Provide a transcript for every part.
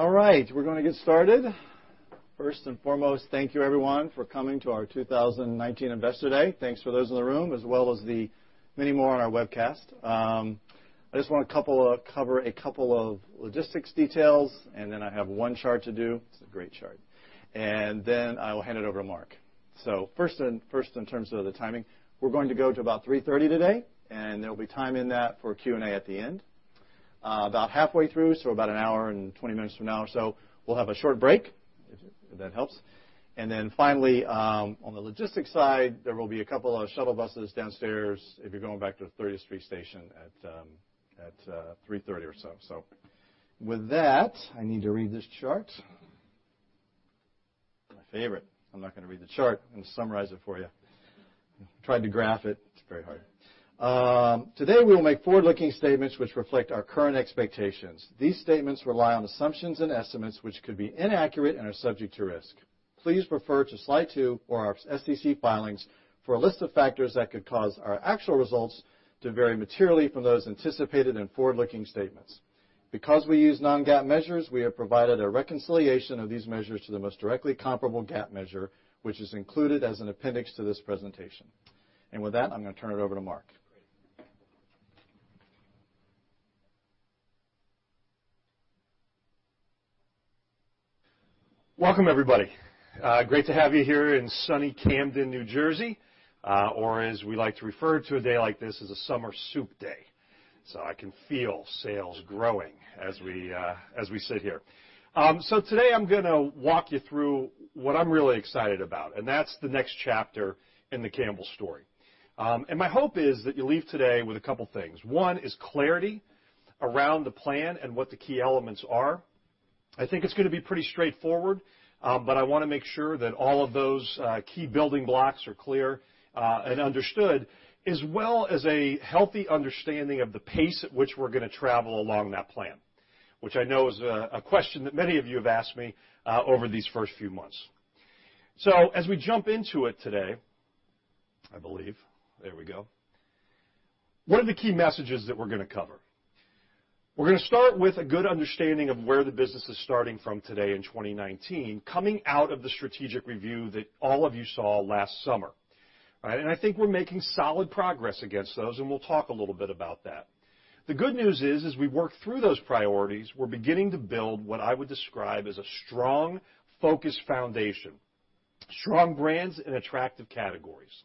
All right. We're going to get started. First and foremost, thank you everyone for coming to our 2019 Investor Day. Thanks for those in the room, as well as the many more on our webcast. I just want to cover a couple of logistics details. I have one chart to do. It's a great chart. I will hand it over to Mark. First, in terms of the timing, we're going to go to about 3:30 P.M. today. There'll be time in that for Q&A at the end. About halfway through, so about an hour and 20 minutes from now or so, we'll have a short break if that helps. Finally, on the logistics side, there will be a couple of shuttle buses downstairs if you're going back to the 30th Street station at 3:30 P.M. or so. With that, I need to read this chart. My favorite. I'm not going to read the chart, I'm going to summarize it for you. Tried to graph it. It's very hard. Today we will make forward-looking statements which reflect our current expectations. These statements rely on assumptions and estimates which could be inaccurate and are subject to risk. Please refer to Slide two or our SEC filings for a list of factors that could cause our actual results to vary materially from those anticipated in forward-looking statements. Because we use non-GAAP measures, we have provided a reconciliation of these measures to the most directly comparable GAAP measure, which is included as an appendix to this presentation. With that, I'm going to turn it over to Mark. Welcome, everybody. Great to have you here in sunny Camden, New Jersey, or as we like to refer to a day like this, as a summer soup day. I can feel sales growing as we sit here. Today I'm going to walk you through what I'm really excited about, that's the next chapter in the Campbell story. My hope is that you leave today with a couple things. One is clarity around the plan and what the key elements are. I think it's going to be pretty straightforward, but I want to make sure that all of those key building blocks are clear and understood, as well as a healthy understanding of the pace at which we're going to travel along that plan, which I know is a question that many of you have asked me over these first few months. As we jump into it today, I believe, there we go. What are the key messages that we're going to cover? We're going to start with a good understanding of where the business is starting from today in 2019, coming out of the strategic review that all of you saw last summer. I think we're making solid progress against those, and we'll talk a little bit about that. The good news is, as we work through those priorities, we're beginning to build what I would describe as a strong, focused foundation, strong brands in attractive categories.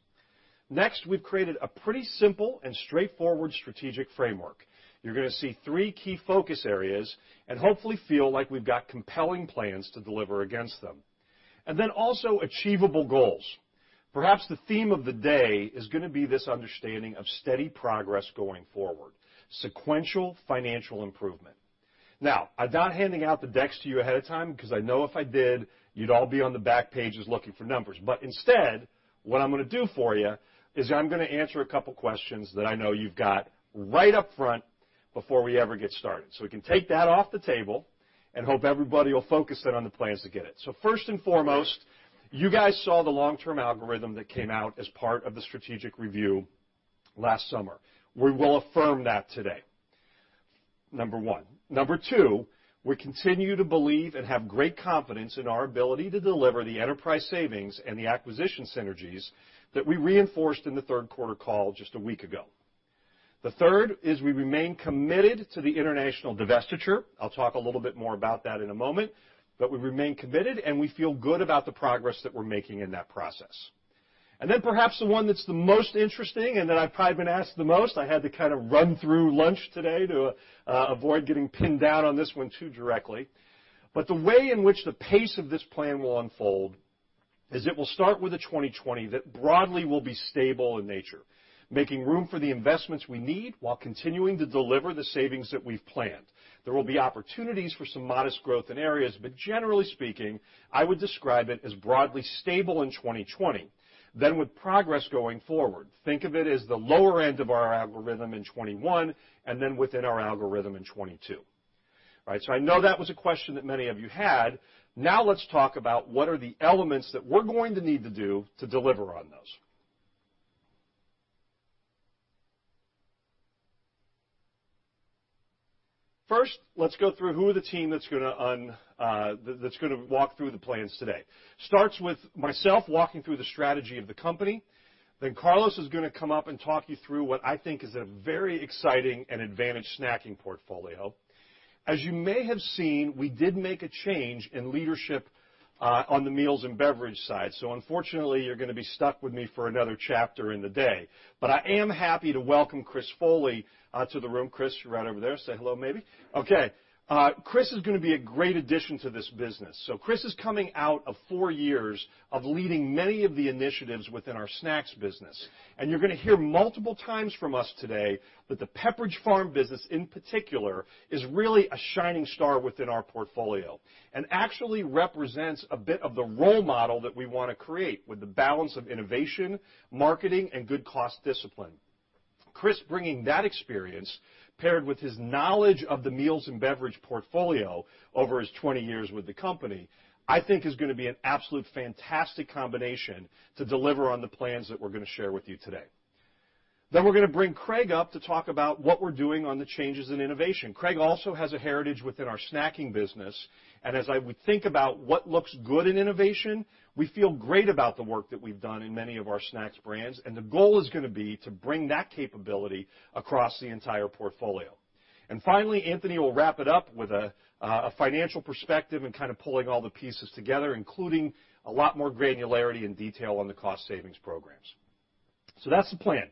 Next, we've created a pretty simple and straightforward strategic framework. You're going to see three key focus areas and hopefully feel like we've got compelling plans to deliver against them. Also achievable goals. Perhaps the theme of the day is going to be this understanding of steady progress going forward, sequential financial improvement. I'm not handing out the decks to you ahead of time because I know if I did, you'd all be on the back pages looking for numbers. Instead, what I'm going to do for you is I'm going to answer a couple questions that I know you've got right up front before we ever get started. We can take that off the table and hope everybody will focus then on the plans to get it. First and foremost, you guys saw the long-term algorithm that came out as part of the strategic review last summer. We will affirm that today. Number one. Number two, we continue to believe and have great confidence in our ability to deliver the enterprise savings and the acquisition synergies that we reinforced in the third quarter call just a week ago. The third is we remain committed to the international divestiture. I'll talk a little bit more about that in a moment. We remain committed, and we feel good about the progress that we're making in that process. Perhaps the one that's the most interesting, and that I've probably been asked the most, I had to kind of run through lunch today to avoid getting pinned down on this one too directly. The way in which the pace of this plan will unfold is it will start with a 2020 that broadly will be stable in nature, making room for the investments we need while continuing to deliver the savings that we've planned. There will be opportunities for some modest growth in areas, generally speaking, I would describe it as broadly stable in 2020. With progress going forward, think of it as the lower end of our algorithm in 2021, and within our algorithm in 2022. I know that was a question that many of you had. Let's talk about what are the elements that we're going to need to do to deliver on those. First, let's go through who are the team that's going to walk through the plans today. Starts with myself walking through the strategy of the company, Carlos is going to come up and talk you through what I think is a very exciting and advantaged snacking portfolio. As you may have seen, we did make a change in leadership on the meals and beverage side. Unfortunately, you're going to be stuck with me for another chapter in the day. I am happy to welcome Chris Foley to the room. Chris, you're right over there. Say hello, maybe. Okay. Chris is going to be a great addition to this business. Chris is coming out of four years of leading many of the initiatives within our snacks business, and you're going to hear multiple times from us today that the Pepperidge Farm business, in particular, is really a shining star within our portfolio and actually represents a bit of the role model that we want to create with the balance of innovation, marketing, and good cost discipline. Chris bringing that experience paired with his knowledge of the Meals & Beverages portfolio over his 20 years with the company, I think is going to be an absolute fantastic combination to deliver on the plans that we're going to share with you today. We're going to bring Craig up to talk about what we're doing on the changes in innovation. Craig also has a heritage within our Snacking business, and as I would think about what looks good in innovation, we feel great about the work that we've done in many of our Snacks brands, and the goal is going to be to bring that capability across the entire portfolio. Finally, Anthony will wrap it up with a financial perspective and kind of pulling all the pieces together, including a lot more granularity and detail on the cost savings programs. That's the plan.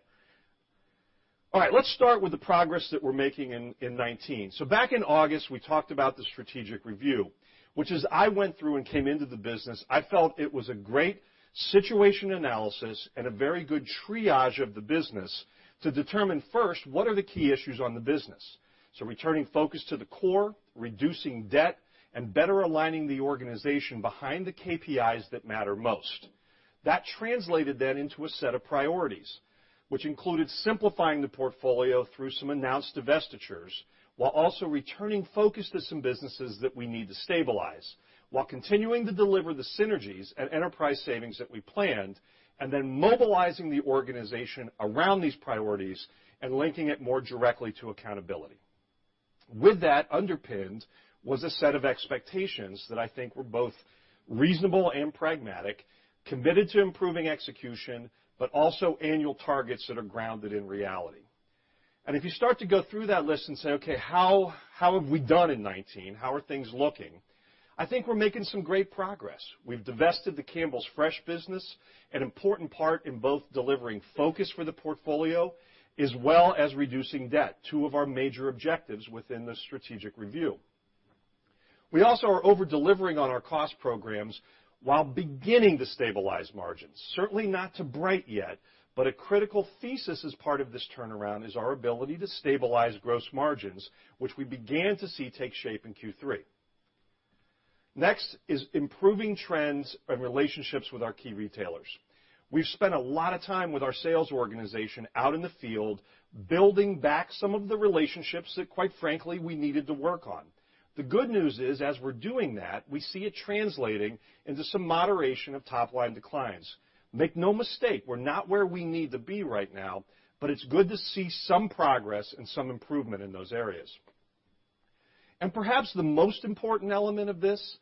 All right, let's start with the progress that we're making in 2019. Back in August, we talked about the Strategic Review, which as I went through and came into the business, I felt it was a great situation analysis and a very good triage of the business to determine first, what are the key issues on the business. Returning focus to the core, reducing debt, and better aligning the organization behind the KPIs that matter most. That translated then into a set of priorities, which included simplifying the portfolio through some announced divestitures, while also returning focus to some businesses that we need to stabilize, while continuing to deliver the synergies and enterprise savings that we planned, mobilizing the organization around these priorities and linking it more directly to accountability. With that underpinned was a set of expectations that I think were both reasonable and pragmatic, committed to improving execution, but also annual targets that are grounded in reality. If you start to go through that list and say, okay, how have we done in 2019? How are things looking? I think we're making some great progress. We've divested the Campbell Fresh business, an important part in both delivering focus for the portfolio as well as reducing debt, two of our major objectives within the Strategic Review. We also are over-delivering on our cost programs while beginning to stabilize margins. Certainly not too bright yet, but a critical thesis as part of this turnaround is our ability to stabilize gross margins, which we began to see take shape in Q3. Next is improving trends and relationships with our key retailers. We've spent a lot of time with our sales organization out in the field, building back some of the relationships that, quite frankly, we needed to work on. The good news is as we're doing that, we see it translating into some moderation of top-line declines. Make no mistake, we're not where we need to be right now, but it's good to see some progress and some improvement in those areas. Perhaps the most important element of this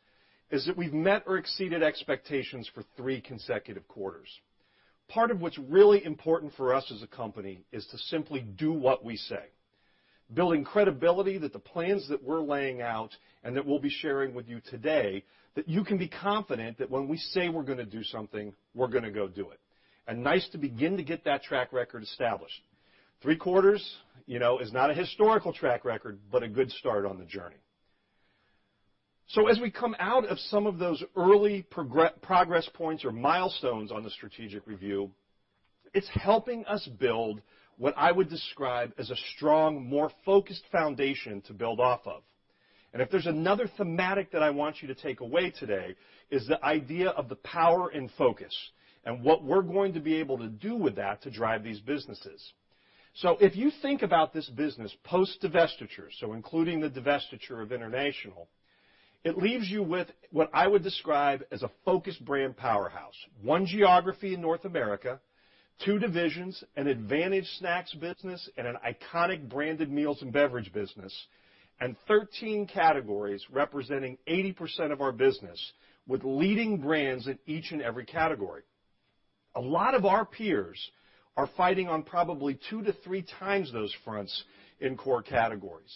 is that we've met or exceeded expectations for three consecutive quarters. Part of what's really important for us as a company is to simply do what we say. Building credibility that the plans that we're laying out and that we'll be sharing with you today, that you can be confident that when we say we're going to do something, we're going to go do it. Nice to begin to get that track record established. Three quarters is not a historical track record, but a good start on the journey. As we come out of some of those early progress points or milestones on the strategic review, it's helping us build what I would describe as a strong, more focused foundation to build off of. If there's another thematic that I want you to take away today is the idea of the power in focus and what we're going to be able to do with that to drive these businesses. If you think about this business post-divestiture, so including the divestiture of international, it leaves you with what I would describe as a focused brand powerhouse. One geography in North America, two divisions, an advantage snacks business and an iconic branded meals and beverage business, and 13 categories representing 80% of our business with leading brands in each and every category. A lot of our peers are fighting on probably 2 to 3 times those fronts in core categories.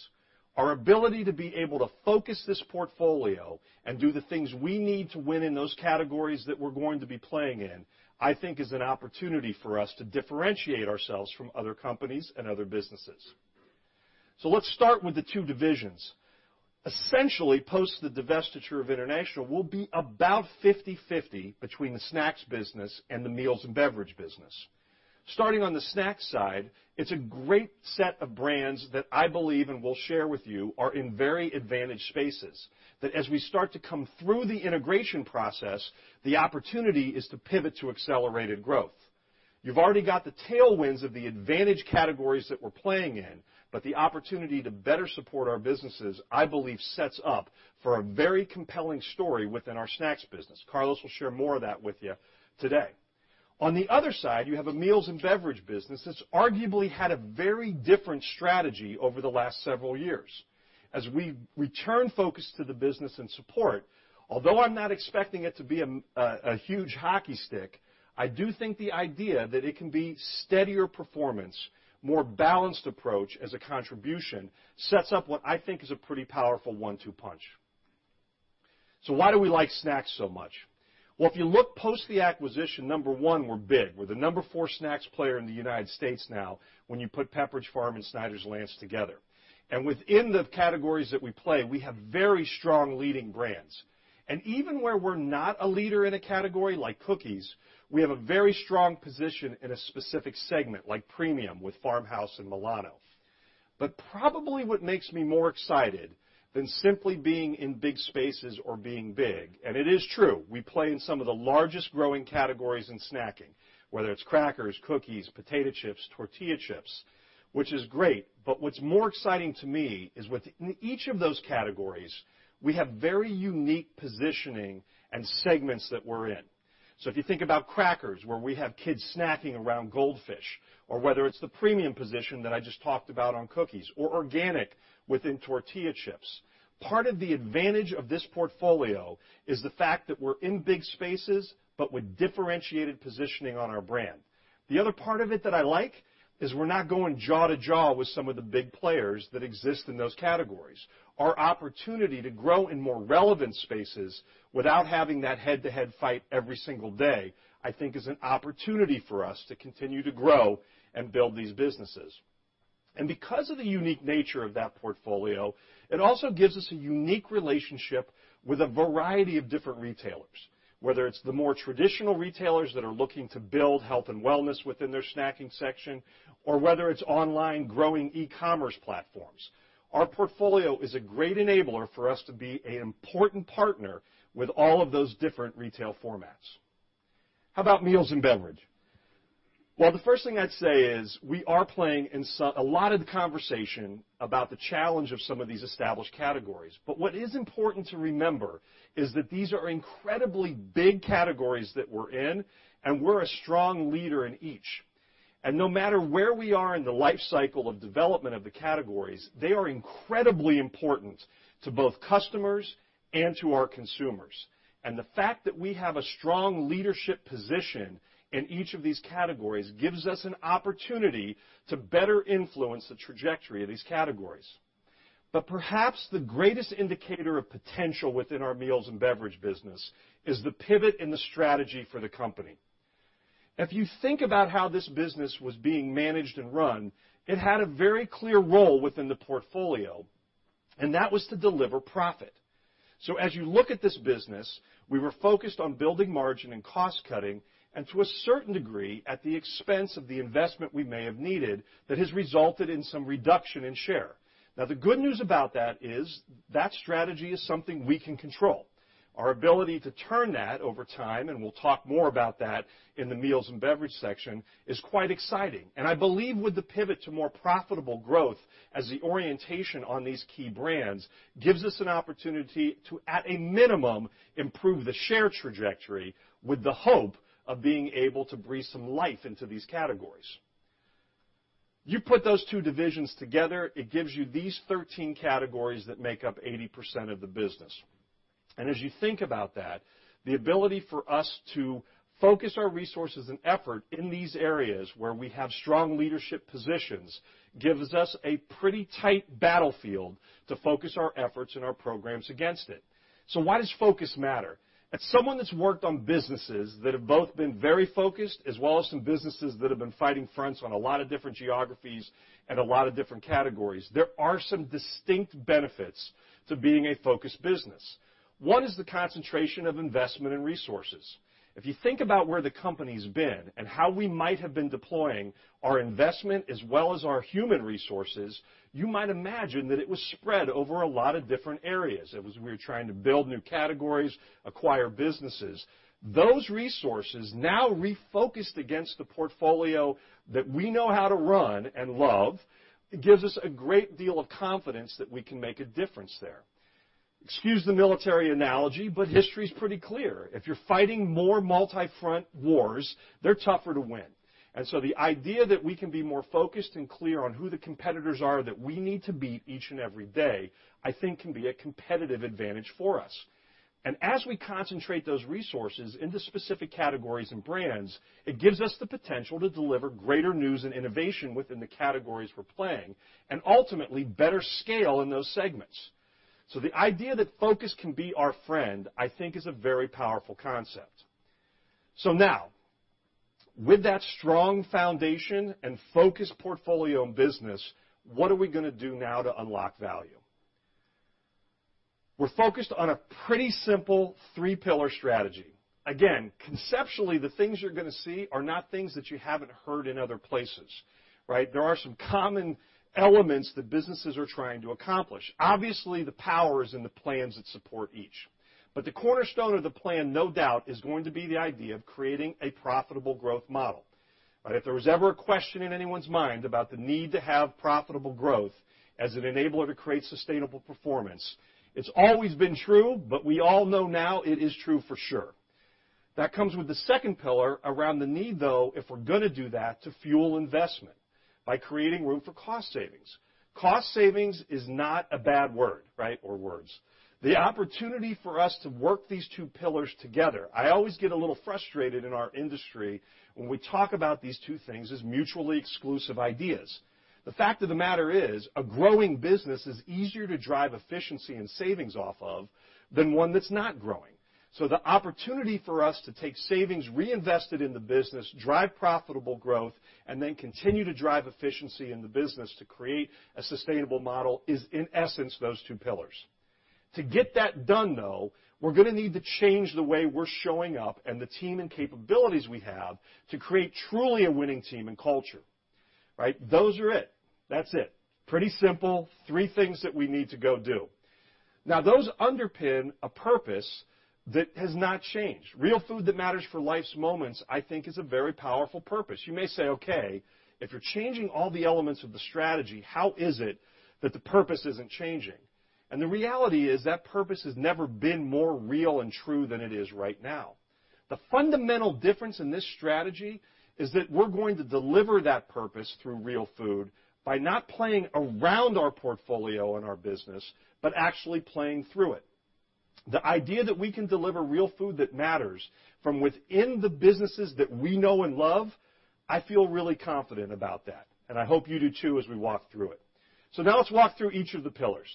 Our ability to be able to focus this portfolio and do the things we need to win in those categories that we're going to be playing in, I think is an opportunity for us to differentiate ourselves from other companies and other businesses. Let's start with the two divisions. Essentially, post the divestiture of international, we'll be about 50/50 between the snacks business and the meals and beverage business. Starting on the snacks side, it's a great set of brands that I believe and will share with you are in very advantaged spaces. That as we start to come through the integration process, the opportunity is to pivot to accelerated growth. You've already got the tailwinds of the advantage categories that we're playing in, but the opportunity to better support our businesses, I believe sets up for a very compelling story within our snacks business. Carlos will share more of that with you today. On the other side, you have a meals and beverage business that's arguably had a very different strategy over the last several years. As we return focus to the business and support, although I'm not expecting it to be a huge hockey stick, I do think the idea that it can be steadier performance, more balanced approach as a contribution, sets up what I think is a pretty powerful one-two punch. Why do we like snacks so much? If you look post the acquisition, number 4, we're big. We're the number 4 snacks player in the U.S. now when you put Pepperidge Farm and Snyder's-Lance together. Within the categories that we play, we have very strong leading brands. Even where we're not a leader in a category like cookies, we have a very strong position in a specific segment like premium with Farmhouse and Milano. Probably what makes me more excited than simply being in big spaces or being big, and it is true, we play in some of the largest growing categories in snacking, whether it's crackers, cookies, potato chips, tortilla chips, which is great. What's more exciting to me is within each of those categories, we have very unique positioning and segments that we're in. So if you think about crackers, where we have kids snacking around Goldfish, or whether it's the premium position that I just talked about on cookies, or organic within tortilla chips. Part of the advantage of this portfolio is the fact that we're in big spaces, but with differentiated positioning on our brand. The other part of it that I like is we're not going jaw-to-jaw with some of the big players that exist in those categories. Our opportunity to grow in more relevant spaces without having that head-to-head fight every single day, I think is an opportunity for us to continue to grow and build these businesses. Because of the unique nature of that portfolio, it also gives us a unique relationship with a variety of different retailers, whether it's the more traditional retailers that are looking to build health and wellness within their snacking section, or whether it's online growing e-commerce platforms. Our portfolio is a great enabler for us to be an important partner with all of those different retail formats. How about meals and beverage? The first thing I'd say is, a lot of the conversation about the challenge of some of these established categories, what is important to remember is that these are incredibly big categories that we're in, and we're a strong leader in each. No matter where we are in the life cycle of development of the categories, they are incredibly important to both customers and to our consumers. The fact that we have a strong leadership position in each of these categories gives us an opportunity to better influence the trajectory of these categories. Perhaps the greatest indicator of potential within our meals and beverage business is the pivot in the strategy for the company. If you think about how this business was being managed and run, it had a very clear role within the portfolio, and that was to deliver profit. As you look at this business, we were focused on building margin and cost cutting, and to a certain degree, at the expense of the investment we may have needed that has resulted in some reduction in share. The good news about that is, that strategy is something we can control. Our ability to turn that over time, and we'll talk more about that in the meals and beverage section, is quite exciting. I believe with the pivot to more profitable growth as the orientation on these key brands gives us an opportunity to, at a minimum, improve the share trajectory with the hope of being able to breathe some life into these categories. You put those two divisions together, it gives you these 13 categories that make up 80% of the business. As you think about that, the ability for us to focus our resources and effort in these areas where we have strong leadership positions gives us a pretty tight battlefield to focus our efforts and our programs against it. Why does focus matter? As someone that's worked on businesses that have both been very focused, as well as some businesses that have been fighting fronts on a lot of different geographies and a lot of different categories, there are some distinct benefits to being a focused business. 1 is the concentration of investment and resources. If you think about where the company's been and how we might have been deploying our investment as well as our human resources, you might imagine that it was spread over a lot of different areas. As we were trying to build new categories, acquire businesses. Those resources now refocused against the portfolio that we know how to run and love, gives us a great deal of confidence that we can make a difference there. Excuse the military analogy, but history's pretty clear. If you're fighting more multi-front wars, they're tougher to win. The idea that we can be more focused and clear on who the competitors are that we need to beat each and every day, I think can be a competitive advantage for us. As we concentrate those resources into specific categories and brands, it gives us the potential to deliver greater news and innovation within the categories we're playing and ultimately better scale in those segments. The idea that focus can be our friend, I think is a very powerful concept. Now, with that strong foundation and focused portfolio and business, what are we going to do now to unlock value? We're focused on a pretty simple 3-pillar strategy. Again, conceptually, the things you're going to see are not things that you haven't heard in other places, right? There are some common elements that businesses are trying to accomplish. Obviously, the power is in the plans that support each. The cornerstone of the plan, no doubt, is going to be the idea of creating a profitable growth model. If there was ever a question in anyone's mind about the need to have profitable growth as an enabler to create sustainable performance, it's always been true, but we all know now it is true for sure. That comes with the 2nd pillar around the need, though, if we're going to do that, to fuel investment by creating room for cost savings. Cost savings is not a bad word, right? Or words. The opportunity for us to work these 2 pillars together, I always get a little frustrated in our industry when we talk about these two things as mutually exclusive ideas. The fact of the matter is, a growing business is easier to drive efficiency and savings off of than one that's not growing. The opportunity for us to take savings, reinvest it in the business, drive profitable growth, and then continue to drive efficiency in the business to create a sustainable model is, in essence, those 2 pillars. To get that done, though, we're going to need to change the way we're showing up and the team and capabilities we have to create truly a winning team and culture. Right? Those are it. That's it. Pretty simple. Three things that we need to go do. Now, those underpin a purpose that has not changed. Real food that matters for life's moments, I think, is a very powerful purpose. You may say, "Okay, if you're changing all the elements of the strategy, how is it that the purpose isn't changing?" The reality is that purpose has never been more real and true than it is right now. The fundamental difference in this strategy is that we're going to deliver that purpose through real food by not playing around our portfolio and our business, but actually playing through it. The idea that we can deliver real food that matters from within the businesses that we know and love, I feel really confident about that, and I hope you do too as we walk through it. Now let's walk through each of the pillars.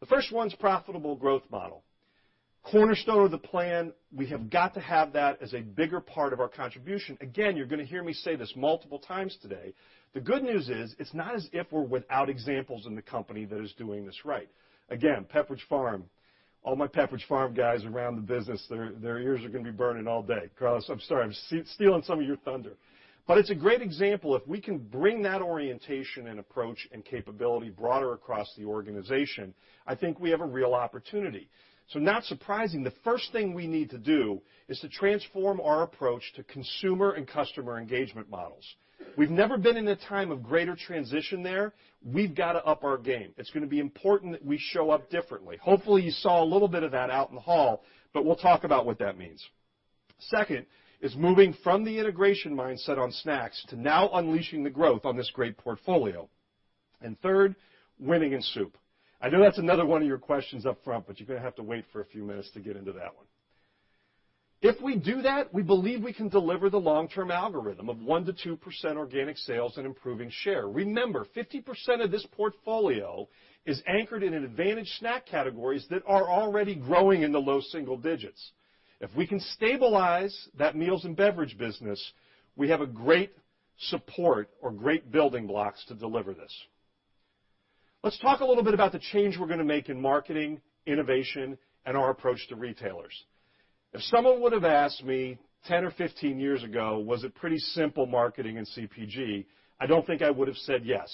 The first one's profitable growth model. Cornerstone of the plan, we have got to have that as a bigger part of our contribution. Again, you're going to hear me say this multiple times today. The good news is, it's not as if we're without examples in the company that is doing this right. Again, Pepperidge Farm. All my Pepperidge Farm guys around the business, their ears are going to be burning all day. Carlos, I'm sorry, I'm stealing some of your thunder. It's a great example. If we can bring that orientation and approach and capability broader across the organization, I think we have a real opportunity. Not surprising, the first thing we need to do is to transform our approach to consumer and customer engagement models. We've never been in a time of greater transition there. We've got to up our game. It's going to be important that we show up differently. Hopefully, you saw a little bit of that out in the hall, but we'll talk about what that means. Second is moving from the integration mindset on snacks to now unleashing the growth on this great portfolio. Third, winning in soup. I know that's another one of your questions up front, but you're going to have to wait for a few minutes to get into that one. If we do that, we believe we can deliver the long-term algorithm of 1%-2% organic sales and improving share. Remember, 50% of this portfolio is anchored in advantaged snack categories that are already growing in the low single digits. If we can stabilize that meals and beverage business, we have a great support or great building blocks to deliver this. Let's talk a little bit about the change we're going to make in marketing, innovation, and our approach to retailers. If someone would have asked me 10 or 15 years ago, was it pretty simple marketing in CPG, I don't think I would have said yes.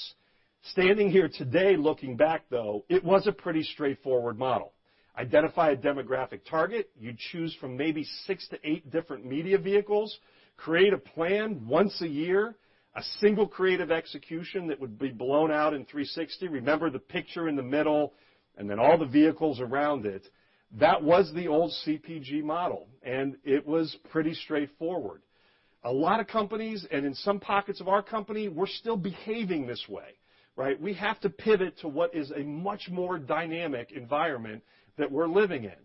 Standing here today, looking back, though, it was a pretty straightforward model. Identify a demographic target. You'd choose from maybe six to eight different media vehicles, create a plan once a year, a single creative execution that would be blown out in 360. Remember the picture in the middle, and then all the vehicles around it. That was the old CPG model, and it was pretty straightforward. A lot of companies, and in some pockets of our company, we're still behaving this way. We have to pivot to what is a much more dynamic environment that we're living in.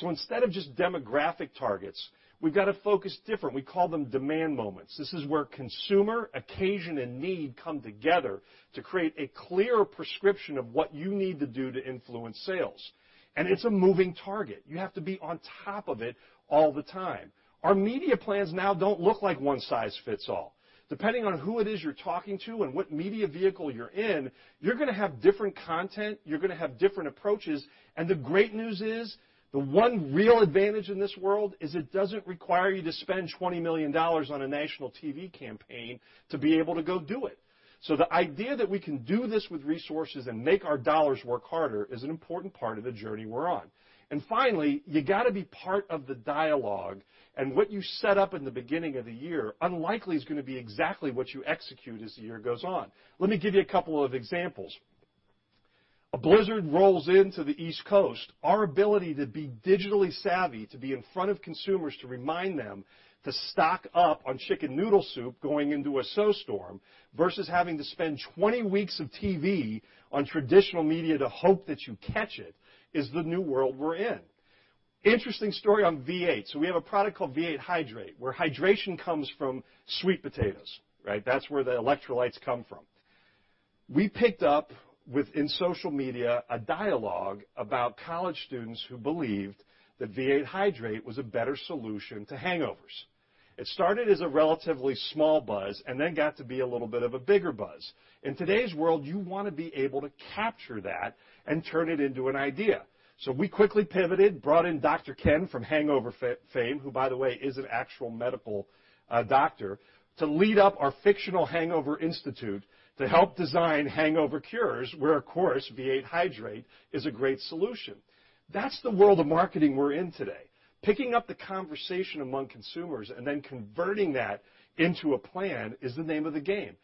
Instead of just demographic targets, we've got to focus different. We call them demand moments. This is where consumer, occasion, and need come together to create a clear prescription of what you need to do to influence sales. It's a moving target. You have to be on top of it all the time. Our media plans now don't look like one size fits all. Depending on who it is you're talking to and what media vehicle you're in, you're going to have different content, you're going to have different approaches, and the great news is, the one real advantage in this world is it doesn't require you to spend $20 million on a national TV campaign to be able to go do it. The idea that we can do this with resources and make our dollars work harder is an important part of the journey we're on. Finally, you got to be part of the dialogue, and what you set up in the beginning of the year unlikely is going to be exactly what you execute as the year goes on. Let me give you a couple of examples. A blizzard rolls into the East Coast. Our ability to be digitally savvy, to be in front of consumers to remind them to stock up on chicken noodle soup going into a snowstorm, versus having to spend 20 weeks of TV on traditional media to hope that you catch it is the new world we're in. Interesting story on V8. We have a product called V8 Hydrate, where hydration comes from sweet potatoes. That's where the electrolytes come from. We picked up within social media a dialogue about college students who believed that V8 Hydrate was a better solution to hangovers. It started as a relatively small buzz and then got to be a little bit of a bigger buzz. In today's world, you want to be able to capture that and turn it into an idea. We quickly pivoted, brought in Dr. Ken from Hangover fame, who by the way, is an actual medical doctor, to lead up our fictional hangover institute to help design hangover cures, where, of course, V8 Hydrate is a great solution. That's the world of marketing we're in today. Picking up the conversation among consumers and then converting that into a plan is the name of the game.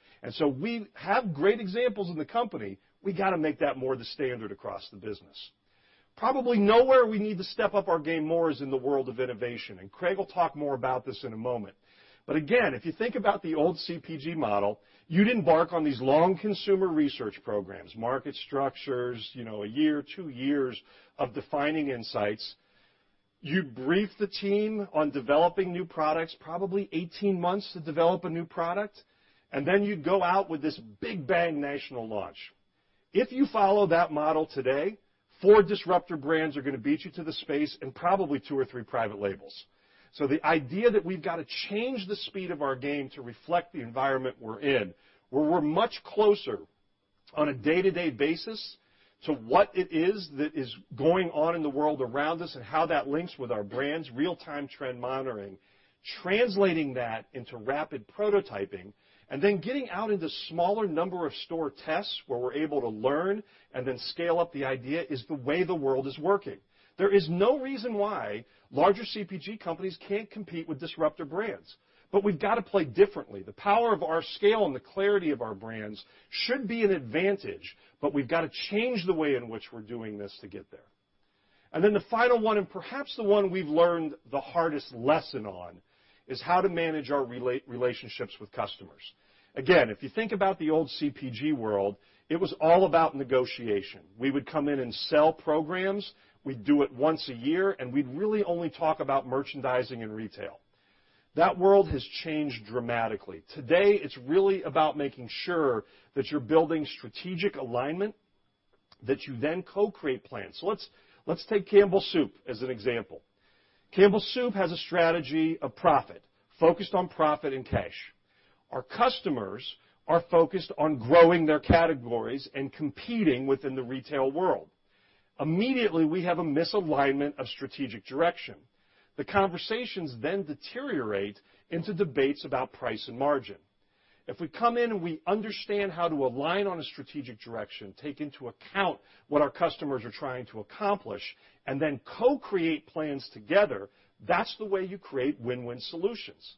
We have great examples in the company. We got to make that more the standard across the business. Probably nowhere we need to step up our game more is in the world of innovation, and Craig will talk more about this in a moment. Again, if you think about the old CPG model, you'd embark on these long consumer research programs, market structures, a year, two years of defining insights. You'd brief the team on developing new products, probably 18 months to develop a new product, and then you'd go out with this big bang national launch. If you follow that model today, four disruptor brands are going to beat you to the space and probably two or three private labels. The idea that we've got to change the speed of our game to reflect the environment we're in, where we're much closer on a day-to-day basis to what it is that is going on in the world around us and how that links with our brands, real-time trend monitoring, translating that into rapid prototyping, and then getting out into smaller number of store tests where we're able to learn and then scale up the idea is the way the world is working. There is no reason why larger CPG companies can't compete with disruptor brands. We've got to play differently. The power of our scale and the clarity of our brands should be an advantage. We've got to change the way in which we're doing this to get there. The final one, and perhaps the one we've learned the hardest lesson on, is how to manage our relationships with customers. Again, if you think about the old CPG world, it was all about negotiation. We would come in and sell programs, we'd do it once a year, and we'd really only talk about merchandising and retail. That world has changed dramatically. Today, it's really about making sure that you're building strategic alignment, that you then co-create plans. Let's take Campbell Soup as an example. Campbell Soup has a strategy of profit, focused on profit and cash. Our customers are focused on growing their categories and competing within the retail world. Immediately, we have a misalignment of strategic direction. The conversations deteriorate into debates about price and margin. If we come in and we understand how to align on a strategic direction, take into account what our customers trying to accomplish, and then co-create plans together, that's the way you create win-win solutions.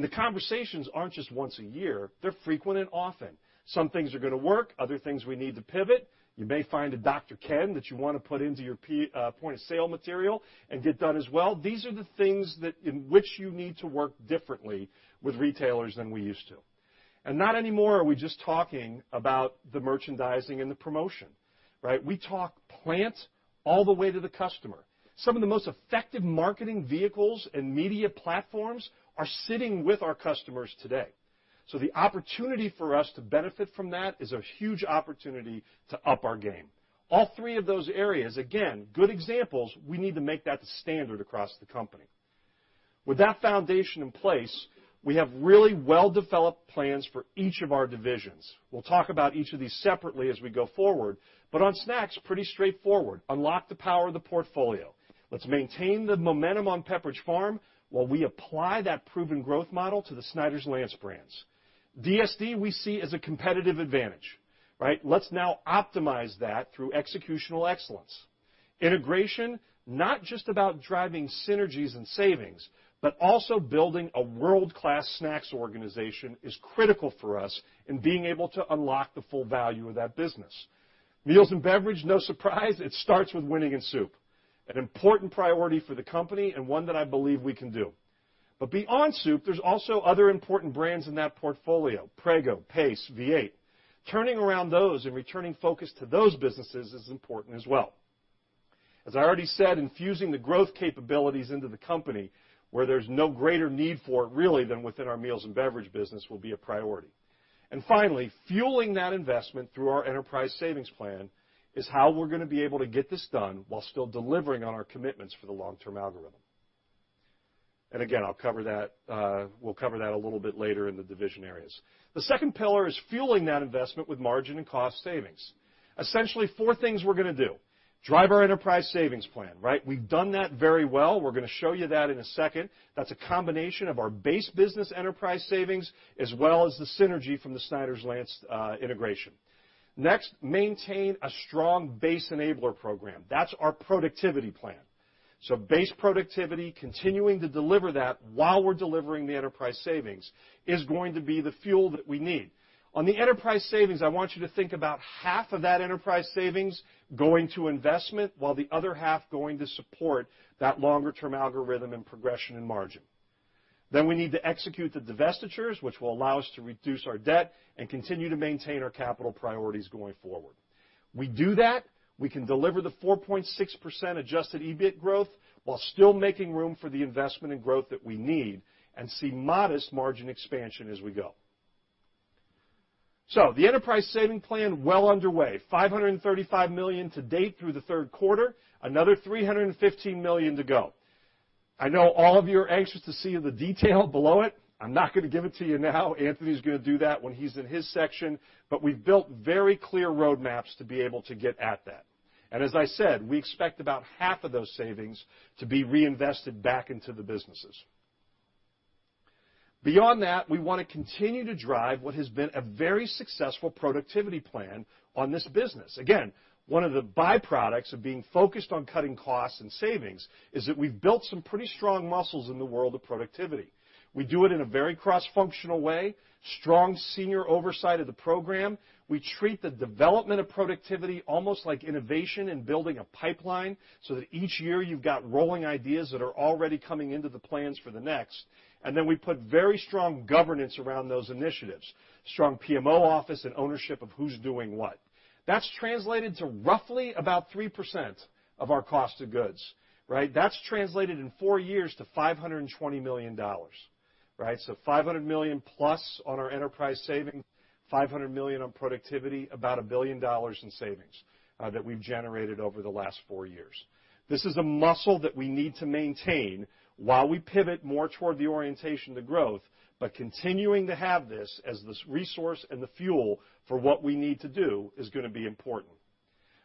The conversations aren't just once a year, they're frequent and often. Some things are going to work, other things we need to pivot. You may find a Dr. Ken that you want to put into your point of sale material and get done as well. These are the things in which you need to work differently with retailers than we used to. Not anymore are we just talking about the merchandising and the promotion, right? We talk plans all the way to the customer. Some of the most effective marketing vehicles and media platforms are sitting with our customers today. The opportunity for us to benefit from that is a huge opportunity to up our game. All three of those areas, again, good examples, we need to make that the standard across the company. With that foundation in place, we have really well-developed plans for each of our divisions. We'll talk about each of these separately as we go forward. On snacks, pretty straightforward. Unlock the power of the portfolio. Let's maintain the momentum on Pepperidge Farm while we apply that proven growth model to the Snyder's-Lance brands. DSD, we see as a competitive advantage, right? Let's now optimize that through executional excellence. Integration, not just about driving synergies and savings, but also building a world-class snacks organization is critical for us in being able to unlock the full value of that business. Meals and beverage, no surprise, it starts with winning in soup. An important priority for the company and one that I believe we can do. Beyond soup, there's also other important brands in that portfolio, Prego, Pace, V8. Turning around those and returning focus to those businesses is important as well. As I already said, infusing the growth capabilities into the company where there's no greater need for it really than within our meals and beverage business will be a priority. Finally, fueling that investment through our enterprise savings plan is how we're going to be able to get this done while still delivering on our commitments for the long-term algorithm. Again, we'll cover that a little bit later in the division areas. The second pillar is fueling that investment with margin and cost savings. Essentially four things we're going to do. Drive our enterprise savings plan, right? We've done that very well. We're going to show you that in a second. That's a combination of our base business enterprise savings as well as the synergy from the Snyder's-Lance integration. Next, maintain a strong base enabler program. That's our productivity plan. Base productivity, continuing to deliver that while we're delivering the enterprise savings is going to be the fuel that we need. On the enterprise savings, I want you to think about half of that enterprise savings going to investment while the other half going to support that longer-term algorithm and progression in margin. We need to execute the divestitures, which will allow us to reduce our debt and continue to maintain our capital priorities going forward. We do that, we can deliver the 4.6% adjusted EBIT growth while still making room for the investment and growth that we need and see modest margin expansion as we go. The enterprise saving plan well underway. $535 million to date through the third quarter, another $315 million to go. I know all of you are anxious to see the detail below it. I'm not going to give it to you now. Anthony's going to do that when he's in his section. We've built very clear roadmaps to be able to get at that. As I said, we expect about half of those savings to be reinvested back into the businesses. Beyond that, we want to continue to drive what has been a very successful productivity plan on this business. Again, one of the byproducts of being focused on cutting costs and savings is that we've built some pretty strong muscles in the world of productivity. We do it in a very cross-functional way, strong senior oversight of the program. We treat the development of productivity almost like innovation and building a pipeline so that each year you've got rolling ideas that are already coming into the plans for the next. Then we put very strong governance around those initiatives, strong PMO office and ownership of who's doing what. That's translated to roughly about 3% of our cost of goods, right? That's translated in four years to $520 million, right? $500 million plus on our enterprise saving, $500 million on productivity, about a billion dollars in savings that we've generated over the last four years. This is the muscle that we need to maintain while we pivot more toward the orientation to growth, continuing to have this as this resource and the fuel for what we need to do is going to be important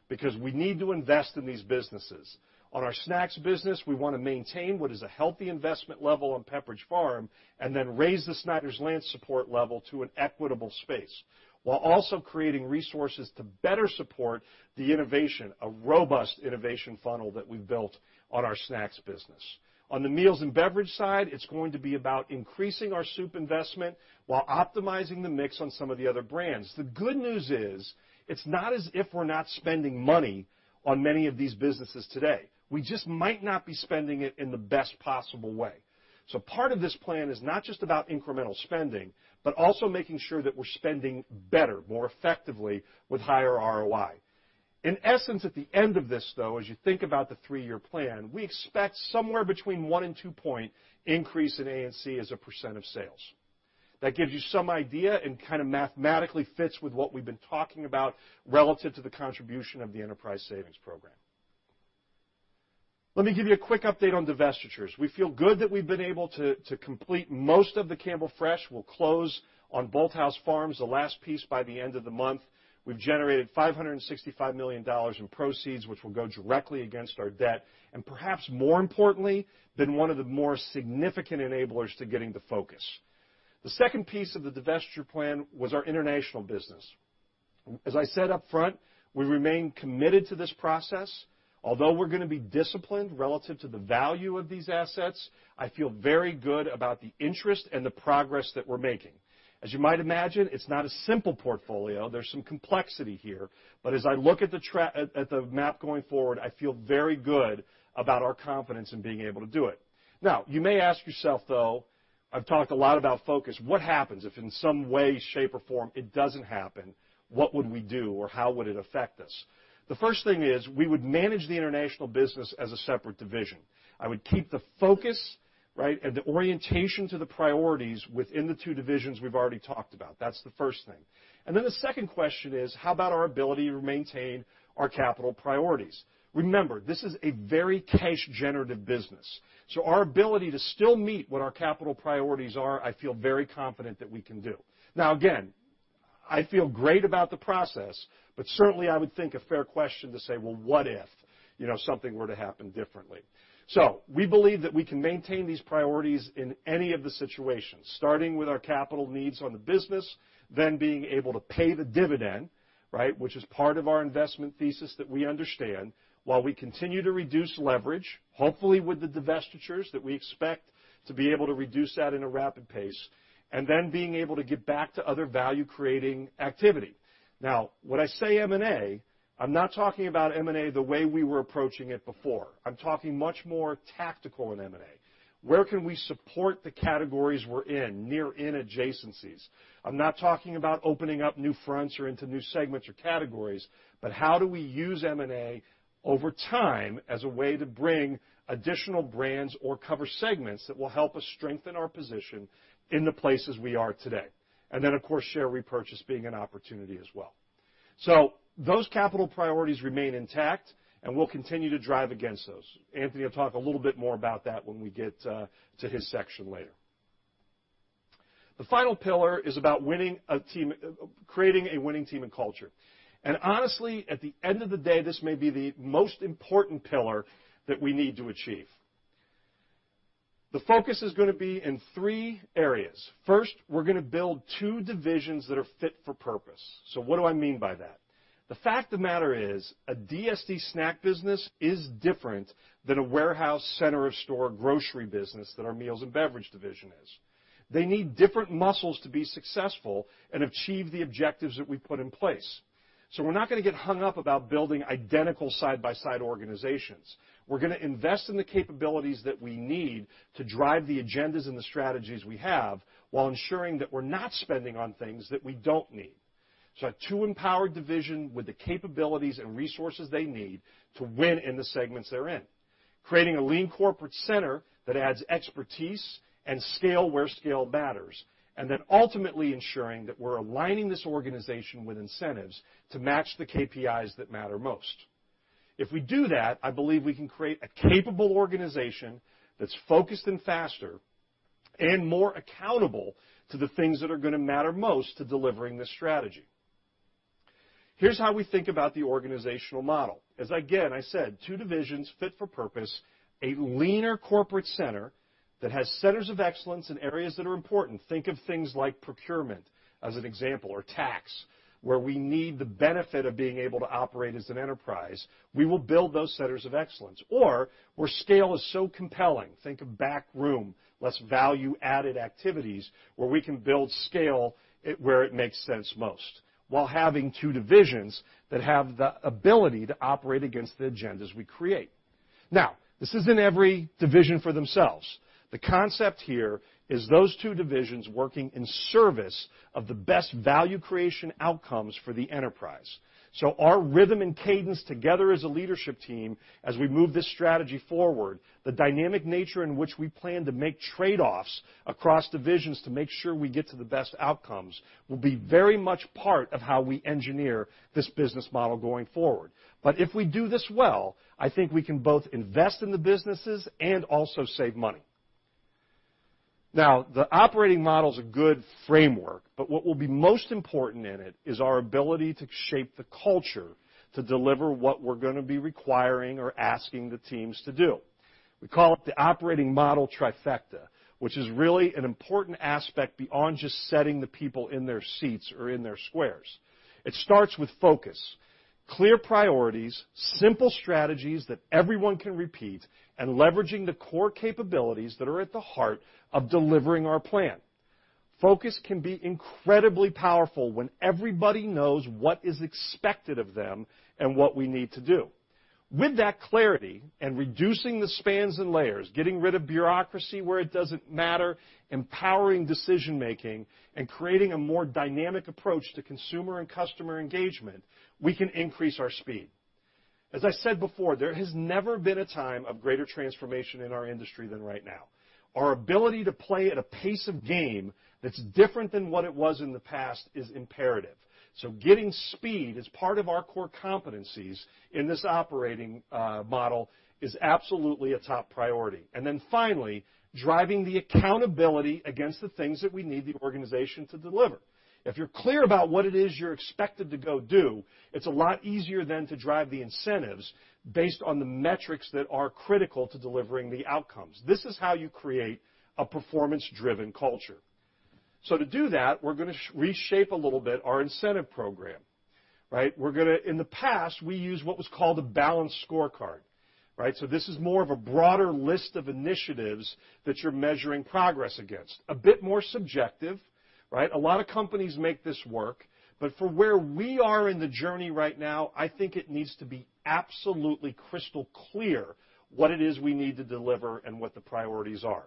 because we need to invest in these businesses. On our snacks business, we want to maintain what is a healthy investment level on Pepperidge Farm, and then raise the Snyder's-Lance support level to an equitable space, while also creating resources to better support the innovation, a robust innovation funnel that we've built on our snacks business. On the meals and beverage side, it's going to be about increasing our soup investment while optimizing the mix on some of the other brands. The good news is it's not as if we're not spending money on many of these businesses today. We just might not be spending it in the best possible way. Part of this plan is not just about incremental spending, but also making sure that we're spending better, more effectively with higher ROI. In essence, at the end of this, though, as you think about the three-year plan, we expect somewhere between one and two point increase in A&C as a % of sales. That gives you some idea and kind of mathematically fits with what we've been talking about relative to the contribution of the enterprise savings program. Let me give you a quick update on divestitures. We feel good that we've been able to complete most of the Campbell Fresh. We'll close on Bolthouse Farms, the last piece, by the end of the month. We've generated $565 million in proceeds, which will go directly against our debt, and perhaps more importantly, been one of the more significant enablers to getting the focus. The second piece of the divestiture plan was our international business. As I said up front, we remain committed to this process. Although we're going to be disciplined relative to the value of these assets, I feel very good about the interest and the progress that we're making. As you might imagine, it's not a simple portfolio. There's some complexity here, but as I look at the map going forward, I feel very good about our confidence in being able to do it. You may ask yourself, though, I've talked a lot about focus. What happens if in some way, shape, or form, it doesn't happen? What would we do, or how would it affect us? The first thing is we would manage the international business as a separate division. I would keep the focus, right, and the orientation to the priorities within the two divisions we've already talked about. That's the first thing. Then the second question is: how about our ability to maintain our capital priorities? Remember, this is a very cash generative business, so our ability to still meet what our capital priorities are, I feel very confident that we can do. Again, I feel great about the process, but certainly, I would think a fair question to say, well, what if something were to happen differently? We believe that we can maintain these priorities in any of the situations, starting with our capital needs on the business, being able to pay the dividend, which is part of our investment thesis that we understand, while we continue to reduce leverage, hopefully with the divestitures that we expect to be able to reduce that in a rapid pace, being able to get back to other value-creating activity. When I say M&A, I'm not talking about M&A the way we were approaching it before. I'm talking much more tactical in M&A. Where can we support the categories we're in, near/in adjacencies? I'm not talking about opening up new fronts or into new segments or categories, but how do we use M&A over time as a way to bring additional brands or cover segments that will help us strengthen our position in the places we are today? Of course, share repurchase being an opportunity as well. Those capital priorities remain intact, we'll continue to drive against those. Anthony will talk a little bit more about that when we get to his section later. The final pillar is about creating a winning team and culture. Honestly, at the end of the day, this may be the most important pillar that we need to achieve. The focus is going to be in three areas. First, we're going to build two divisions that are fit for purpose. What do I mean by that? The fact of the matter is a DSD snack business is different than a warehouse center-of-store grocery business that our meals and beverage division is. They need different muscles to be successful and achieve the objectives that we put in place. We're not going to get hung up about building identical side-by-side organizations. We're going to invest in the capabilities that we need to drive the agendas and the strategies we have while ensuring that we're not spending on things that we don't need. Two empowered divisions with the capabilities and resources they need to win in the segments they're in. Creating a lean corporate center that adds expertise and scale where scale matters, ultimately ensuring that we're aligning this organization with incentives to match the KPIs that matter most. If we do that, I believe we can create a capable organization that's focused and faster and more accountable to the things that are going to matter most to delivering this strategy. Here's how we think about the organizational model. I said, two divisions fit for purpose, a leaner corporate center that has centers of excellence in areas that are important. Think of things like procurement as an example, or tax, where we need the benefit of being able to operate as an enterprise. We will build those centers of excellence. Where scale is so compelling, think of back room, less value-added activities, where we can build scale where it makes sense most, while having two divisions that have the ability to operate against the agendas we create. This isn't every division for themselves. The concept here is those two divisions working in service of the best value creation outcomes for the enterprise. Our rhythm and cadence together as a leadership team, as we move this strategy forward, the dynamic nature in which we plan to make trade-offs across divisions to make sure we get to the best outcomes, will be very much part of how we engineer this business model going forward. If we do this well, I think we can both invest in the businesses and also save money. The operating model is a good framework, but what will be most important in it is our ability to shape the culture to deliver what we're going to be requiring or asking the teams to do. We call it the operating model trifecta, which is really an important aspect beyond just setting the people in their seats or in their squares. It starts with focus, clear priorities, simple strategies that everyone can repeat, and leveraging the core capabilities that are at the heart of delivering our plan. Focus can be incredibly powerful when everybody knows what is expected of them and what we need to do. With that clarity and reducing the spans and layers, getting rid of bureaucracy where it doesn't matter, empowering decision-making, and creating a more dynamic approach to consumer and customer engagement, we can increase our speed. As I said before, there has never been a time of greater transformation in our industry than right now. Our ability to play at a pace of game that's different than what it was in the past is imperative. Getting speed as part of our core competencies in this operating model is absolutely a top priority. Finally, driving the accountability against the things that we need the organization to deliver. If you're clear about what it is you're expected to go do, it's a lot easier then to drive the incentives based on the metrics that are critical to delivering the outcomes. This is how you create a performance-driven culture. To do that, we're going to reshape a little bit our incentive program. In the past, we used what was called a balanced scorecard. This is more of a broader list of initiatives that you're measuring progress against. A bit more subjective. A lot of companies make this work, but for where we are in the journey right now, I think it needs to be absolutely crystal clear what it is we need to deliver and what the priorities are.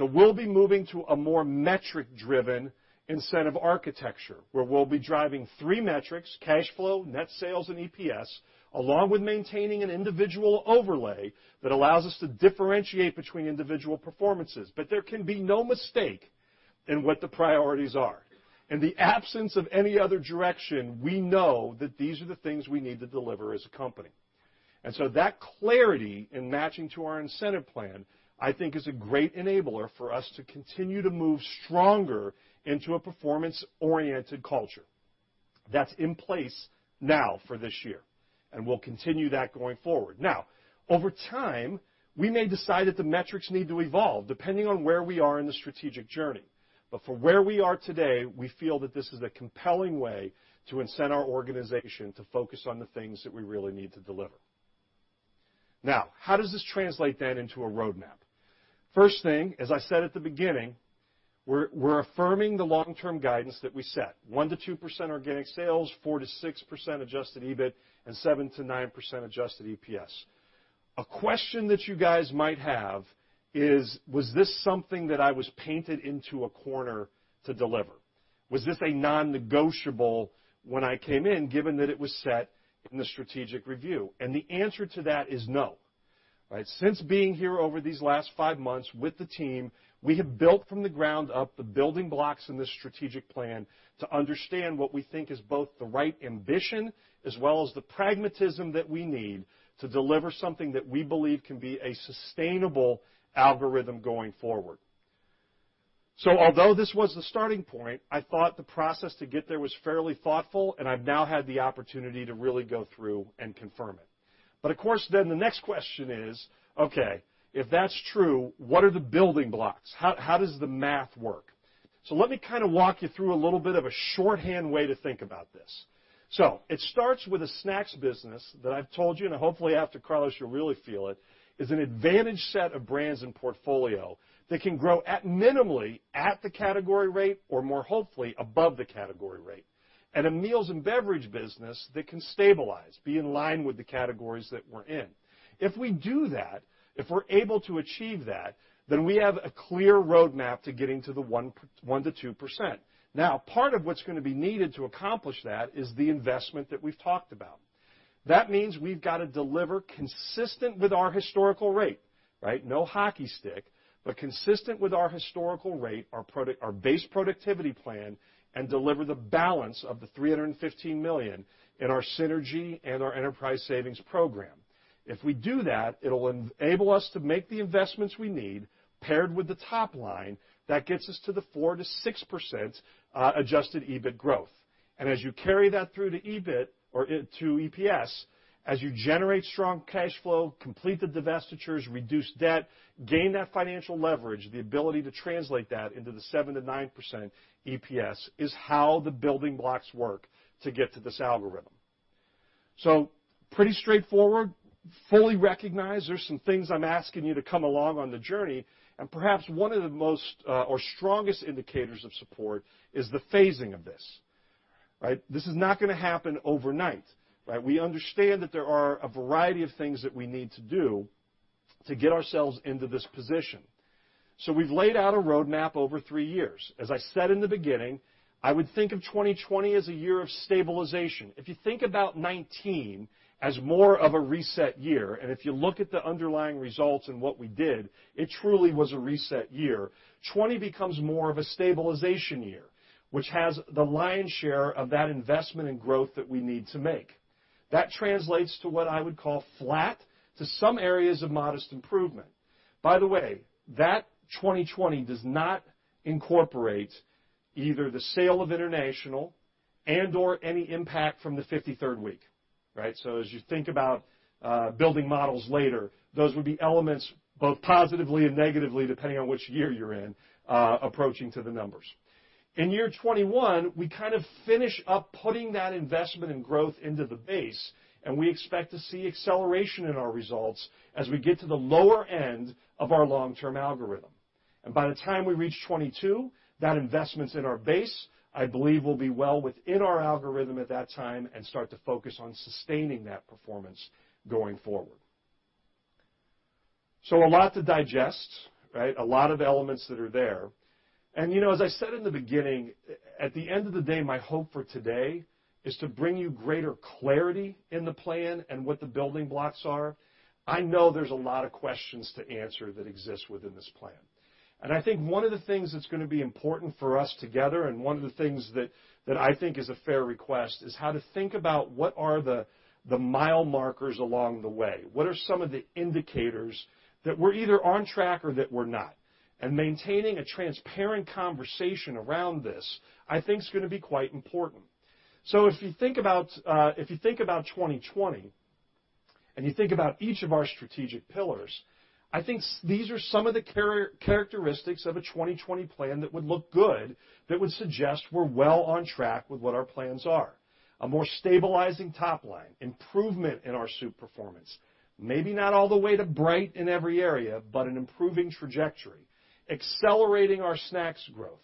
We'll be moving to a more metric-driven incentive architecture, where we'll be driving three metrics, cash flow, net sales, and EPS, along with maintaining an individual overlay that allows us to differentiate between individual performances. There can be no mistake in what the priorities are. In the absence of any other direction, we know that these are the things we need to deliver as a company. That clarity in matching to our incentive plan, I think is a great enabler for us to continue to move stronger into a performance-oriented culture. That's in place now for this year, and we'll continue that going forward. Over time, we may decide that the metrics need to evolve depending on where we are in the strategic journey. For where we are today, we feel that this is a compelling way to incent our organization to focus on the things that we really need to deliver. How does this translate that into a roadmap? First thing, as I said at the beginning, we're affirming the long-term guidance that we set, 1%-2% organic sales, 4%-6% adjusted EBIT, and 7%-9% adjusted EPS. A question that you guys might have is: Was this something that I was painted into a corner to deliver? Was this a non-negotiable when I came in, given that it was set in the strategic review? The answer to that is no. Since being here over these last five months with the team, we have built from the ground up the building blocks in this strategic plan to understand what we think is both the right ambition as well as the pragmatism that we need to deliver something that we believe can be a sustainable algorithm going forward. Although this was the starting point, I thought the process to get there was fairly thoughtful, and I've now had the opportunity to really go through and confirm it. Of course, then the next question is: Okay, if that's true, what are the building blocks? How does the math work? Let me walk you through a little bit of a shorthand way to think about this. It starts with a snacks business that I've told you, and hopefully after Carlos, you'll really feel it, is an advantage set of brands and portfolio that can grow at minimally at the category rate, or more hopefully above the category rate. A meals and beverage business that can stabilize, be in line with the categories that we're in. If we do that, if we're able to achieve that, we have a clear roadmap to getting to the 1%-2%. Part of what's going to be needed to accomplish that is the investment that we've talked about. That means we've got to deliver consistent with our historical rate. No hockey stick, but consistent with our historical rate, our base productivity plan, and deliver the balance of the $315 million in our synergy and our enterprise savings program. If we do that, it'll enable us to make the investments we need paired with the top line that gets us to the 4%-6% adjusted EBIT growth. As you carry that through to EPS, as you generate strong cash flow, complete the divestitures, reduce debt, gain that financial leverage, the ability to translate that into the 7%-9% EPS is how the building blocks work to get to this algorithm. Pretty straightforward, fully recognize there's some things I'm asking you to come along on the journey, and perhaps one of the most, or strongest indicators of support is the phasing of this. This is not going to happen overnight. We understand that there are a variety of things that we need to do to get ourselves into this position. We've laid out a roadmap over three years. As I said in the beginning, I would think of 2020 as a year of stabilization. If you think about 2019 as more of a reset year, if you look at the underlying results and what we did, it truly was a reset year. 2020 becomes more of a stabilization year, which has the lion's share of that investment and growth that we need to make. That translates to what I would call flat to some areas of modest improvement. By the way, that 2020 does not incorporate either the sale of international or any impact from the 53rd week. As you think about building models later, those would be elements both positively and negatively, depending on which year you're in, approaching to the numbers. In 2021, we kind of finish up putting that investment and growth into the base, we expect to see acceleration in our results as we get to the lower end of our long-term algorithm. By the time we reach 2022, that investment's in our base, I believe we'll be well within our algorithm at that time and start to focus on sustaining that performance going forward. A lot to digest, right? A lot of elements that are there. As I said in the beginning, at the end of the day, my hope for today is to bring you greater clarity in the plan and what the building blocks are. I know there's a lot of questions to answer that exist within this plan. I think one of the things that's going to be important for us together, one of the things that I think is a fair request, is how to think about what are the mile markers along the way. What are some of the indicators that we're either on track or that we're not? Maintaining a transparent conversation around this, I think is going to be quite important. If you think about 2020, if you think about each of our strategic pillars, I think these are some of the characteristics of a 2020 plan that would look good, that would suggest we're well on track with what our plans are. A more stabilizing top line, improvement in our soup performance, maybe not all the way to bright in every area, but an improving trajectory. Accelerating our snacks growth.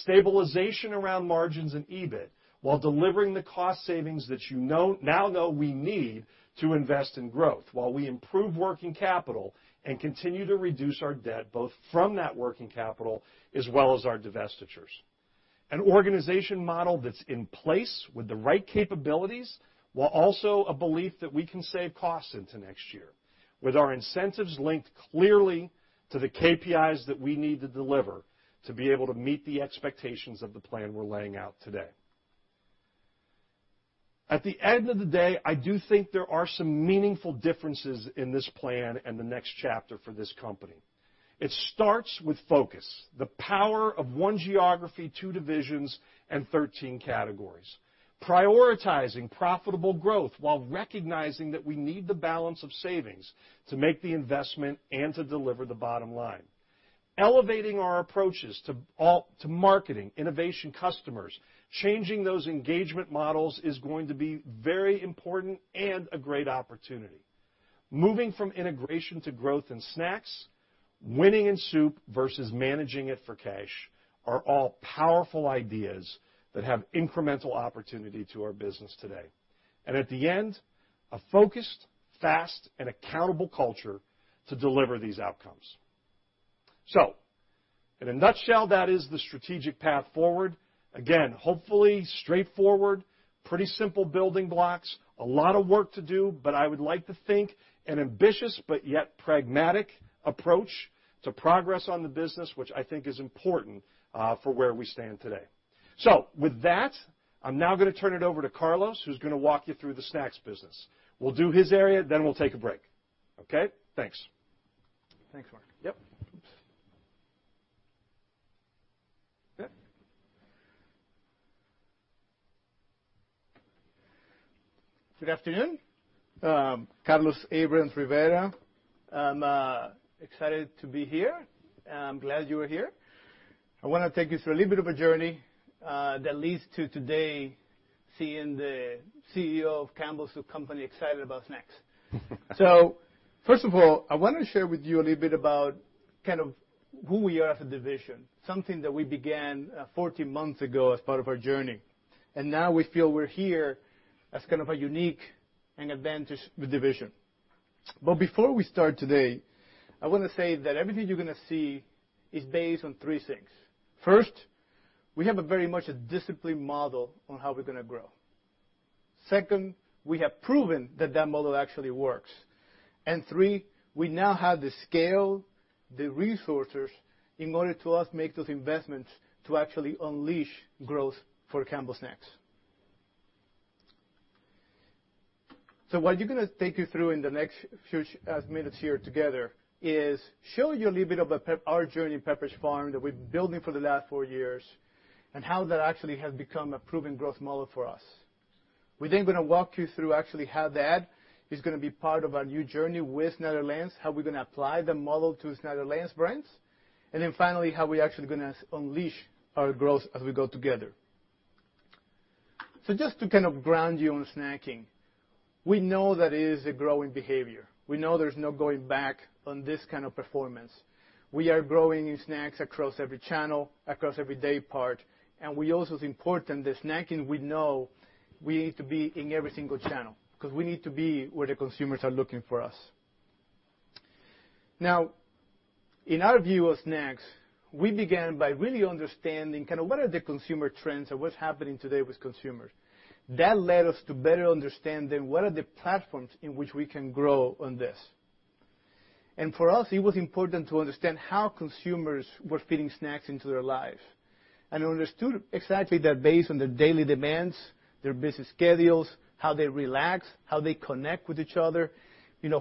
Stabilization around margins and EBIT while delivering the cost savings that you now know we need to invest in growth while we improve working capital and continue to reduce our debt, both from that working capital as well as our divestitures. An organization model that's in place with the right capabilities, while also a belief that we can save costs into next year. With our incentives linked clearly to the KPIs that we need to deliver to be able to meet the expectations of the plan we're laying out today. At the end of the day, I do think there are some meaningful differences in this plan and the next chapter for this company. It starts with focus, the power of one geography, two divisions, and 13 categories. Prioritizing profitable growth while recognizing that we need the balance of savings to make the investment and to deliver the bottom line. Elevating our approaches to marketing, innovation customers. Changing those engagement models is going to be very important and a great opportunity. Moving from integration to growth in snacks, winning in soup versus managing it for cash are all powerful ideas that have incremental opportunity to our business today. At the end, a focused, fast, and accountable culture to deliver these outcomes. In a nutshell, that is the strategic path forward. Again, hopefully straightforward, pretty simple building blocks. A lot of work to do, but I would like to think an ambitious but yet pragmatic approach to progress on the business, which I think is important for where we stand today. With that, I'm now going to turn it over to Carlos, who's going to walk you through the snacks business. We'll do his area, then we'll take a break. Okay, thanks. Thanks, Mark. Yep. Good. Good afternoon. Carlos Abrams-Rivera. I'm excited to be here. I'm glad you are here. I want to take you through a little bit of a journey that leads to today seeing the CEO of Campbell Soup Company excited about snacks. First of all, I want to share with you a little bit about who we are as a division, something that we began 14 months ago as part of our journey. Now we feel we're here as kind of a unique and advantaged division. Before we start today, I want to say that everything you're going to see is based on three things. First, we have a very much a disciplined model on how we're going to grow. Second, we have proven that that model actually works. Three, we now have the scale, the resources in order to us make those investments to actually unleash growth for Campbell Snacks. What I'm going to take you through in the next few minutes here together is show you a little bit of our journey in Pepperidge Farm, that we've been building for the last four years, and how that actually has become a proven growth model for us. We're then going to walk you through actually how that is going to be part of our new journey with Snyder's-Lance, how we're going to apply the model to Snyder's-Lance brands. Then finally, how we actually going to unleash our growth as we go together. Just to ground you on snacking, we know that it is a growing behavior. We know there's no going back on this kind of performance. We are growing in snacks across every channel, across every day part. We also think important that snacking we know we need to be in every single channel because we need to be where the consumers are looking for us. In our view of snacks, we began by really understanding what are the consumer trends or what's happening today with consumers. That led us to better understanding what are the platforms in which we can grow on this. For us, it was important to understand how consumers were fitting snacks into their lives and understood exactly that based on their daily demands, their busy schedules, how they relax, how they connect with each other,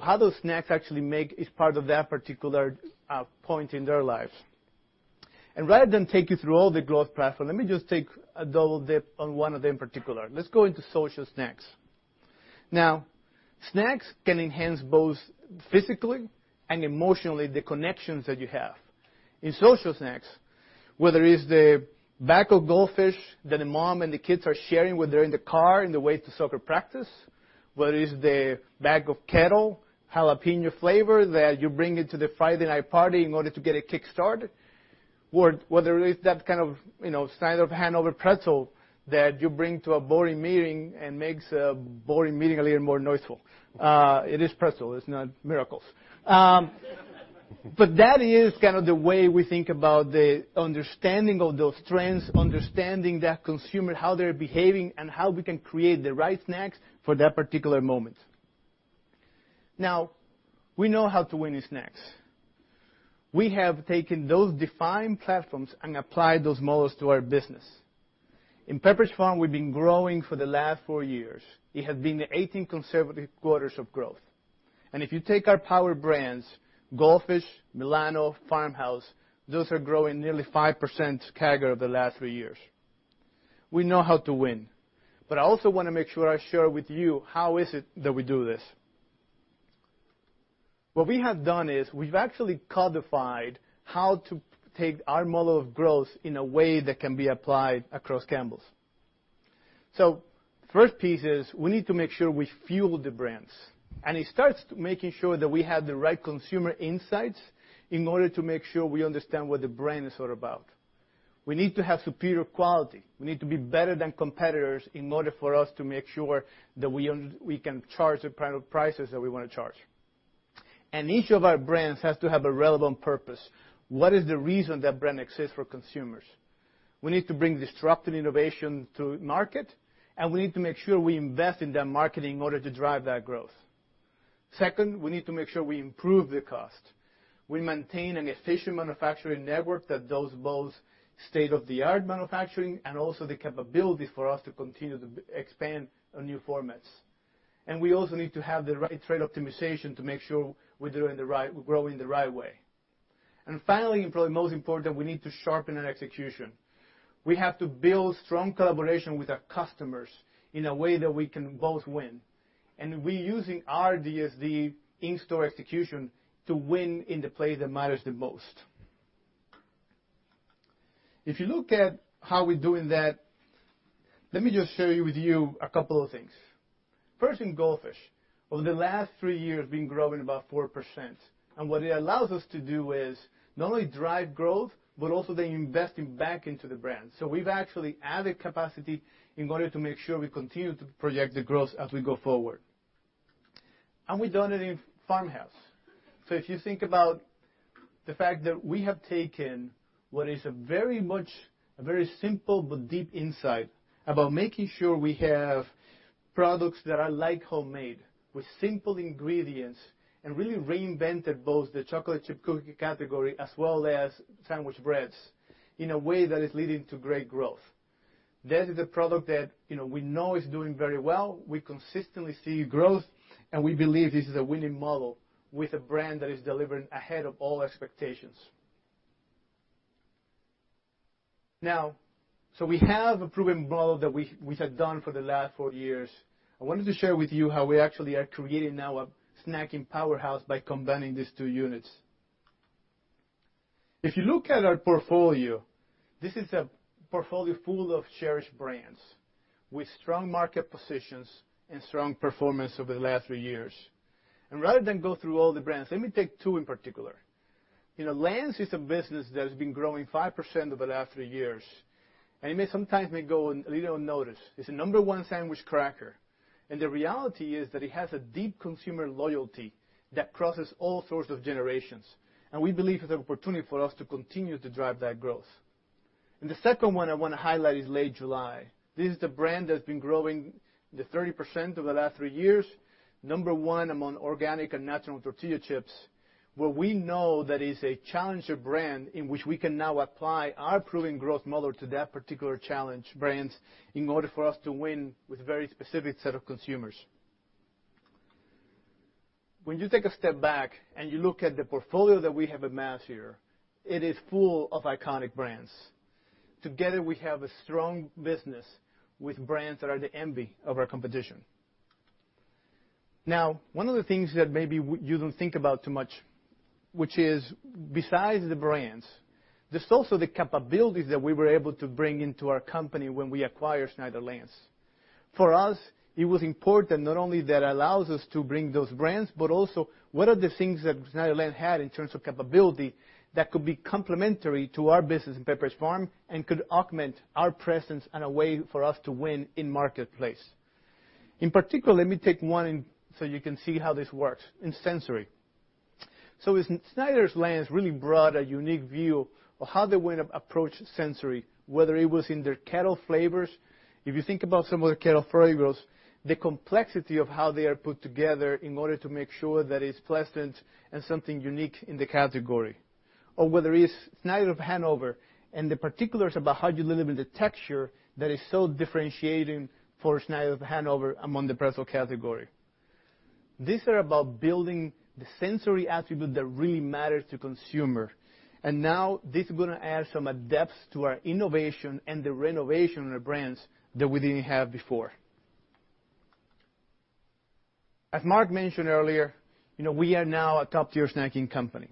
how those snacks actually make as part of that particular point in their lives. Rather than take you through all the growth platform, let me just take a double dip on one of them particular. Let's go into social snacks. Snacks can enhance both physically and emotionally the connections that you have. In social snacks. Whether it's the bag of Goldfish that a mom and the kids are sharing when they're in the car on the way to soccer practice, whether it's the bag of Kettle Brand Jalapeño flavor that you bring into the Friday night party in order to get a kickstart, or whether it's that kind of Snyder's of Hanover pretzel that you bring to a boring meeting and makes a boring meeting a little more noisy. It is pretzel, it's not miracles. That is kind of the way we think about the understanding of those trends, understanding that consumer, how they're behaving, and how we can create the right snacks for that particular moment. We know how to win in snacks. We have taken those defined platforms and applied those models to our business. In Pepperidge Farm, we've been growing for the last four years. It has been 18 consecutive quarters of growth. If you take our power brands, Goldfish, Milano, Farmhouse, those are growing nearly 5% CAGR over the last three years. We know how to win. I also want to make sure I share with you how is it that we do this. What we have done is we've actually codified how to take our model of growth in a way that can be applied across Campbell's. The first piece is we need to make sure we fuel the brands, and it starts making sure that we have the right consumer insights in order to make sure we understand what the brand is all about. We need to have superior quality. We need to be better than competitors in order for us to make sure that we can charge the kind of prices that we want to charge. Each of our brands has to have a relevant purpose. What is the reason that brand exists for consumers? We need to bring disruptive innovation to market, and we need to make sure we invest in that marketing in order to drive that growth. Second, we need to make sure we improve the cost. We maintain an efficient manufacturing network that does both state-of-the-art manufacturing and also the capability for us to continue to expand on new formats. We also need to have the right trade optimization to make sure we're growing the right way. Finally, and probably most important, we need to sharpen our execution. We have to build strong collaboration with our customers in a way that we can both win. We're using our DSD in-store execution to win in the place that matters the most. If you look at how we're doing that, let me just share with you a couple of things. First, in Goldfish. Over the last three years, we've been growing about 4%. What it allows us to do is not only drive growth, but also then investing back into the brand. We've actually added capacity in order to make sure we continue to project the growth as we go forward. We've done it in Farmhouse. If you think about the fact that we have taken what is a very simple but deep insight about making sure we have products that are like homemade with simple ingredients and really reinvented both the chocolate chip cookie category as well as sandwich breads in a way that is leading to great growth. That is a product that we know is doing very well. We consistently see growth, and we believe this is a winning model with a brand that is delivering ahead of all expectations. Now, we have a proven model that we have done for the last four years. I wanted to share with you how we actually are creating now a snacking powerhouse by combining these two units. If you look at our portfolio, this is a portfolio full of cherished brands with strong market positions and strong performance over the last three years. Rather than go through all the brands, let me take two in particular. Lance is a business that has been growing 5% over the last three years. It may sometimes go a little unnoticed. It's the number 1 sandwich cracker. The reality is that it has a deep consumer loyalty that crosses all sorts of generations, and we believe has opportunity for us to continue to drive that growth. The second one I want to highlight is Late July. This is a brand that's been growing to 30% over the last three years, number 1 among organic and natural tortilla chips, where we know that it's a challenger brand in which we can now apply our proven growth model to that particular challenge brands in order for us to win with a very specific set of consumers. When you take a step back and you look at the portfolio that we have amassed here, it is full of iconic brands. Together, we have a strong business with brands that are the envy of our competition. Now, one of the things that maybe you don't think about too much, which is, besides the brands, there's also the capabilities that we were able to bring into our company when we acquired Snyder's-Lance. For us, it was important not only that allows us to bring those brands, but also what are the things that Snyder's-Lance had in terms of capability that could be complementary to our business in Pepperidge Farm and could augment our presence and a way for us to win in marketplace. In particular, let me take one so you can see how this works in sensory. Snyder's-Lance really brought a unique view of how they would approach sensory, whether it was in their Kettle flavors. If you think about some of the Kettle flavors, the complexity of how they are put together in order to make sure that it's pleasant and something unique in the category, or whether it's Snyder's of Hanover and the particulars about how you deliver the texture that is so differentiating for Snyder's of Hanover among the pretzel category. These are about building the sensory attribute that really matters to consumer. Now this is going to add some depth to our innovation and the renovation of brands that we didn't have before. As Mark mentioned earlier, we are now a top-tier snacking company.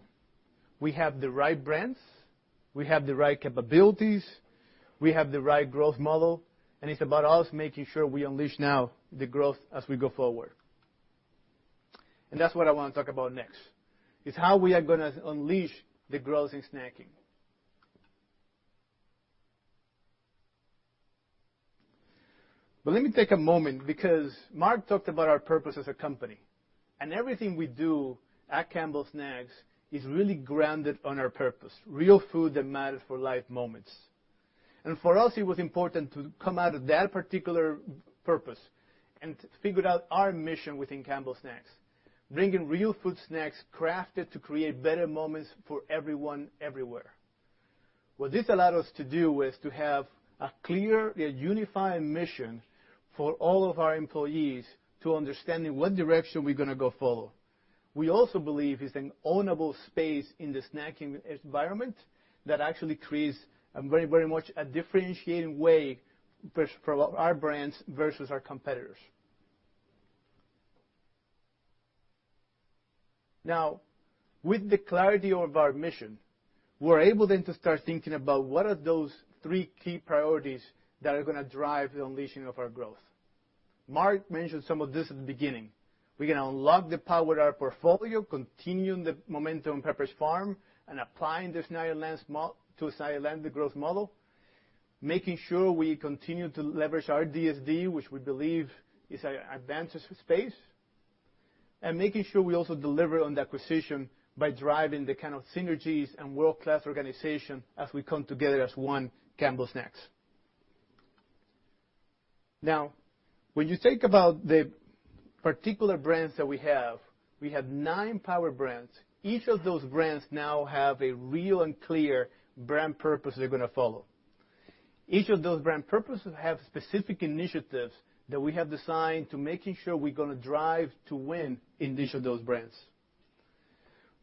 We have the right brands, we have the right capabilities, we have the right growth model, and it's about us making sure we unleash now the growth as we go forward. That's what I want to talk about next, is how we are going to unleash the growth in snacking. Let me take a moment because Mark talked about our purpose as a company, and everything we do at Campbell Snacks is really grounded on our purpose, real food that matters for life moments. For us, it was important to come out of that particular purpose and figured out our mission within Campbell Snacks, bringing real food snacks crafted to create better moments for everyone, everywhere. What this allowed us to do was to have a clear, unified mission for all of our employees to understanding what direction we're going to go follow. We also believe it's an ownable space in the snacking environment that actually creates very much a differentiating way for our brands versus our competitors. With the clarity of our mission, we're able then to start thinking about what are those three key priorities that are going to drive the unleashing of our growth. Mark mentioned some of this at the beginning. We're going to unlock the power of our portfolio, continuing the momentum in Pepperidge Farm, and applying the Snyder's-Lance growth model, making sure we continue to leverage our DSD, which we believe is our advantage space, and making sure we also deliver on the acquisition by driving the kind of synergies and world-class organization as we come together as one Campbell Snacks. When you think about the particular brands that we have, we have nine power brands. Each of those brands now have a real and clear brand purpose they're going to follow. Each of those brand purposes have specific initiatives that we have designed to making sure we're going to drive to win in each of those brands.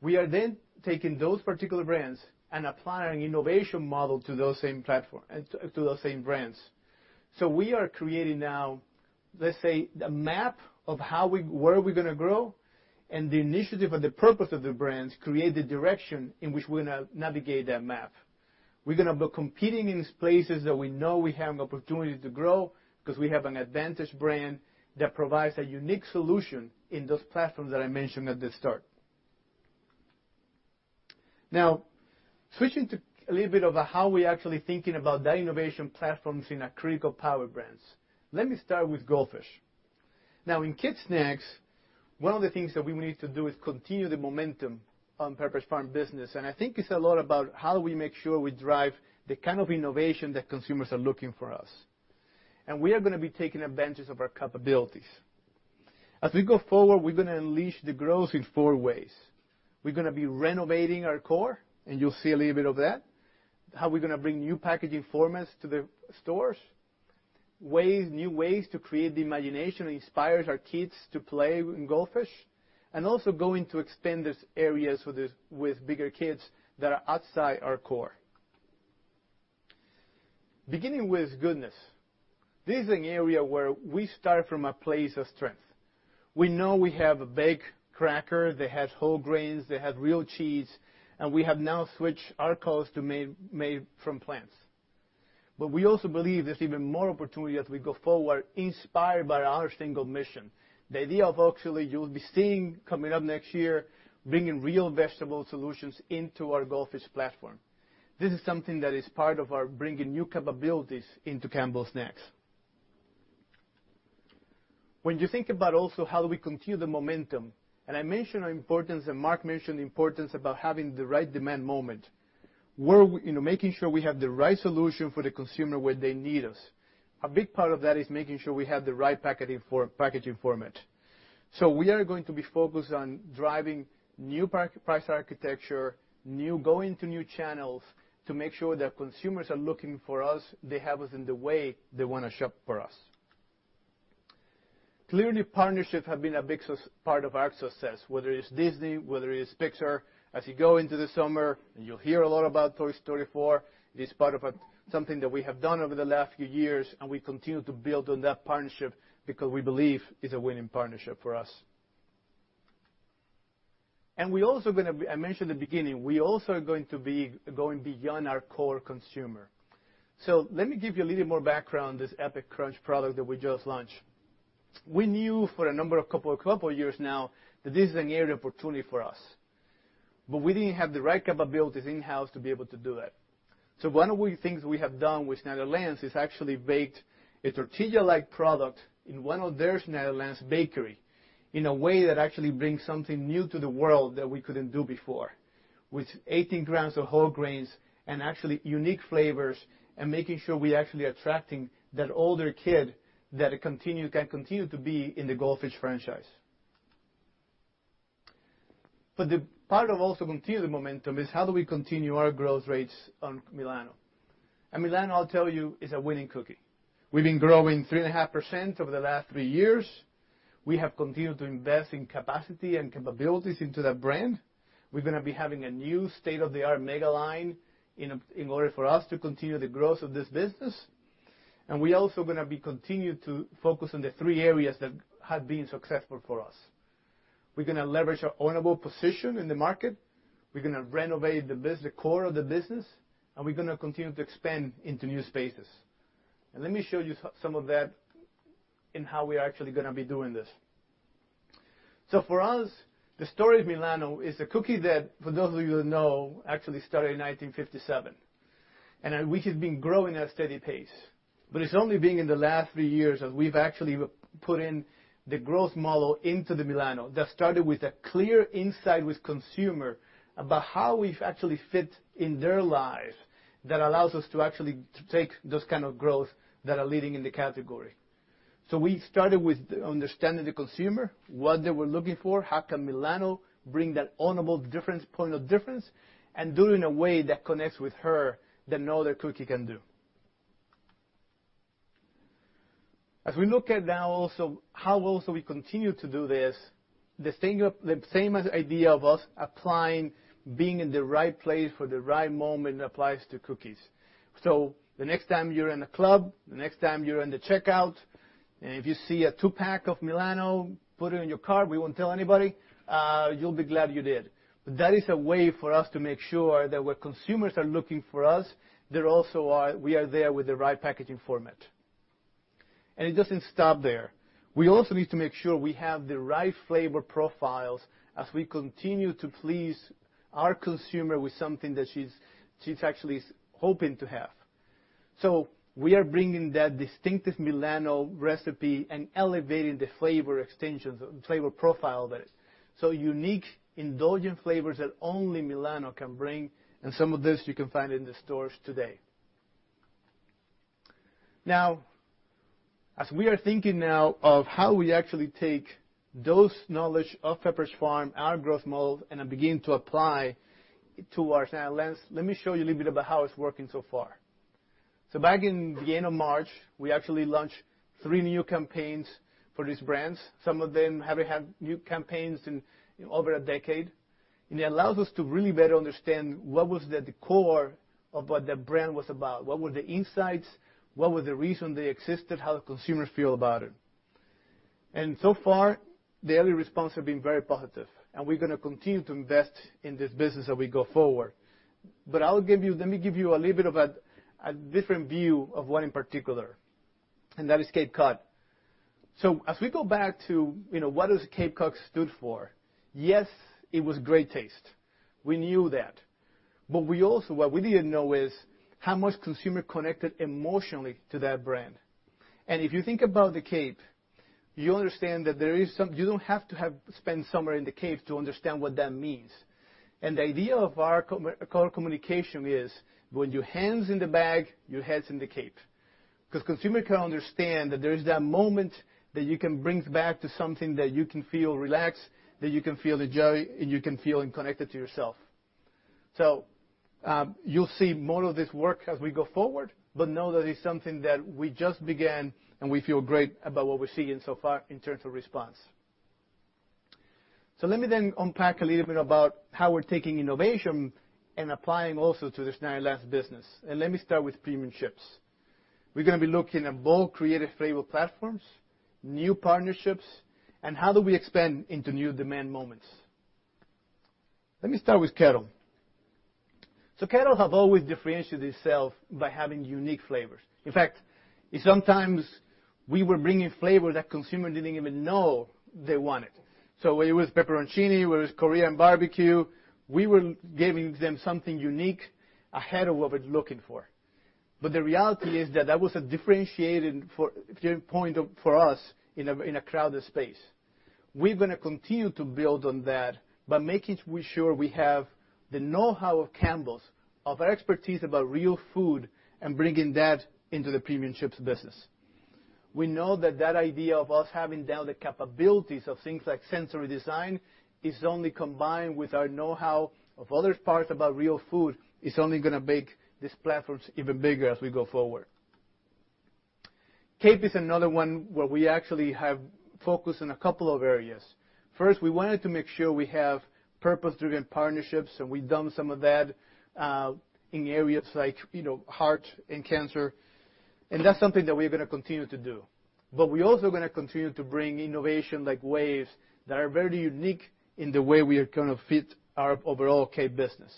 We are taking those particular brands and applying innovation model to those same platforms and to those same brands. We are creating now, let's say, the map of where we're going to grow, the initiative and the purpose of the brands create the direction in which we're going to navigate that map. We're going to be competing in places that we know we have an opportunity to grow because we have an advantage brand that provides a unique solution in those platforms that I mentioned at the start. Switching to a little bit about how we actually thinking about that innovation platforms in our critical power brands. Let me start with Goldfish. In kid snacks, one of the things that we need to do is continue the momentum on Pepperidge Farm business. I think it's a lot about how we make sure we drive the kind of innovation that consumers are looking for us. We are going to be taking advantage of our capabilities. As we go forward, we're going to unleash the growth in four ways. We're going to be renovating our core, and you'll see a little bit of that, how we're going to bring new packaging formats to the stores, new ways to create the imagination that inspires our kids to play in Goldfish, and also going to expand those areas with bigger kids that are outside our core. Beginning with goodness. This is an area where we start from a place of strength. We know we have a baked cracker that has whole grains, that has real cheese, and we have now switched our cause to made from plants. We also believe there's even more opportunity as we go forward, inspired by our single mission. The idea of actually you'll be seeing coming up next year, bringing real vegetable solutions into our Goldfish platform. This is something that is part of our bringing new capabilities into Campbell Snacks. When you think about also how we continue the momentum, I mentioned our importance and Mark mentioned the importance about having the right demand moment, making sure we have the right solution for the consumer where they need us. A big part of that is making sure we have the right packaging format. We are going to be focused on driving new price architecture, going to new channels to make sure that consumers are looking for us, they have us in the way they want to shop for us. Clearly, partnerships have been a big part of our success, whether it's Disney, whether it's Pixar. As you go into the summer, you'll hear a lot about Toy Story 4, it is part of something that we have done over the last few years, we continue to build on that partnership because we believe it's a winning partnership for us. I mentioned at the beginning, we also are going to be going beyond our core consumer. Let me give you a little more background, this Epic Crunch product that we just launched. We knew for a couple of years now that this is an area of opportunity for us, we didn't have the right capabilities in-house to be able to do it. One of the things we have done with Snyder's-Lance is actually baked a tortilla-like product in one of their Snyder's-Lance bakery in a way that actually brings something new to the world that we couldn't do before, with 18 grams of whole grains and actually unique flavors and making sure we actually attracting that older kid that can continue to be in the Goldfish franchise. The part of also continue the momentum is how do we continue our growth rates on Milano. Milano, I'll tell you, is a winning cookie. We've been growing 3.5% over the last three years. We have continued to invest in capacity and capabilities into that brand. We're going to be having a new state-of-the-art mega line in order for us to continue the growth of this business. We're also going to be continued to focus on the three areas that have been successful for us. We're going to leverage our ownable position in the market. We're going to renovate the core of the business, and we're going to continue to expand into new spaces. Let me show you some of that in how we are actually going to be doing this. For us, the story of Milano is a cookie that, for those of you who know, actually started in 1957, and which has been growing at a steady pace. It's only been in the last three years that we've actually put in the growth model into the Milano that started with a clear insight with consumer about how we've actually fit in their lives that allows us to actually take those kind of growth that are leading in the category. We started with understanding the consumer, what they were looking for, how can Milano bring that ownable difference, point of difference, and do it in a way that connects with her that no other cookie can do. As we look at now also how else we continue to do this, the same idea of us applying being in the right place for the right moment applies to cookies. The next time you're in a club, the next time you're in the checkout, and if you see a two-pack of Milano, put it in your cart, we won't tell anybody. You'll be glad you did. That is a way for us to make sure that where consumers are looking for us, we are there with the right packaging format. It doesn't stop there. We also need to make sure we have the right flavor profiles as we continue to please our consumer with something that she's actually hoping to have. We are bringing that distinctive Milano recipe and elevating the flavor extensions, flavor profile that is. Unique, indulgent flavors that only Milano can bring, and some of this you can find in the stores today. As we are thinking now of how we actually take those knowledge of Pepperidge Farm, our growth model, and begin to apply to our Snyder's-Lance. Let me show you a little bit about how it's working so far. Back in the end of March, we actually launched three new campaigns for these brands. Some of them haven't had new campaigns in over a decade. It allows us to really better understand what was at the core of what the brand was about, what were the insights, what was the reason they existed, how the consumers feel about it. So far, the early response have been very positive, and we're going to continue to invest in this business as we go forward. Let me give you a little bit of a different view of one in particular, and that is Cape Cod. As we go back to what does Cape Cod stood for? Yes, it was great taste. We knew that. What we didn't know is how much consumer connected emotionally to that brand. If you think about the Cape, you understand that you don't have to have spent summer in the Cape to understand what that means. The idea of our core communication is when your hand's in the bag, your head's in the Cape. Because consumer can understand that there is that moment that you can bring back to something that you can feel relaxed, that you can feel the joy, and you can feel connected to yourself. You'll see more of this work as we go forward, but know that it's something that we just began, and we feel great about what we're seeing so far in terms of response. Let me then unpack a little bit about how we're taking innovation and applying also to the Snyder's-Lance business. Let me start with premium chips. We're going to be looking at bold creative flavor platforms, new partnerships, and how do we expand into new demand moments. Let me start with Kettle. Kettle have always differentiated itself by having unique flavors. In fact, sometimes we were bringing flavor that consumer didn't even know they wanted. Whether it was pepperoncini, whether it was Korean barbecue, we were giving them something unique ahead of what we're looking for. The reality is that that was a differentiating point for us in a crowded space. We're going to continue to build on that by making sure we have the know-how of Campbell's, of our expertise about real food and bringing that into the premium chips business. We know that that idea of us having now the capabilities of things like sensory design is only combined with our know-how of other parts about real food. It's only going to make these platforms even bigger as we go forward. Cape is another one where we actually have focused on a couple of areas. First, we wanted to make sure we have purpose-driven partnerships, and we've done some of that, in areas like heart and cancer. That's something that we're going to continue to do. We're also going to continue to bring innovation like waves that are very unique in the way we are going to fit our overall Cape business.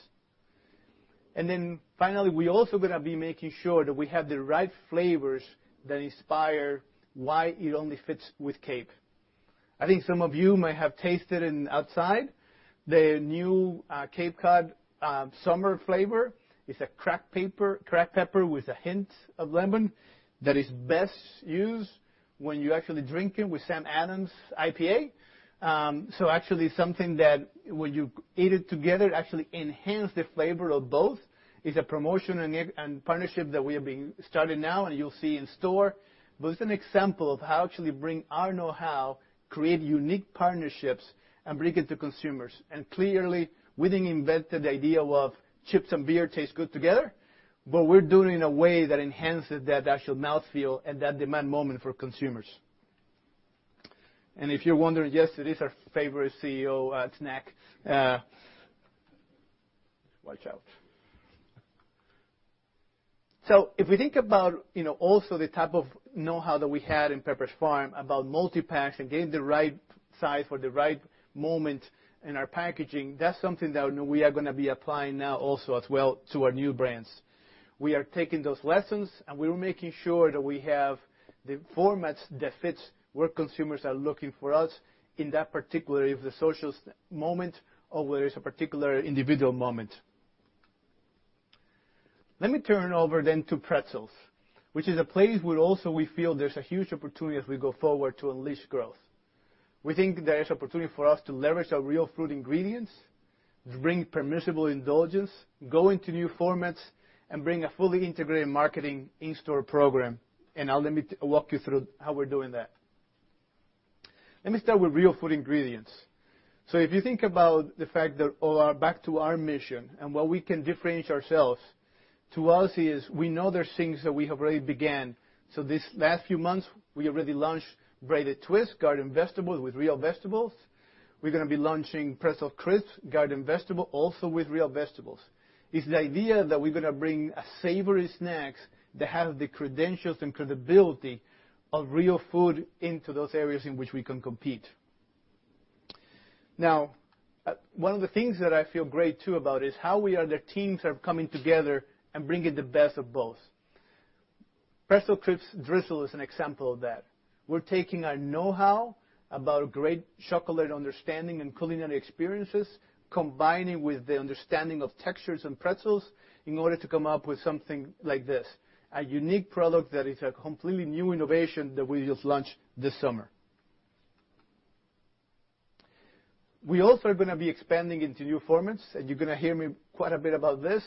Finally, we're also going to be making sure that we have the right flavors that inspire why it only fits with Cape. I think some of you might have tasted it outside. The new Cape Cod summer flavor is a cracked pepper with a hint of lemon that is best used when you actually drink it with Samuel Adams IPA. Actually something that when you eat it together, it actually enhances the flavor of both. It's a promotion and partnership that we have been starting now and you'll see in store. It's an example of how we actually bring our know-how, create unique partnerships, and bring it to consumers. Clearly, we didn't invent the idea of chips and beer taste good together, but we're doing it in a way that enhances that actual mouth feel and that demand moment for consumers. If you're wondering, yes, it is our favorite CEO snack. Watch out. If we think about also the type of know-how that we had in Pepperidge Farm about multi-packs and getting the right size for the right moment in our packaging, that's something that now we are going to be applying now also as well to our new brands. We are taking those lessons, and we are making sure that we have the formats that fits where consumers are looking for us in that particular social moment or individual moment. Let me turn over to pretzels, which is a place where also we feel there's a huge opportunity as we go forward to unleash growth. We think there is opportunity for us to leverage our real fruit ingredients, to bring permissible indulgence, go into new formats, and bring a fully integrated marketing in-store program. Now let me walk you through how we're doing that. Let me start with real food ingredients. If you think about the fact that, or back to our mission and where we can differentiate ourselves, to us is, we know there are things that we have already begun. This last few months, we already launched Braided Twists Garden Vegetable with real vegetables. We're going to be launching Pretzel Crisps Garden Vegetable, also with real vegetables. It's the idea that we're going to bring savory snacks that have the credentials and credibility of real food into those areas in which we can compete. One of the things that I feel great too about is how the teams are coming together and bringing the best of both. Pretzel Crisps Drizzlers is an example of that. We're taking our know-how about great chocolate understanding and culinary experiences, combining with the understanding of textures and pretzels in order to come up with something like this, a unique product that is a completely new innovation that we just launched this summer. We also are going to be expanding into new formats, you're going to hear me quite a bit about this.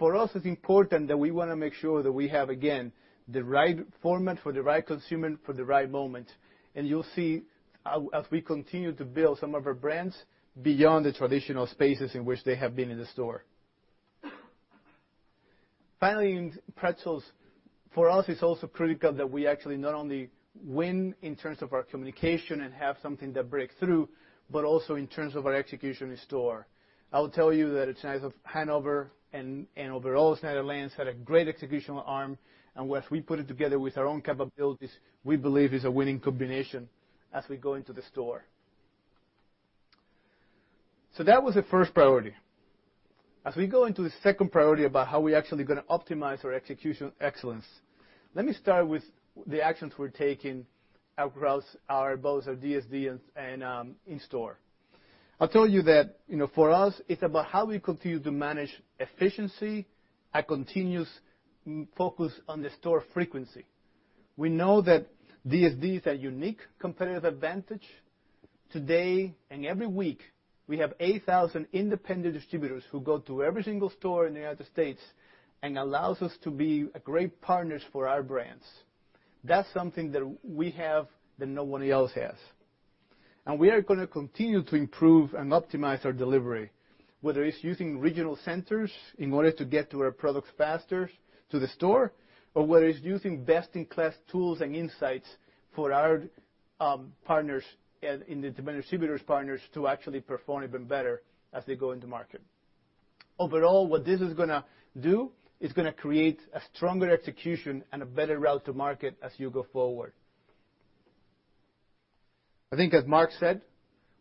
For us, it's important that we want to make sure that we have, again, the right format for the right consumer for the right moment. You'll see, as we continue to build some of our brands beyond the traditional spaces in which they have been in the store. Finally, in pretzels, for us, it's also critical that we actually not only win in terms of our communication and have something that breaks through, but also in terms of our execution in store. I will tell you that in terms of Hanover and overall Snyder's-Lance had a great executional arm, and once we put it together with our own capabilities, we believe is a winning combination as we go into the store. That was the first priority. We go into the second priority about how we are actually going to optimize our execution excellence, let me start with the actions we're taking across both our DSD and in store. I told you that, for us, it's about how we continue to manage efficiency, a continuous focus on the store frequency. We know that DSD is a unique competitive advantage. Today and every week, we have 8,000 independent distributors who go to every single store in the U.S. and allows us to be a great partners for our brands. That's something that we have that nobody else has. We are going to continue to improve and optimize our delivery, whether it's using regional centers in order to get to our products faster to the store, or whether it's using best-in-class tools and insights for our partners and independent distributors partners to actually perform even better as they go into market. What this is going to do, it's going to create a stronger execution and a better route to market as you go forward. I think as Mark said,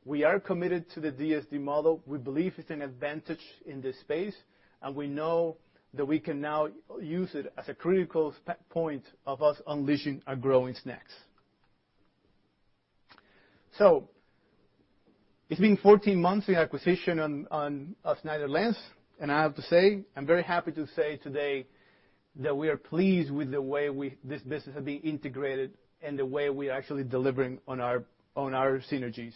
we are committed to the DSD model. We believe it's an advantage in this space, and we know that we can now use it as a critical point of us unleashing our growing snacks. It's been 14 months in acquisition on Snyder's-Lance, and I have to say, I'm very happy to say today that we are pleased with the way this business have been integrated and the way we are actually delivering on our synergies.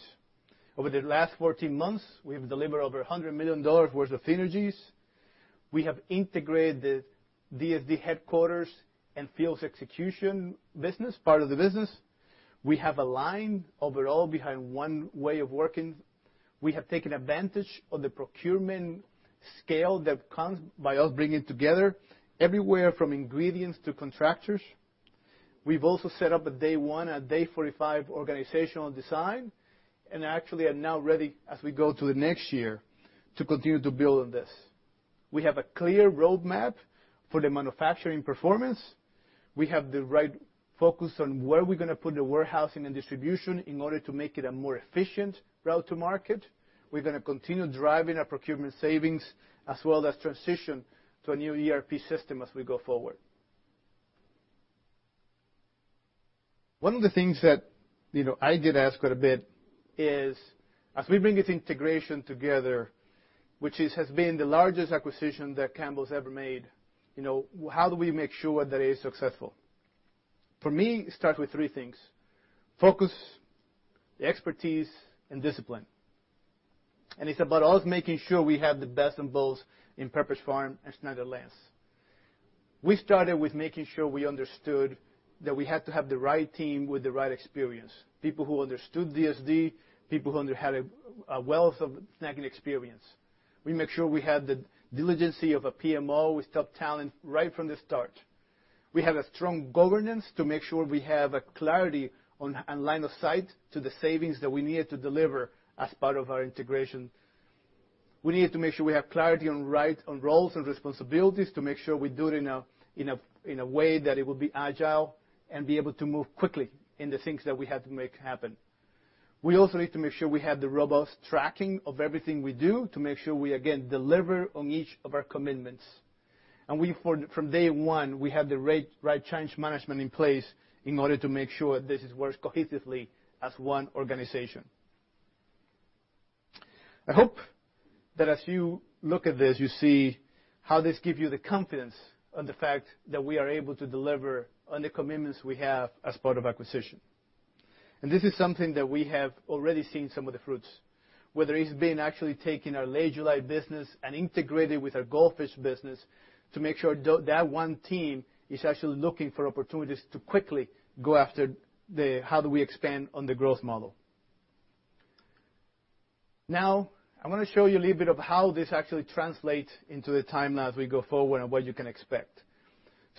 Over the last 14 months, we have delivered over $100 million worth of synergies. We have integrated DSD headquarters and fields execution business, part of the business. We have aligned overall behind one way of working. We have taken advantage of the procurement scale that comes by us bringing together everywhere from ingredients to contractors. We've also set up a day 1, a day 45 organizational design, and actually are now ready as we go to the next year to continue to build on this. We have a clear roadmap for the manufacturing performance. We have the right focus on where we're going to put the warehousing and distribution in order to make it a more efficient route to market. We're going to continue driving our procurement savings, as well as transition to a new ERP system as we go forward. One of the things that I get asked quite a bit is, as we bring this integration together, which has been the largest acquisition that Campbell's ever made, how do we make sure that it is successful? For me, it starts with three things: focus, expertise, and discipline. It's about us making sure we have the best in both in Pepperidge Farm and Snyder's-Lance. We started with making sure we understood that we had to have the right team with the right experience, people who understood DSD, people who had a wealth of snacking experience. We make sure we had the diligence of a PMO with top talent right from the start. We have strong governance to make sure we have clarity and line of sight to the savings that we need to deliver as part of our integration. We need to make sure we have clarity on roles and responsibilities to make sure we do it in a way that it will be agile and be able to move quickly in the things that we have to make happen. We also need to make sure we have robust tracking of everything we do to make sure we, again, deliver on each of our commitments. From day one, we had the right change management in place in order to make sure this works cohesively as one organization. I hope that as you look at this, you see how this gives you the confidence on the fact that we are able to deliver on the commitments we have as part of acquisition. This is something that we have already seen some of the fruits, whether it's been actually taking our Late July business and integrating with our Goldfish business to make sure that one team is actually looking for opportunities to quickly go after how do we expand on the growth model. I'm going to show you a little bit of how this actually translates into the timeline as we go forward and what you can expect.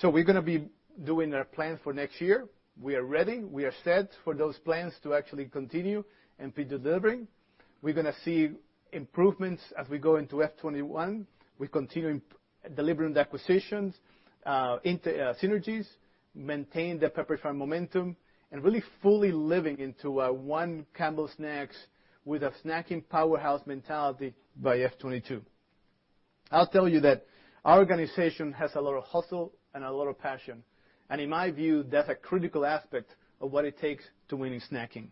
We're going to be doing our plan for next year. We are ready, we are set for those plans to actually continue and be delivering. We're going to see improvements as we go into FY 2021. We're continuing delivering the acquisitions, synergies, maintain the Pepperidge Farm momentum, and really fully living into one Campbell Snacks with a snacking powerhouse mentality by FY 2022. I'll tell you that our organization has a lot of hustle and a lot of passion, and in my view, that's a critical aspect of what it takes to win in snacking.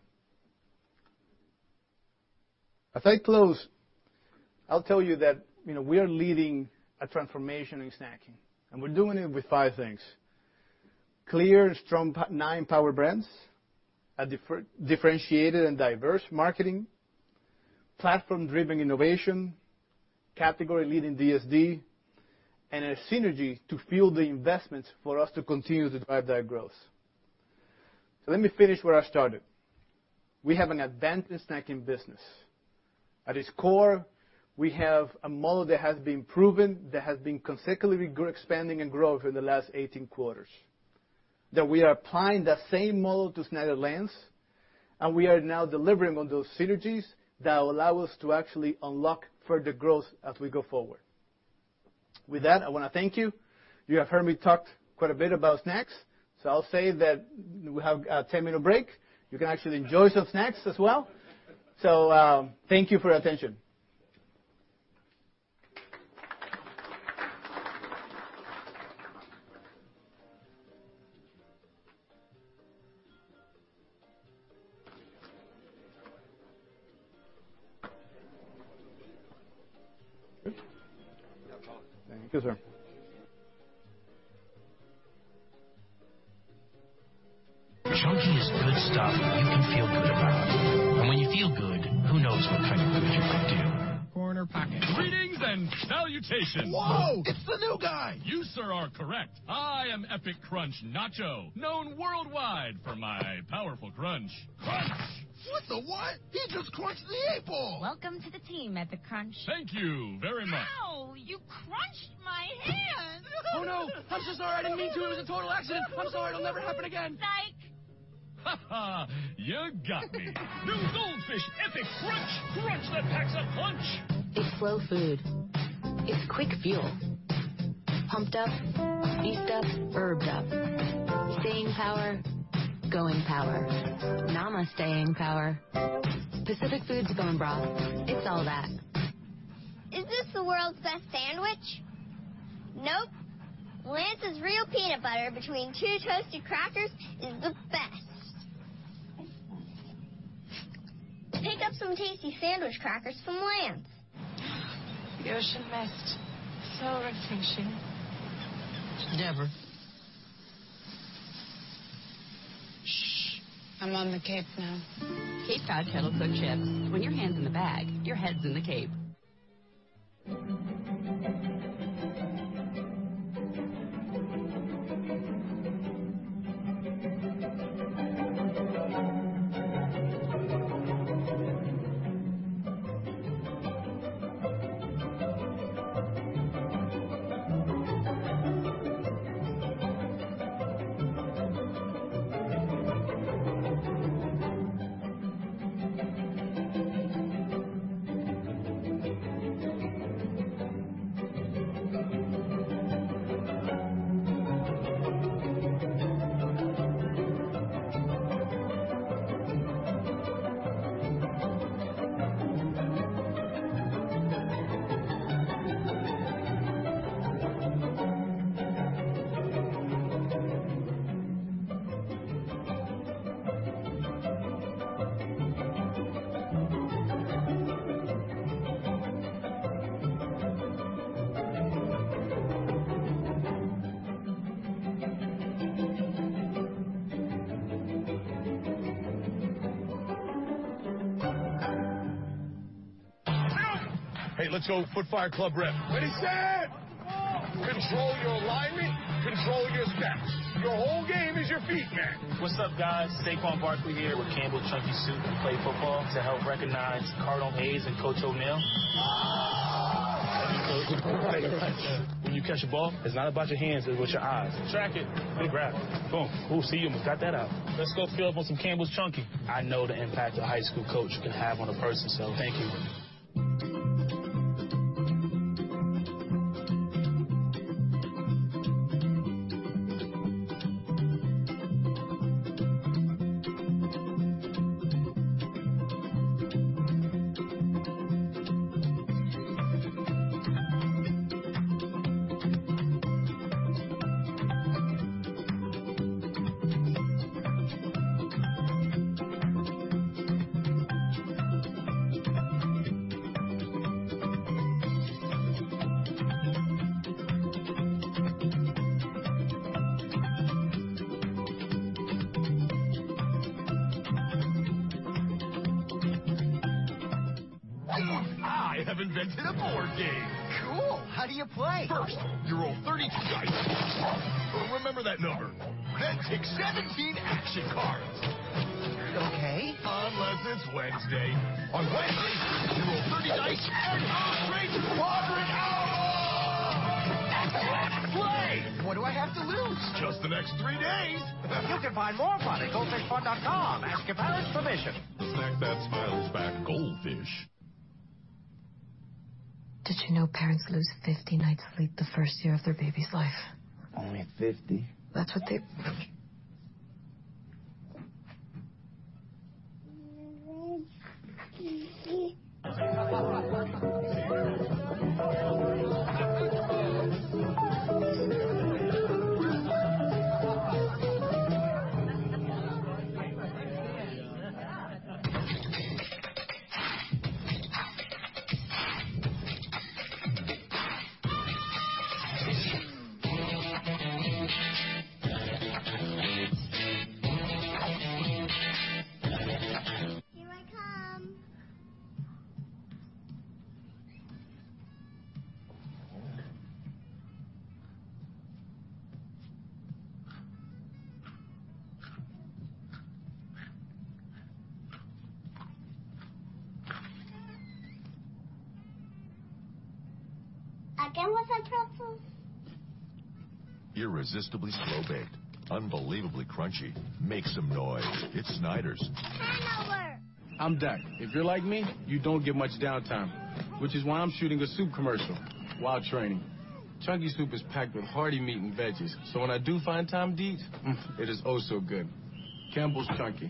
As I close, I'll tell you that we are leading a transformation in snacking, and we're doing it with five things. Clear, strong nine power brands, a differentiated and diverse marketing, platform-driven innovation, category-leading DSD, and a synergy to fuel the investments for us to continue to drive that growth. Let me finish where I started. We have an advanced snacking business. At its core, we have a model that has been proven, that has been consecutively expanding and growing for the last 18 quarters. That we are applying that same model to Snyder's-Lance, we are now delivering on those synergies that will allow us to actually unlock further growth as we go forward. With that, I want to thank you. You have heard me talk quite a bit about snacks, I'll say that we have a 10-minute break. You can actually enjoy some snacks as well. Thank you for your attention. Thank you, sir. Chunky is good stuff you can feel good about. When you feel good, who knows what kind of good you could do? Corner pocket. Greetings and salutations. Whoa. It's the new guy. You, sir, are correct. I am Goldfish Epic Crunch Nacho, known worldwide for my powerful crunch. Crunch. What the what? He just crunched the 8-ball. Welcome to the team, Goldfish Epic Crunch. Thank you very much. Ow. You crunched my hand. Oh, no. I'm so sorry. I didn't mean to. It was a total accident. I'm sorry. It'll never happen again. Psych. You got me. New Goldfish Epic Crunch. Crunch that packs a punch. It's flow food. It's quick fuel. Pumped up, beet up, herbed up. Staying power, going power. Namaste-ing power. Pacific Foods Going Broth. It's all that. Is this the world's best sandwich? Nope. Lance's real peanut butter between two toasted crackers is the best. Pick up some tasty sandwich crackers from Lance. The ocean mist, so refreshing. Never. Shh. I'm on the Cape now. Cape Cod Kettle Cooked Chips. When your hand's in the bag, your head's in the Cape. Hey, let's go foot fire club rip. Ready, set. Control your alignment, control your steps. Your whole game is your feet, man. What's up, guys? Saquon Barkley here with Campbell's Chunky and Play Football to help recognize Cardinal Hayes and Coach O'Neil. When you catch a ball, it's not about your hands, it's with your eyes. Track it and grab. Boom. See you almost got that out. Let's go fill up on some Campbell's Chunky. I know the impact a high school coach can have on a person, thank you. Campbell's Chunky,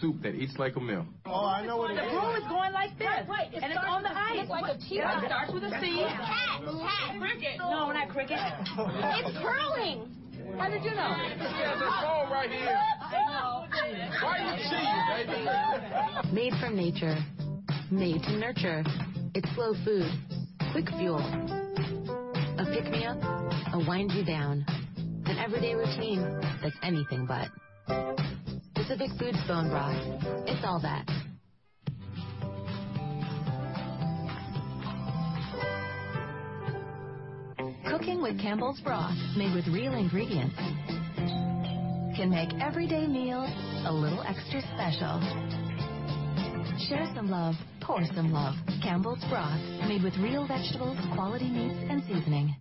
soup that eats like a meal. Oh, I know what it is. The broom is going like this. Right. It's on the ice. It's like a team sport. It starts with a C. Cat. Cricket. No, not cricket. It's curling. How did you know? Because there's a broom right here. Uh-oh. Why you cheating, baby? Made from nature, made to nurture. It's slow food, quick fuel. A pick-me-up, a wind-you-down. An everyday routine that's anything but. It's a Pacific Foods bone broth. It's all that. Cooking with Campbell's Broth, made with real ingredients, can make everyday meals a little extra special. Share some love, pour some love. Campbell's Broth, made with real vegetables, quality meats, and seasoning.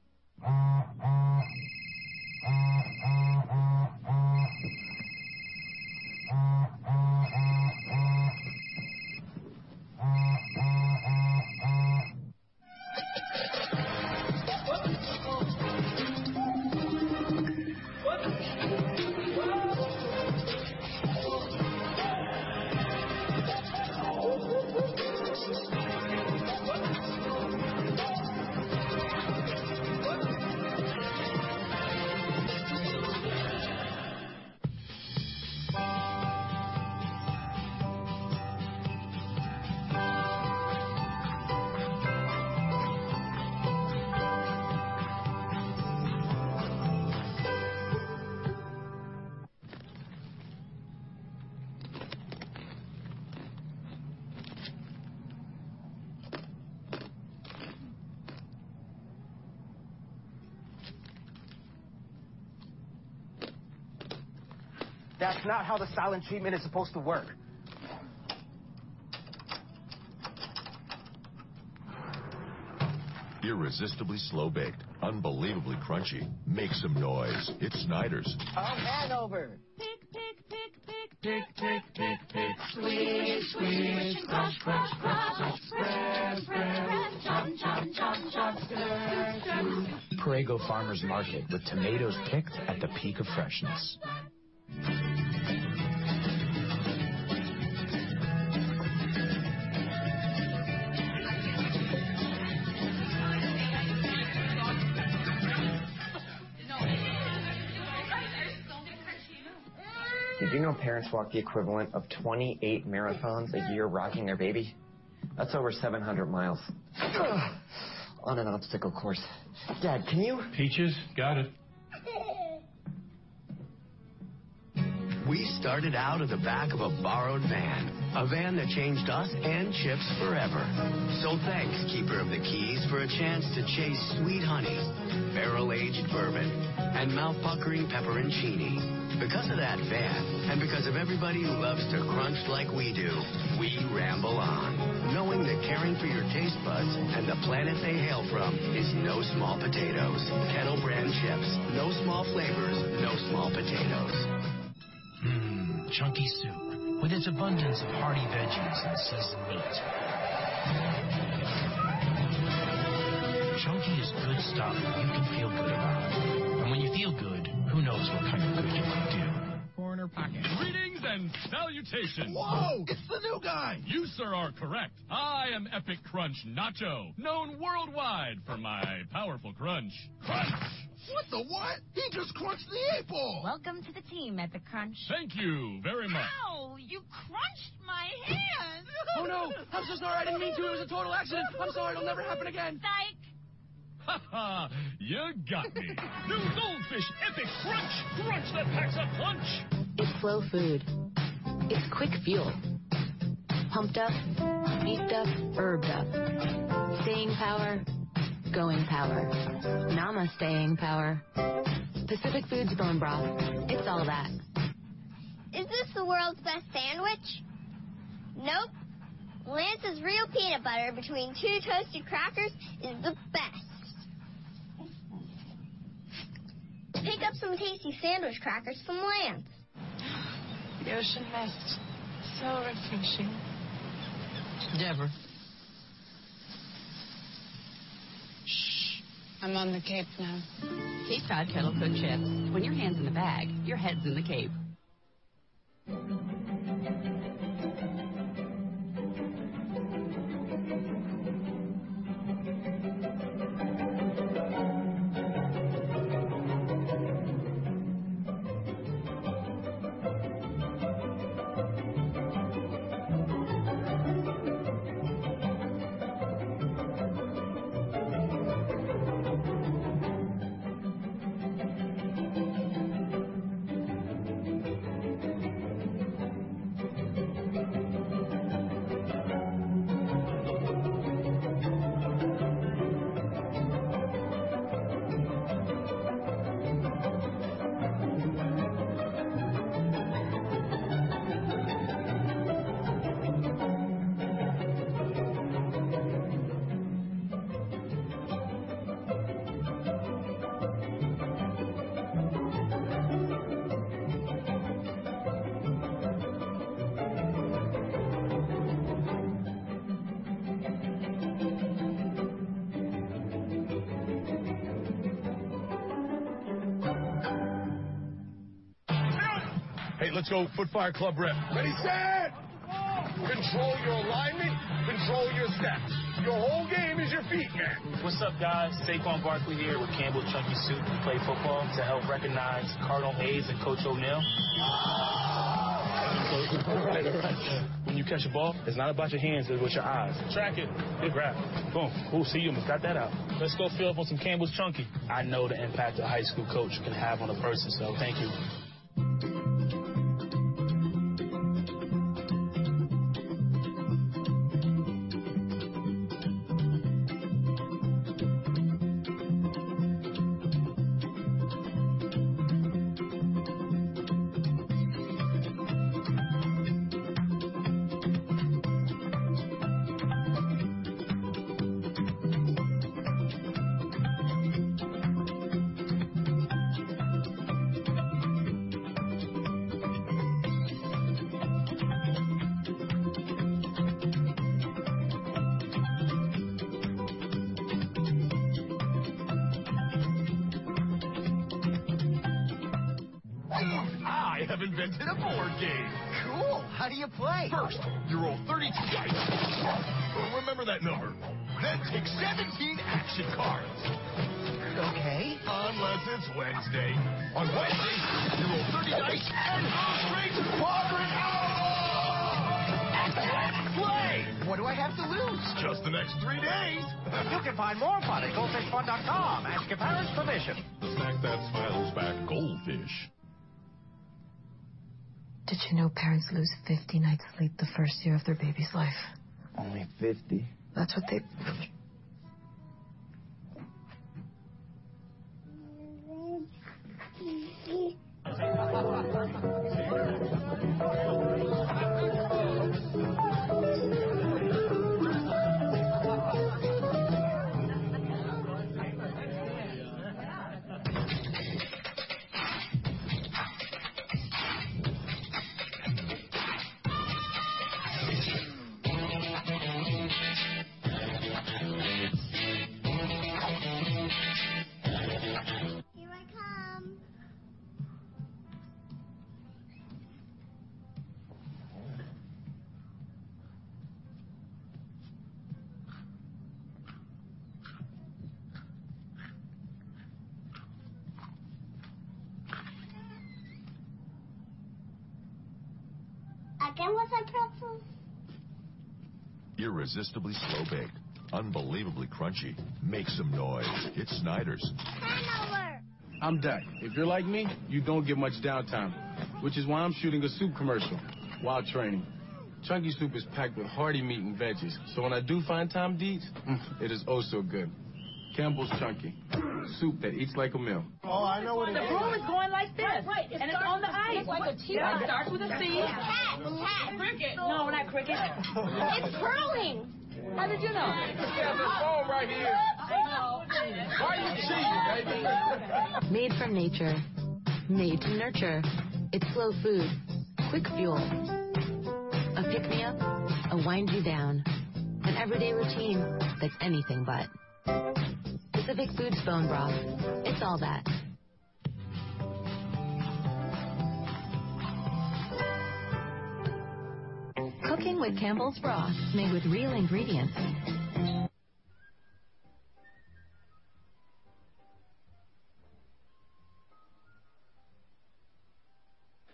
That's not how the silent treatment is supposed to work. Irresistibly slow-baked, unbelievably crunchy. Make some noise. It's Snyder's. Time over. Tick, tick, tick. Tick, tick, tick. Squeeze, squeeze. Crush, crush. Spread, spread. Chomp, chomp, chomp. Stir, stir. Prego Farmers' Market, with tomatoes picked at the peak of freshness. Did you know parents walk the equivalent of 28 marathons a year rocking their baby? That's over 700 miles. Ugh. On an obstacle course. Dad, can you- Peaches? Got it. We started out of the back of a borrowed van, a van that changed us and chips forever. Thanks, keeper of the keys, for a chance to chase sweet honey, barrel-aged bourbon, and mouth-puckering pepperoncini. Because of that van, and because of everybody who loves to crunch like we do, we Ramble On. Caring for your taste buds and the planet they hail from is no small potatoes. Kettle Brand chips, no small flavors, no small potatoes. Chunky soup with its abundance of hearty veggies and seasoned meat. Chunky is good stuff you can feel good about. When you feel good, who knows what kind of good you can do? Corner pocket. Greetings and salutations! Whoa. It's the new guy. You, sir, are correct. I am Epic Crunch Nacho, known worldwide for my powerful crunch. Crunch. What the what. He just crunched the 8-ball. Welcome to the team, Epic Crunch. Thank you very much. Ow. You crunched my hand. Oh, no, I'm so sorry. I didn't mean to. It was a total accident. I'm sorry, it'll never happen again. Psych! You got me. New Goldfish Epic Crunch, crunch that packs a punch. It's flow food. It's quick fuel. Pumped up, beet up, herbed up. Staying power, going power. Namaste-ing power. Pacific Foods Broth, it's all that. Is this the world's best sandwich? Nope. Lance's real peanut butter between two toasted crackers is the best. Pick up some tasty sandwich crackers from Lance. The ocean mist, so refreshing. Never. Shh, I'm on the Cape now. Cape Cod Kettle Cooked Chips. When your hand's in the bag, your head's in the Cape. Hey, let's go foot fire club rip. Ready, set. Control your alignment, control your steps. Your whole game is your feet, man. What's up, guys? Saquon Barkley here with Campbell's Chunky Soup to play football to help recognize Cardinal Hayes and Coach O'Neil. All right, all right. When you catch a ball, it's not about your hands, it's with your eyes. Track it. Good grab. Boom. Oh, see you. Cut that out. Let's go fill up on some Campbell's Chunky. I know the impact a high school coach can have on a person. Thank you. I have invented a board game. Cool. How do you play? First, you roll 32 dice. Remember that number. Take 17 action cards. Okay. Unless it's Wednesday. On Wednesday, you roll 30 dice and go straight to progress. Play. What do I have to lose? Just the next three days. You can find more fun at goldfishfun.com. Ask your parents' permission. The snack that smiles back, Goldfish. Did you know parents lose 50 nights sleep the first year of their baby's life? Only 50? That's what they- Here I come. Again with the pretzels? Irresistibly slow baked, unbelievably crunchy, makes some noise. It's Snyder's. Time out. I'm Dak. If you're like me, you don't get much downtime, which is why I'm shooting a soup commercial while training. Chunky soup is packed with hearty meat and veggies, so when I do find time to eat, mm, it is oh so good. Campbell's Chunky, soup that eats like a meal. Oh, I know what it is. The broom is going like this. That's right. It's like what a T starts with a C. Cat. Cricket. No, not cricket. It's curling. How did you know? She has a phone right here. Oh. Why are you cheating, baby? Made from nature. Made to nurture. It's slow food. Quick fuel. A pick me up. A wind you down. An everyday routine that's anything but. It's the Pacific Foods Bone Broth. It's all that. Cooking with Campbell's Broth. Made with real ingredients.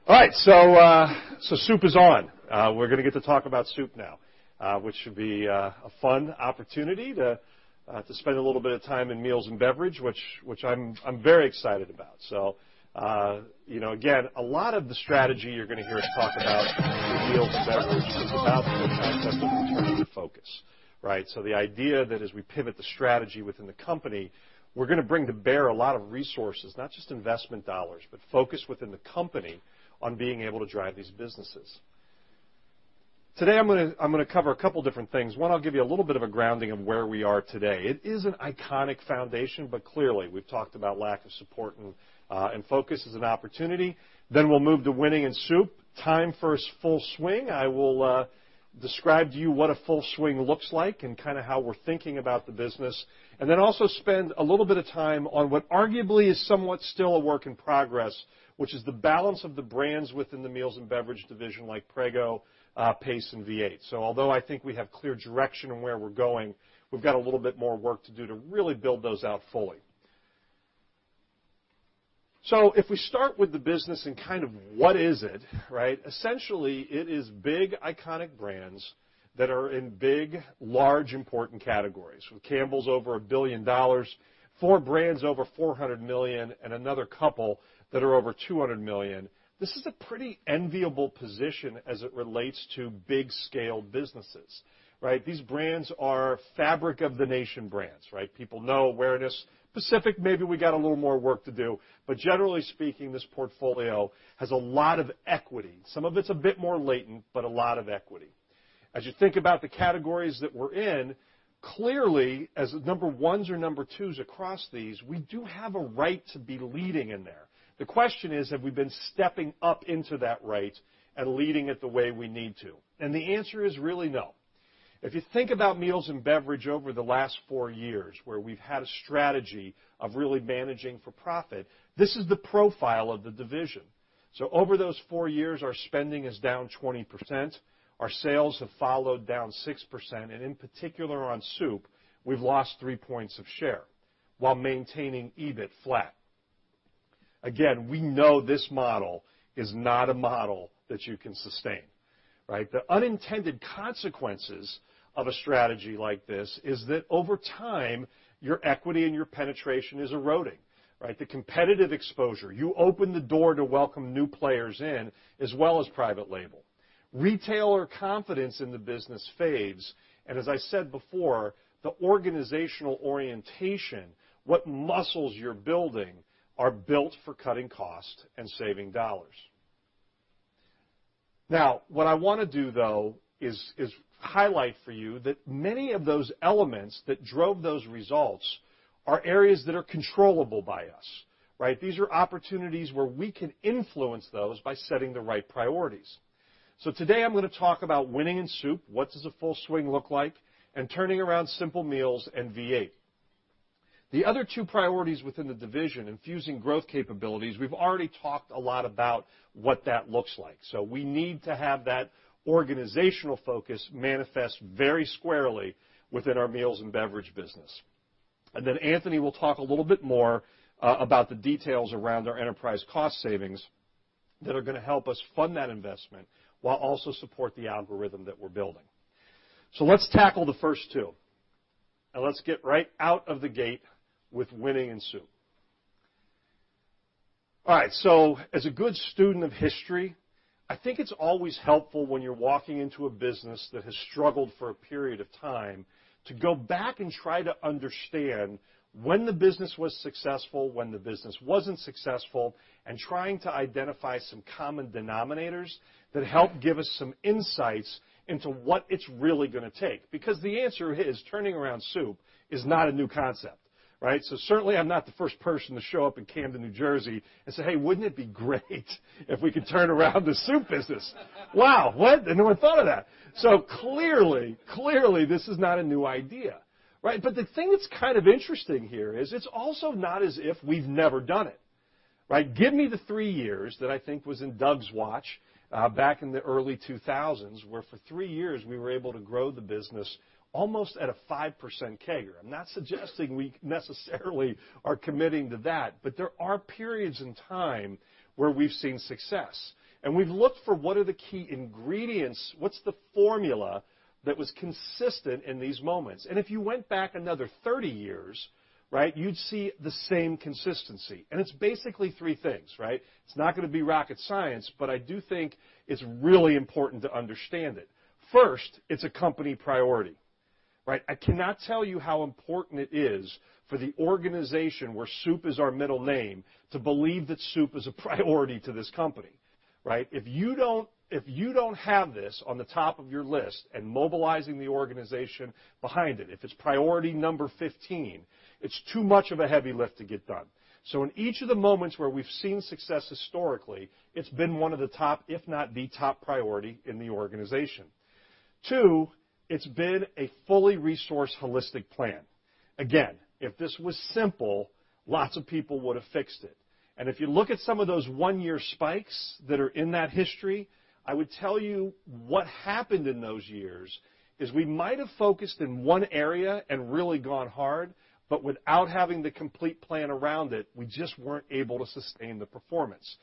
All right, soup is on. We're going to get to talk about soup now, which should be a fun opportunity to spend a little bit of time in Meals & Beverages, which I'm very excited about. Again, a lot of the strategy you're going to hear us talk about in Meals & Beverages is about the concept of targeted focus, right? The idea that as we pivot the strategy within the company, we're going to bring to bear a lot of resources, not just investment dollars, but focus within the company on being able to drive these businesses. Today, I'm going to cover a couple different things. One, I'll give you a little bit of a grounding of where we are today. It is an iconic foundation, but clearly, we've talked about lack of support and focus as an opportunity. We'll move to winning in soup, time for a full swing. I will describe to you what a full swing looks like and kind of how we're thinking about the business, and also spend a little bit of time on what arguably is somewhat still a work in progress, which is the balance of the brands within the Meals & Beverages division like Prego, Pace, and V8. Although I think we have clear direction on where we're going, we've got a little bit more work to do to really build those out fully. If we start with the business and kind of what is it, right? Essentially, it is big, iconic brands that are in big, large, important categories, with Campbell's over $1 billion, four brands over $400 million, and another couple that are over $200 million. This is a pretty enviable position as it relates to big scale businesses, right? These brands are fabric of the nation brands, right? People know awareness. Pacific Foods, maybe we got a little more work to do. Generally speaking, this portfolio has a lot of equity. Some of it's a bit more latent, but a lot of equity. As you think about the categories that we're in, clearly, as number ones or number twos across these, we do have a right to be leading in there. The question is, have we been stepping up into that right and leading it the way we need to? The answer is really no. If you think about Meals & Beverages over the last 4 years, where we've had a strategy of really managing for profit, this is the profile of the division. Over those four years, our spending is down 20%, our sales have followed down 6%, and in particular on soup, we've lost three points of share while maintaining EBIT flat. We know this model is not a model that you can sustain, right? The unintended consequences of a strategy like this is that over time, your equity and your penetration is eroding, right? The competitive exposure. You open the door to welcome new players in, as well as private label. Retailer confidence in the business fades, and as I said before, the organizational orientation, what muscles you're building are built for cutting cost and saving dollars. What I want to do, though, is highlight for you that many of those elements that drove those results are areas that are controllable by us, right? These are opportunities where we can influence those by setting the right priorities. Today, I'm going to talk about winning in soup, what does a full swing look like, and turning around simple meals and V8. The other two priorities within the division, infusing growth capabilities, we've already talked a lot about what that looks like. We need to have that organizational focus manifest very squarely within our meals and beverage business. Anthony will talk a little bit more about the details around our enterprise cost savings that are going to help us fund that investment while also support the algorithm that we're building. Let's tackle the first two, and let's get right out of the gate with winning in soup. As a good student of history, I think it's always helpful when you're walking into a business that has struggled for a period of time to go back and try to understand when the business was successful, when the business wasn't successful, and trying to identify some common denominators that help give us some insights into what it's really going to take. The answer is, turning around soup is not a new concept, right? Certainly, I'm not the first person to show up in Camden, New Jersey and say, "Hey, wouldn't it be great if we could turn around the soup business." Wow. What. No one thought of that. Clearly, this is not a new idea, right? The thing that's kind of interesting here is it's also not as if we've never done it, right? Give me the three years that I think was in Doug's watch back in the early 2000s, where for three years we were able to grow the business almost at a 5% CAGR. I'm not suggesting we necessarily are committing to that, but there are periods in time where we've seen success. We've looked for what are the key ingredients, what's the formula that was consistent in these moments? If you went back another 30 years, right, you'd see the same consistency. It's basically three things, right? It's not going to be rocket science, but I do think it's really important to understand it. First, it's a company priority. I cannot tell you how important it is for the organization where soup is our middle name to believe that soup is a priority to this company. If you don't have this on the top of your list and mobilizing the organization behind it, if it's priority number 15, it's too much of a heavy lift to get done. In each of the moments where we've seen success historically, it's been one of the top, if not the top priority in the organization. Two, it's been a fully resourced, holistic plan. Again, if this was simple, lots of people would have fixed it. If you look at some of those one-year spikes that are in that history, I would tell you what happened in those years is we might have focused in one area and really gone hard, but without having the complete plan around it, we just weren't able to sustain the performance.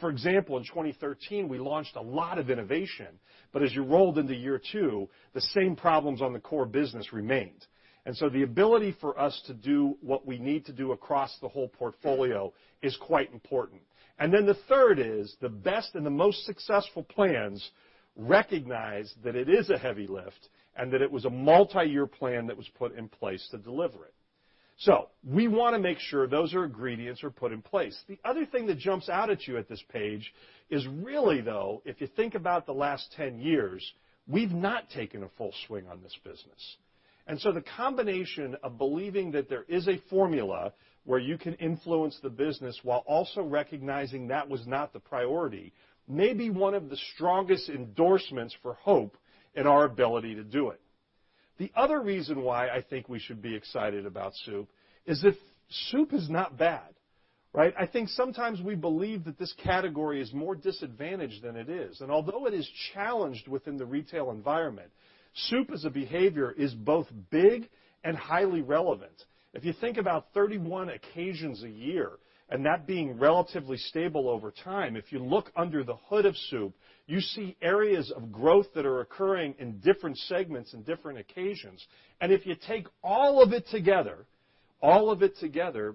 For example, in 2013, we launched a lot of innovation, but as you rolled into year two, the same problems on the core business remained. The ability for us to do what we need to do across the whole portfolio is quite important. The third is the best and the most successful plans recognize that it is a heavy lift and that it was a multi-year plan that was put in place to deliver it. We want to make sure those ingredients are put in place. The other thing that jumps out at you at this page is really, though, if you think about the last 10 years, we've not taken a full swing on this business. The combination of believing that there is a formula where you can influence the business while also recognizing that was not the priority, may be one of the strongest endorsements for hope in our ability to do it. The other reason why I think we should be excited about soup is that soup is not bad. I think sometimes we believe that this category is more disadvantaged than it is, and although it is challenged within the retail environment, soup as a behavior is both big and highly relevant. If you think about 31 occasions a year and that being relatively stable over time, if you look under the hood of soup, you see areas of growth that are occurring in different segments and different occasions. If you take all of it together,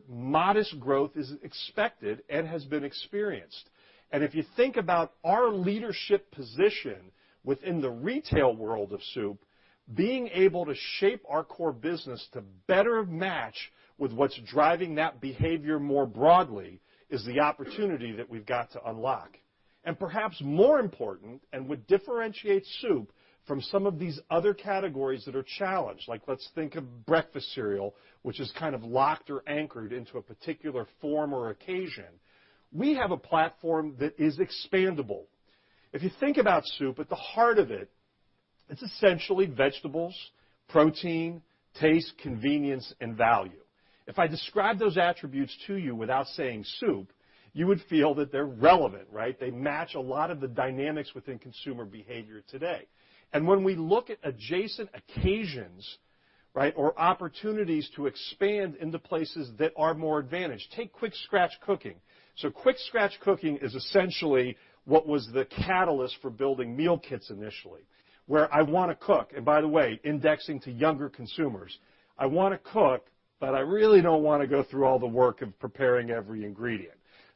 modest growth is expected and has been experienced. If you think about our leadership position within the retail world of soup, being able to shape our core business to better match with what's driving that behavior more broadly is the opportunity that we've got to unlock. Perhaps more important and would differentiate soup from some of these other categories that are challenged, like let's think of breakfast cereal, which is kind of locked or anchored into a particular form or occasion. We have a platform that is expandable. If you think about soup, at the heart of it's essentially vegetables, protein, taste, convenience, and value. If I describe those attributes to you without saying soup, you would feel that they're relevant, right? They match a lot of the dynamics within consumer behavior today. When we look at adjacent occasions or opportunities to expand into places that are more advantaged, take quick scratch cooking. Quick scratch cooking is essentially what was the catalyst for building meal kits initially, where I want to cook. By the way, indexing to younger consumers, I want to cook, but I really don't want to go through all the work of preparing every ingredient.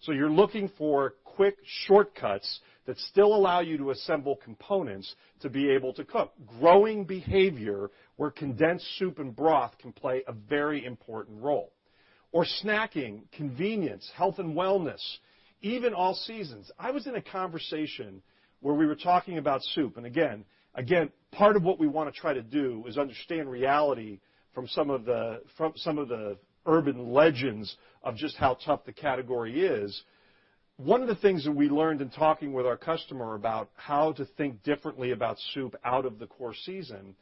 You're looking for quick shortcuts that still allow you to assemble components to be able to cook. Growing behavior where condensed soup and broth can play a very important role, or snacking, convenience, health and wellness, even all seasons. I was in a conversation where we were talking about soup, and again, part of what we want to try to do is understand reality from some of the urban legends of just how tough the category is. One of the things that we learned in talking with our customer about how to think differently about soup out of the core season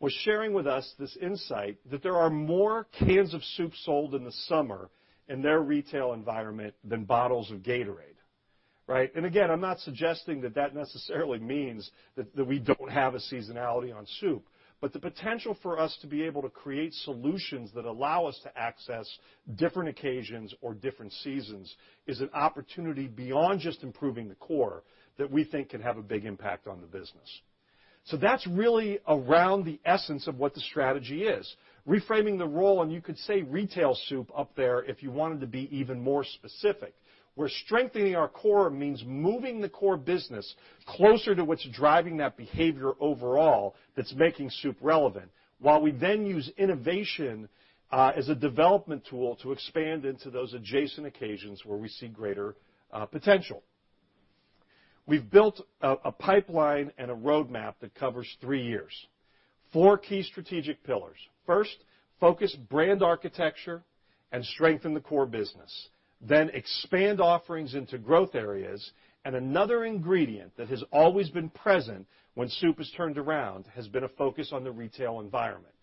was sharing with us this insight that there are more cans of soup sold in the summer in their retail environment than bottles of Gatorade. Again, I'm not suggesting that that necessarily means that we don't have a seasonality on soup, but the potential for us to be able to create solutions that allow us to access different occasions or different seasons is an opportunity beyond just improving the core that we think can have a big impact on the business. That's really around the essence of what the strategy is, reframing the role, and you could say retail soup up there if you wanted to be even more specific, where strengthening our core means moving the core business closer to what's driving that behavior overall that's making soup relevant while we then use innovation as a development tool to expand into those adjacent occasions where we see greater potential. We've built a pipeline and a roadmap that covers 3 years. Four key strategic pillars. First, focus brand architecture and strengthen the core business, expand offerings into growth areas. Another ingredient that has always been present when soup is turned around has been a focus on the retail environment.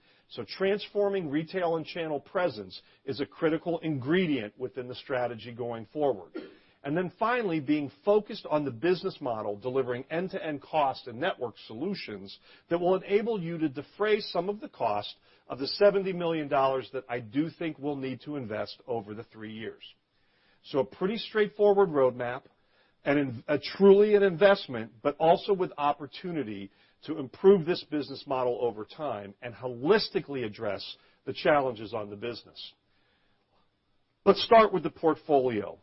Transforming retail and channel presence is a critical ingredient within the strategy going forward. Finally, being focused on the business model, delivering end-to-end cost and network solutions that will enable you to defray some of the cost of the $70 million that I do think we'll need to invest over the 3 years. A pretty straightforward roadmap and truly an investment, but also with opportunity to improve this business model over time and holistically address the challenges on the business. Let's start with the portfolio.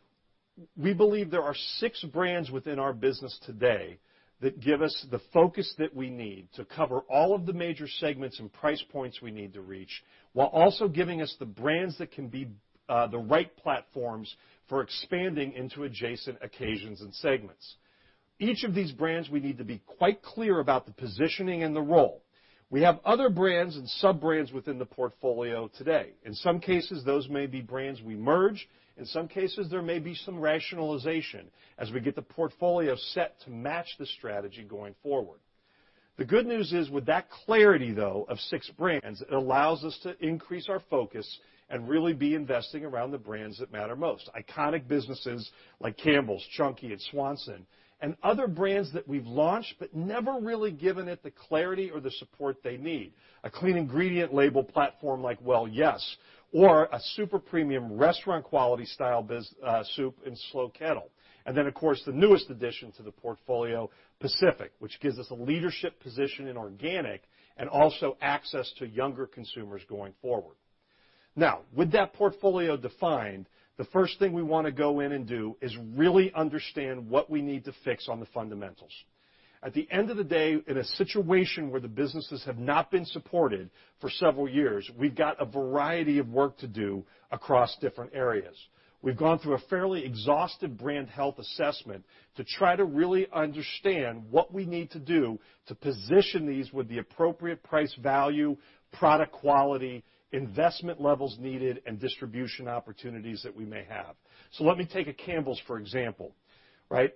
We believe there are six brands within our business today that give us the focus that we need to cover all of the major segments and price points we need to reach, while also giving us the brands that can be the right platforms for expanding into adjacent occasions and segments. Each of these brands, we need to be quite clear about the positioning and the role. We have other brands and sub-brands within the portfolio today. In some cases, those may be brands we merge. In some cases, there may be some rationalization as we get the portfolio set to match the strategy going forward. The good news is with that clarity, though, of six brands, it allows us to increase our focus and really be investing around the brands that matter most. Iconic businesses like Campbell's, Chunky, and Swanson, and other brands that we've launched but never really given it the clarity or the support they need. A clean ingredient label platform like Well Yes! or a super premium restaurant quality style soup in Slow Kettle. Then of course, the newest addition to the portfolio, Pacific, which gives us a leadership position in organic and also access to younger consumers going forward. With that portfolio defined, the first thing we want to go in and do is really understand what we need to fix on the fundamentals. At the end of the day, in a situation where the businesses have not been supported for several years, we've got a variety of work to do across different areas. We've gone through a fairly exhaustive brand health assessment to try to really understand what we need to do to position these with the appropriate price value, product quality, investment levels needed, and distribution opportunities that we may have. Let me take a Campbell's, for example.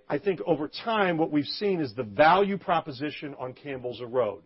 I think over time, what we've seen is the value proposition on Campbell's erode.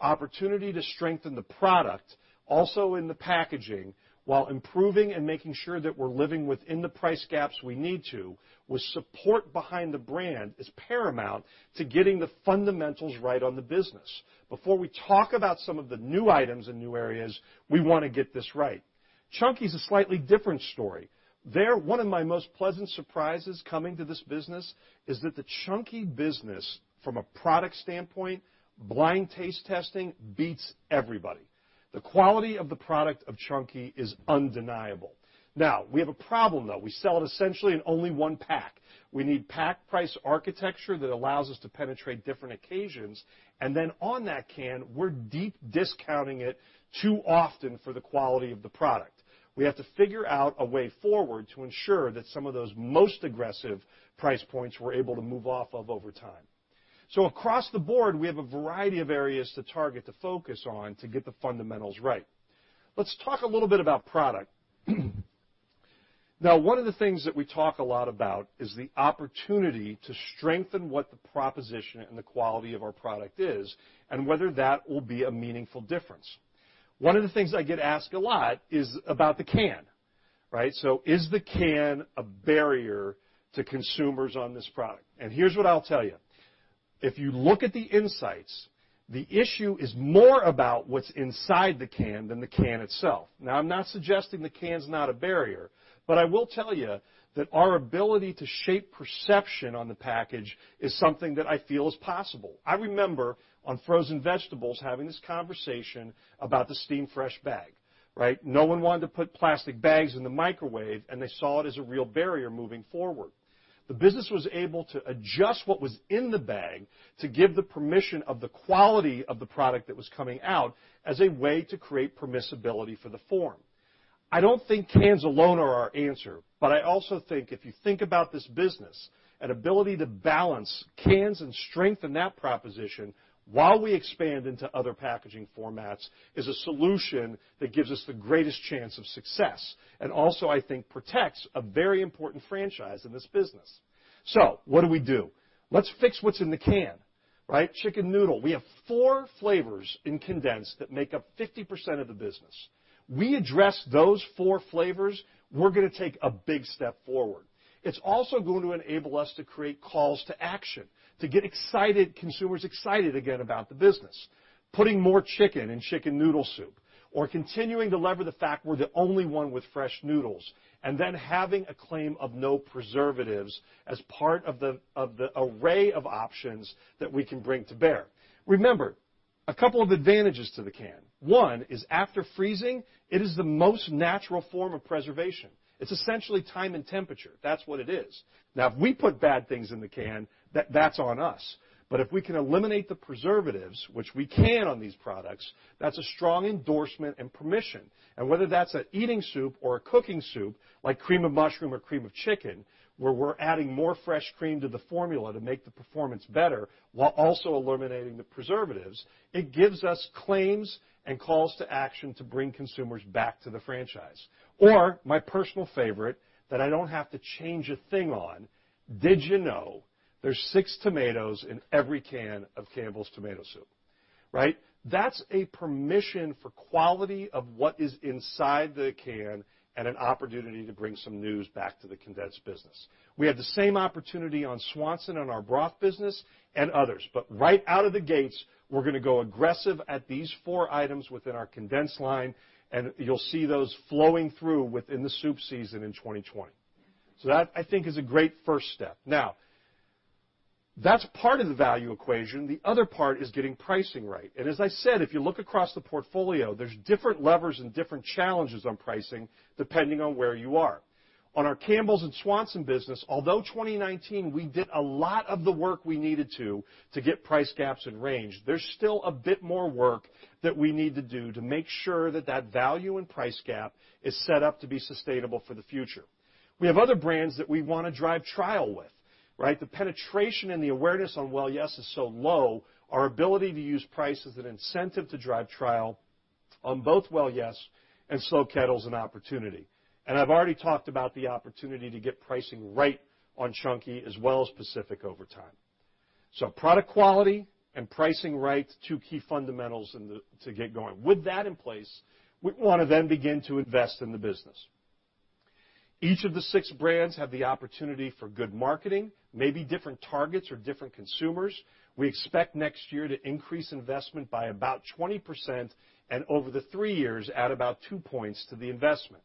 Opportunity to strengthen the product, also in the packaging, while improving and making sure that we're living within the price gaps we need to with support behind the brand is paramount to getting the fundamentals right on the business. Before we talk about some of the new items and new areas, we want to get this right. Chunky is a slightly different story. There, one of my most pleasant surprises coming to this business is that the Chunky business, from a product standpoint, blind taste testing beats everybody. The quality of the product of Chunky is undeniable. We have a problem, though. We sell it essentially in only one pack. We need pack price architecture that allows us to penetrate different occasions, and then on that can, we're deep discounting it too often for the quality of the product. We have to figure out a way forward to ensure that some of those most aggressive price points we're able to move off of over time. Across the board, we have a variety of areas to target the focus on to get the fundamentals right. Let's talk a little bit about product. One of the things that we talk a lot about is the opportunity to strengthen what the proposition and the quality of our product is and whether that will be a meaningful difference. One of the things I get asked a lot is about the can. Is the can a barrier to consumers on this product? Here's what I'll tell you. If you look at the insights, the issue is more about what's inside the can than the can itself. I'm not suggesting the can's not a barrier, but I will tell you that our ability to shape perception on the package is something that I feel is possible. I remember on frozen vegetables having this conversation about the Steamfresh bag. No one wanted to put plastic bags in the microwave, and they saw it as a real barrier moving forward. The business was able to adjust what was in the bag to give the permission of the quality of the product that was coming out as a way to create permissibility for the form. I don't think cans alone are our answer, but I also think if you think about this business, an ability to balance cans and strengthen that proposition while we expand into other packaging formats is a solution that gives us the greatest chance of success, and also, I think, protects a very important franchise in this business. What do we do? Let's fix what's in the can. Chicken noodle. We have four flavors in condensed that make up 50% of the business. We address those four flavors, we're going to take a big step forward. It's also going to enable us to create calls to action to get consumers excited again about the business. Putting more chicken in chicken noodle soup, or continuing to lever the fact we're the only one with fresh noodles, and then having a claim of no preservatives as part of the array of options that we can bring to bear. Remember, a couple of advantages to the can. One is after freezing, it is the most natural form of preservation. It's essentially time and temperature. That's what it is. If we put bad things in the can, that's on us. If we can eliminate the preservatives, which we can on these products, that's a strong endorsement and permission. Whether that's an eating soup or a cooking soup, like cream of mushroom or cream of chicken, where we're adding more fresh cream to the formula to make the performance better while also eliminating the preservatives, it gives us claims and calls to action to bring consumers back to the franchise. My personal favorite that I don't have to change a thing on, did you know there's six tomatoes in every can of Campbell's Tomato Soup? That's a permission for quality of what is inside the can and an opportunity to bring some news back to the condensed business. We have the same opportunity on Swanson on our broth business and others. Right out of the gates, we're going to go aggressive at these four items within our condensed line, and you'll see those flowing through within the soup season in 2020. That I think is a great first step. That's part of the value equation. The other part is getting pricing right. As I said, if you look across the portfolio, there's different levers and different challenges on pricing depending on where you are. On our Campbell's and Swanson business, although 2019 we did a lot of the work we needed to get price gaps in range, there's still a bit more work that we need to do to make sure that that value and price gap is set up to be sustainable for the future. We have other brands that we want to drive trial with, right? The penetration and the awareness on Well Yes! is so low, our ability to use price as an incentive to drive trial on both Well Yes! and Slow Kettle's an opportunity. I've already talked about the opportunity to get pricing right on Chunky as well as Pacific over time. Product quality and pricing right, two key fundamentals to get going. With that in place, we want to begin to invest in the business. Each of the six brands have the opportunity for good marketing, maybe different targets or different consumers. We expect next year to increase investment by about 20%, and over the three years, add about two points to the investment,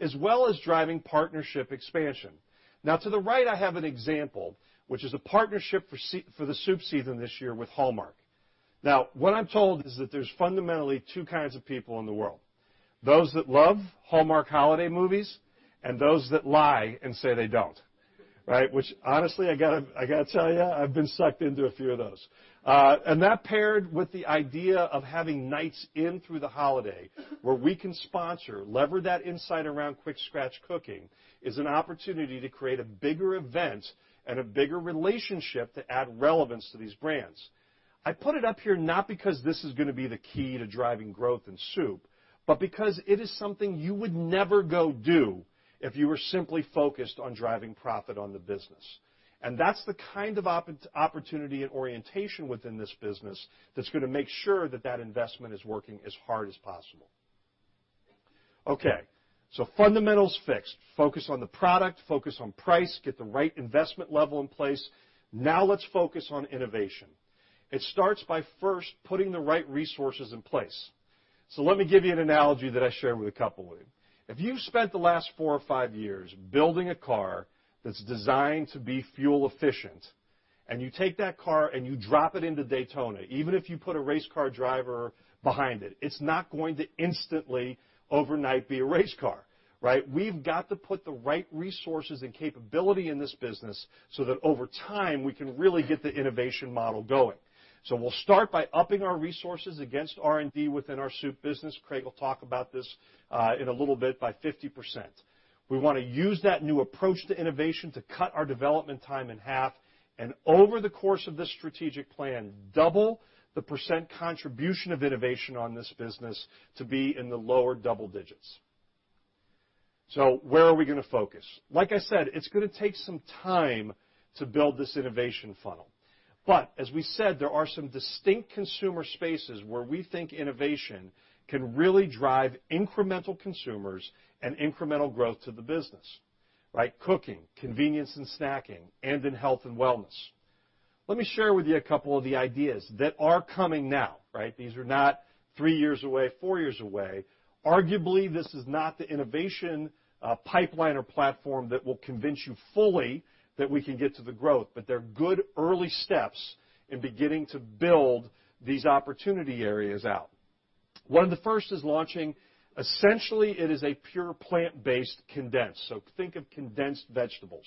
as well as driving partnership expansion. To the right, I have an example, which is a partnership for the soup season this year with Hallmark. What I'm told is that there's fundamentally two kinds of people in the world, those that love Hallmark holiday movies and those that lie and say they don't, right? Which honestly, I've got to tell you, I've been sucked into a few of those. That paired with the idea of having nights in through the holiday where we can sponsor, lever that insight around quick scratch cooking, is an opportunity to create a bigger event and a bigger relationship to add relevance to these brands. I put it up here not because this is going to be the key to driving growth in soup, but because it is something you would never go do if you were simply focused on driving profit on the business. That's the kind of opportunity and orientation within this business that's going to make sure that that investment is working as hard as possible. Fundamentals fixed. Focus on the product, focus on price, get the right investment level in place. Let's focus on innovation. It starts by first putting the right resources in place. Let me give you an analogy that I share with a couple of you. If you've spent the last four or five years building a car that's designed to be fuel efficient, and you take that car and you drop it into Daytona, even if you put a race car driver behind it's not going to instantly, overnight, be a race car, right? We've got to put the right resources and capability in this business so that over time, we can really get the innovation model going. We'll start by upping our resources against R&D within our soup business, Craig will talk about this in a little bit, by 50%. We want to use that new approach to innovation to cut our development time in half, and over the course of this strategic plan, double the % contribution of innovation on this business to be in the lower double digits. Where are we going to focus? Like I said, it's going to take some time to build this innovation funnel. As we said, there are some distinct consumer spaces where we think innovation can really drive incremental consumers and incremental growth to the business, right? Cooking, convenience and snacking, and in health and wellness. Let me share with you a couple of the ideas that are coming now, right? These are not three years away, four years away. Arguably, this is not the innovation pipeline or platform that will convince you fully that we can get to the growth, but they're good early steps in beginning to build these opportunity areas out. One of the first is launching, essentially it is a pure plant-based condensed. Think of condensed vegetables.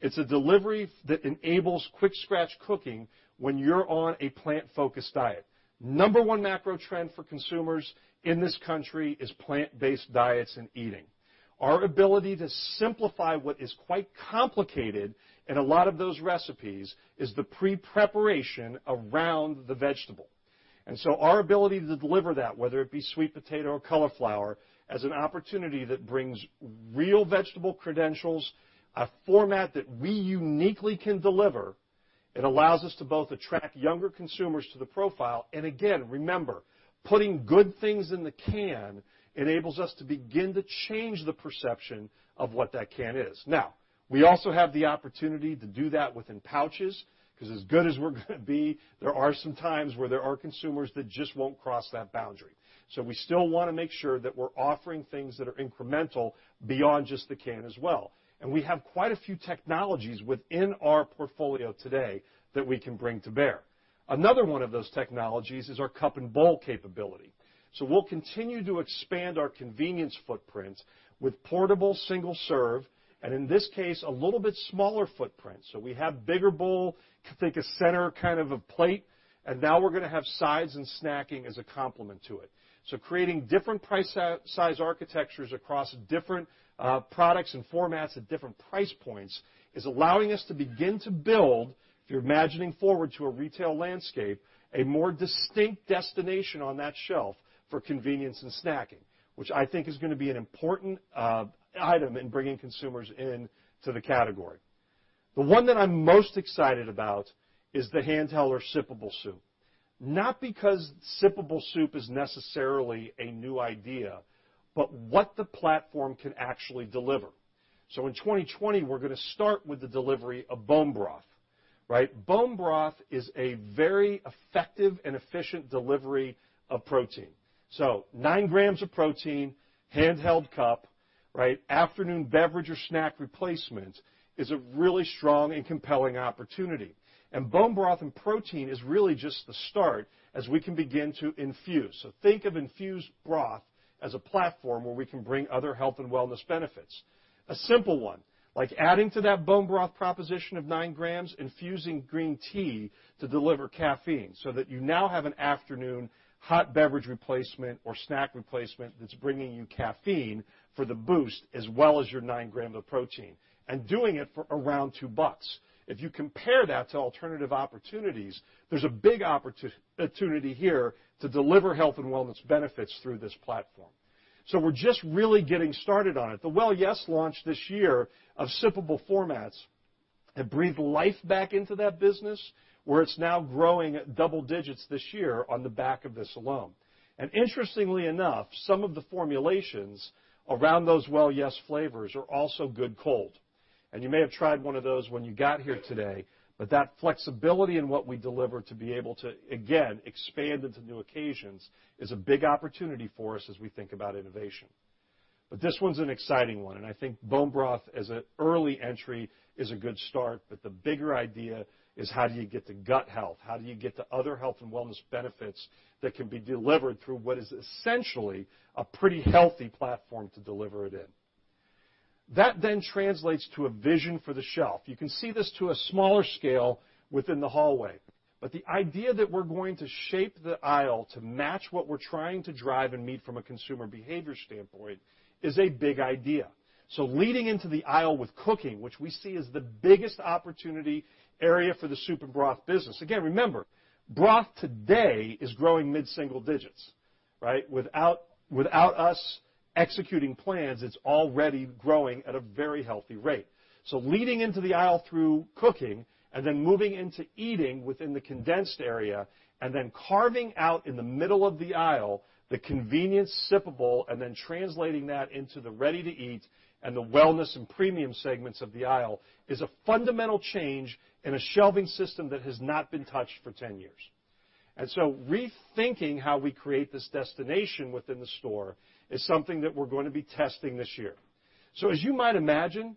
It's a delivery that enables quick scratch cooking when you're on a plant-focused diet. Number 1 macro trend for consumers in this country is plant-based diets and eating. Our ability to simplify what is quite complicated in a lot of those recipes is the pre-preparation around the vegetable. Our ability to deliver that, whether it be sweet potato or cauliflower, as an opportunity that brings real vegetable credentials, a format that we uniquely can deliver, it allows us to both attract younger consumers to the profile, and again, remember, putting good things in the can enables us to begin to change the perception of what that can is. Now, we also have the opportunity to do that within pouches, because as good as we're going to be, there are some times where there are consumers that just won't cross that boundary. We still want to make sure that we're offering things that are incremental beyond just the can as well. We have quite a few technologies within our portfolio today that we can bring to bear. Another one of those technologies is our cup and bowl capability. We'll continue to expand our convenience footprint with portable single-serve, and in this case, a little bit smaller footprint. We have bigger bowl, think a center kind of a plate, and now we're going to have sides and snacking as a complement to it. Creating different price-size architectures across different products and formats at different price points is allowing us to begin to build, if you're imagining forward to a retail landscape, a more distinct destination on that shelf for convenience and snacking, which I think is going to be an important item in bringing consumers in to the category. The one that I'm most excited about is the handheld or sippable soup. Not because sippable soup is necessarily a new idea, but what the platform can actually deliver. In 2020, we're going to start with the delivery of bone broth, right? Bone broth is a very effective and efficient delivery of protein. Nine grams of protein, handheld cup. Afternoon beverage or snack replacement is a really strong and compelling opportunity. Bone broth and protein is really just the start as we can begin to infuse. Think of infused broth as a platform where we can bring other health and wellness benefits. A simple one, like adding to that bone broth proposition of nine grams, infusing green tea to deliver caffeine so that you now have an afternoon hot beverage replacement or snack replacement that's bringing you caffeine for the boost, as well as your nine grams of protein, and doing it for around $2. If you compare that to alternative opportunities, there's a big opportunity here to deliver health and wellness benefits through this platform. We're just really getting started on it. The Well Yes! launch this year of sippable formats have breathed life back into that business, where it's now growing at double digits this year on the back of this alone. Interestingly enough, some of the formulations around those Well Yes! flavors are also good cold. You may have tried one of those when you got here today, but that flexibility in what we deliver to be able to, again, expand into new occasions is a big opportunity for us as we think about innovation. This one's an exciting one, and I think bone broth as an early entry is a good start, but the bigger idea is how do you get to gut health? How do you get to other health and wellness benefits that can be delivered through what is essentially a pretty healthy platform to deliver it in? That translates to a vision for the shelf. You can see this to a smaller scale within the hallway, but the idea that we're going to shape the aisle to match what we're trying to drive and meet from a consumer behavior standpoint is a big idea. Leading into the aisle with cooking, which we see as the biggest opportunity area for the soup and broth business. Remember, broth today is growing mid-single digits. Without us executing plans, it's already growing at a very healthy rate. Leading into the aisle through cooking, moving into eating within the condensed area, carving out in the middle of the aisle the convenience sippable, translating that into the ready-to-eat and the wellness and premium segments of the aisle is a fundamental change in a shelving system that has not been touched for 10 years. Rethinking how we create this destination within the store is something that we're going to be testing this year. As you might imagine,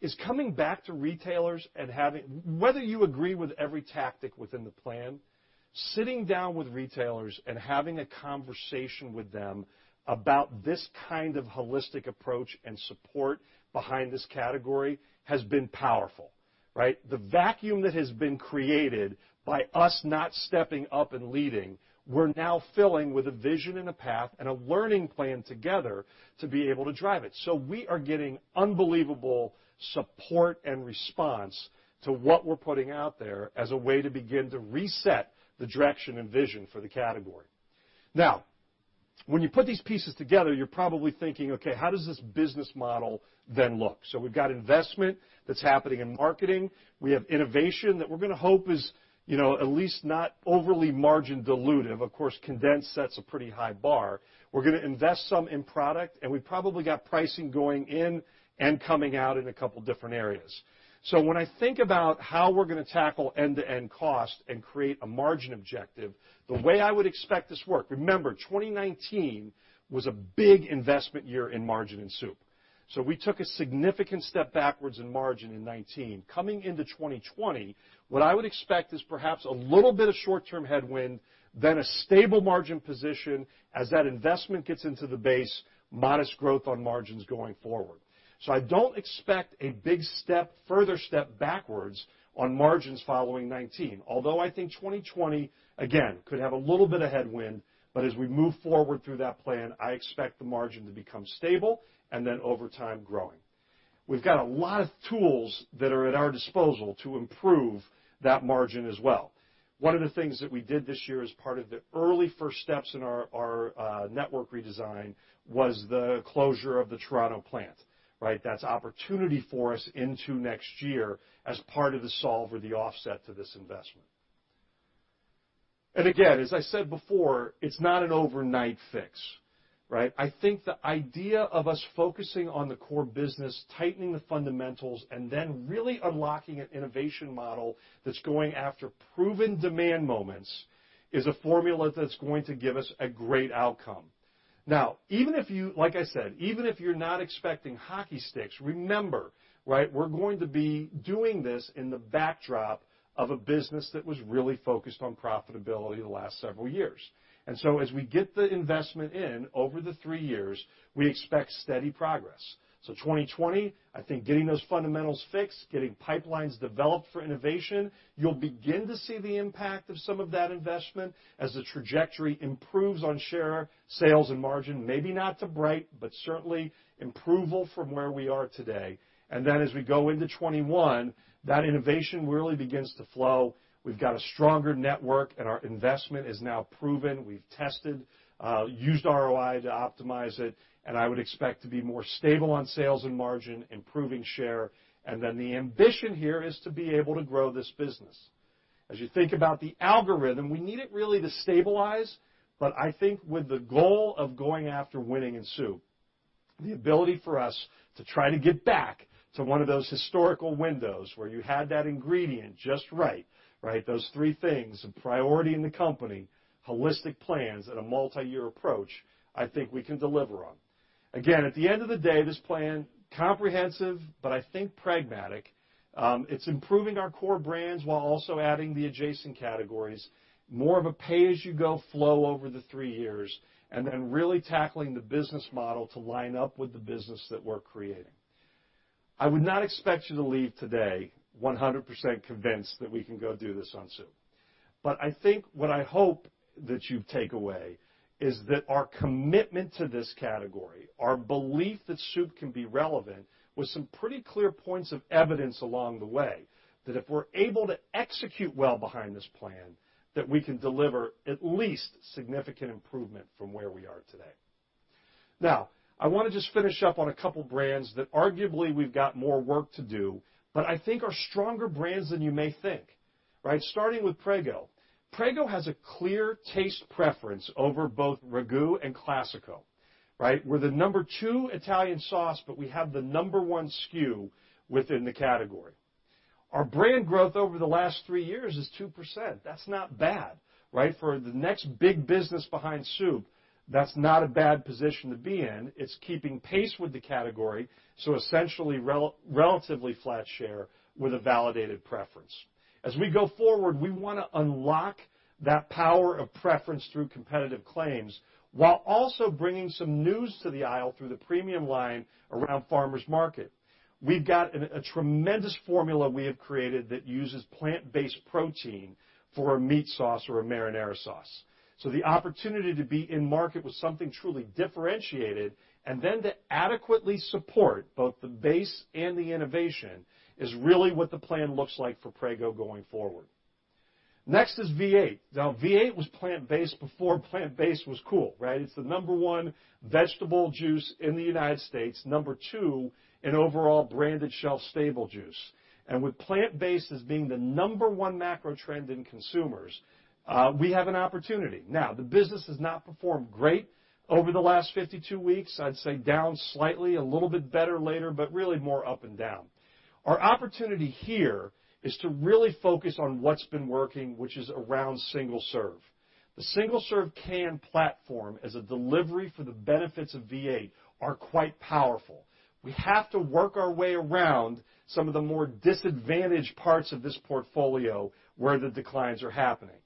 is coming back to retailers and having, whether you agree with every tactic within the plan, sitting down with retailers and having a conversation with them about this kind of holistic approach and support behind this category has been powerful. The vacuum that has been created by us not stepping up and leading, we're now filling with a vision and a path and a learning plan together to be able to drive it. We are getting unbelievable support and response to what we're putting out there as a way to begin to reset the direction and vision for the category. When you put these pieces together, you're probably thinking, how does this business model then look? We've got investment that's happening in marketing. We have innovation that we're going to hope is at least not overly margin dilutive. Of course, condensed sets a pretty high bar. We're going to invest some in product, and we probably got pricing going in and coming out in a couple of different areas. When I think about how we're going to tackle end-to-end cost and create a margin objective, the way I would expect this work. Remember, 2019 was a big investment year in margin and soup. We took a significant step backwards in margin in 2019. Coming into 2020, what I would expect is perhaps a little bit of short-term headwind, then a stable margin position as that investment gets into the base, modest growth on margins going forward. I don't expect a big step, further step backwards on margins following 2019. I think 2020, again, could have a little bit of headwind, but as we move forward through that plan, I expect the margin to become stable and then over time growing. We've got a lot of tools that are at our disposal to improve that margin as well. One of the things that we did this year as part of the early first steps in our network redesign was the closure of the Toronto plant. That's opportunity for us into next year as part of the solve or the offset to this investment. Again, as I said before, it's not an overnight fix. I think the idea of us focusing on the core business, tightening the fundamentals, and then really unlocking an innovation model that's going after proven demand moments is a formula that's going to give us a great outcome. Like I said, even if you're not expecting hockey sticks, remember, we're going to be doing this in the backdrop of a business that was really focused on profitability the last several years. As we get the investment in over the three years, we expect steady progress. 2020, I think getting those fundamentals fixed, getting pipelines developed for innovation, you'll begin to see the impact of some of that investment as the trajectory improves on share, sales, and margin. Maybe not to bright, but certainly improval from where we are today. As we go into 2021, that innovation really begins to flow. We've got a stronger network, and our investment is now proven. We've tested, used ROI to optimize it, and I would expect to be more stable on sales and margin, improving share. The ambition here is to be able to grow this business. As you think about the algorithm, we need it really to stabilize, but I think with the goal of going after winning in soup, the ability for us to try to get back to one of those historical windows where you had that ingredient just right, those three things, a priority in the company, holistic plans, and a multi-year approach, I think we can deliver on. At the end of the day, this plan, comprehensive, but I think pragmatic. It's improving our core brands while also adding the adjacent categories. More of a pay-as-you-go flow over the three years. Then really tackling the business model to line up with the business that we're creating. I would not expect you to leave today 100% convinced that we can go do this on soup. I think what I hope that you take away is that our commitment to this category, our belief that soup can be relevant with some pretty clear points of evidence along the way, that if we're able to execute well behind this plan, that we can deliver at least significant improvement from where we are today. I want to just finish up on a couple of brands that arguably we've got more work to do, but I think are stronger brands than you may think. Starting with Prego. Prego has a clear taste preference over both RAGÚ and Classico. We're the number 2 Italian sauce, but we have the number 1 SKU within the category. Our brand growth over the last 3 years is 2%. That's not bad. For the next big business behind soup, that's not a bad position to be in. It's keeping pace with the category, essentially, relatively flat share with a validated preference. As we go forward, we want to unlock that power of preference through competitive claims, while also bringing some news to the aisle through the premium line around Prego Farmers' Market. We've got a tremendous formula we have created that uses plant-based protein for a meat sauce or a marinara sauce. The opportunity to be in market with something truly differentiated, and then to adequately support both the base and the innovation is really what the plan looks like for Prego going forward. Next is V8. V8 was plant-based before plant-based was cool. It's the number 1 vegetable juice in the U.S., number 2 in overall branded shelf stable juice. With plant-based as being the number 1 macro trend in consumers, we have an opportunity. The business has not performed great over the last 52 weeks. I'd say down slightly, a little bit better later, but really more up and down. Our opportunity here is to really focus on what's been working, which is around single serve. The single-serve can platform as a delivery for the benefits of V8 are quite powerful. We have to work our way around some of the more disadvantaged parts of this portfolio where the declines are happening.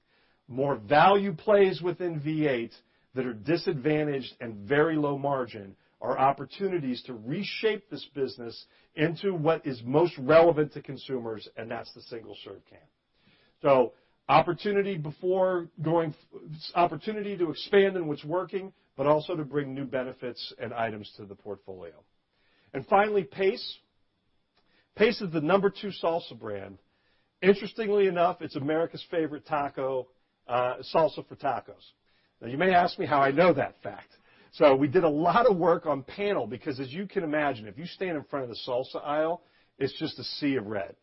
More value plays within V8 that are disadvantaged and very low margin are opportunities to reshape this business into what is most relevant to consumers, and that's the single-serve can. Opportunity to expand in what's working, but also to bring new benefits and items to the portfolio. Finally, Pace. Pace is the number 2 salsa brand. Interestingly enough, it's America's favorite salsa for tacos. You may ask me how I know that fact. We did a lot of work on panel because as you can imagine, if you stand in front of the salsa aisle, it's just a sea of red.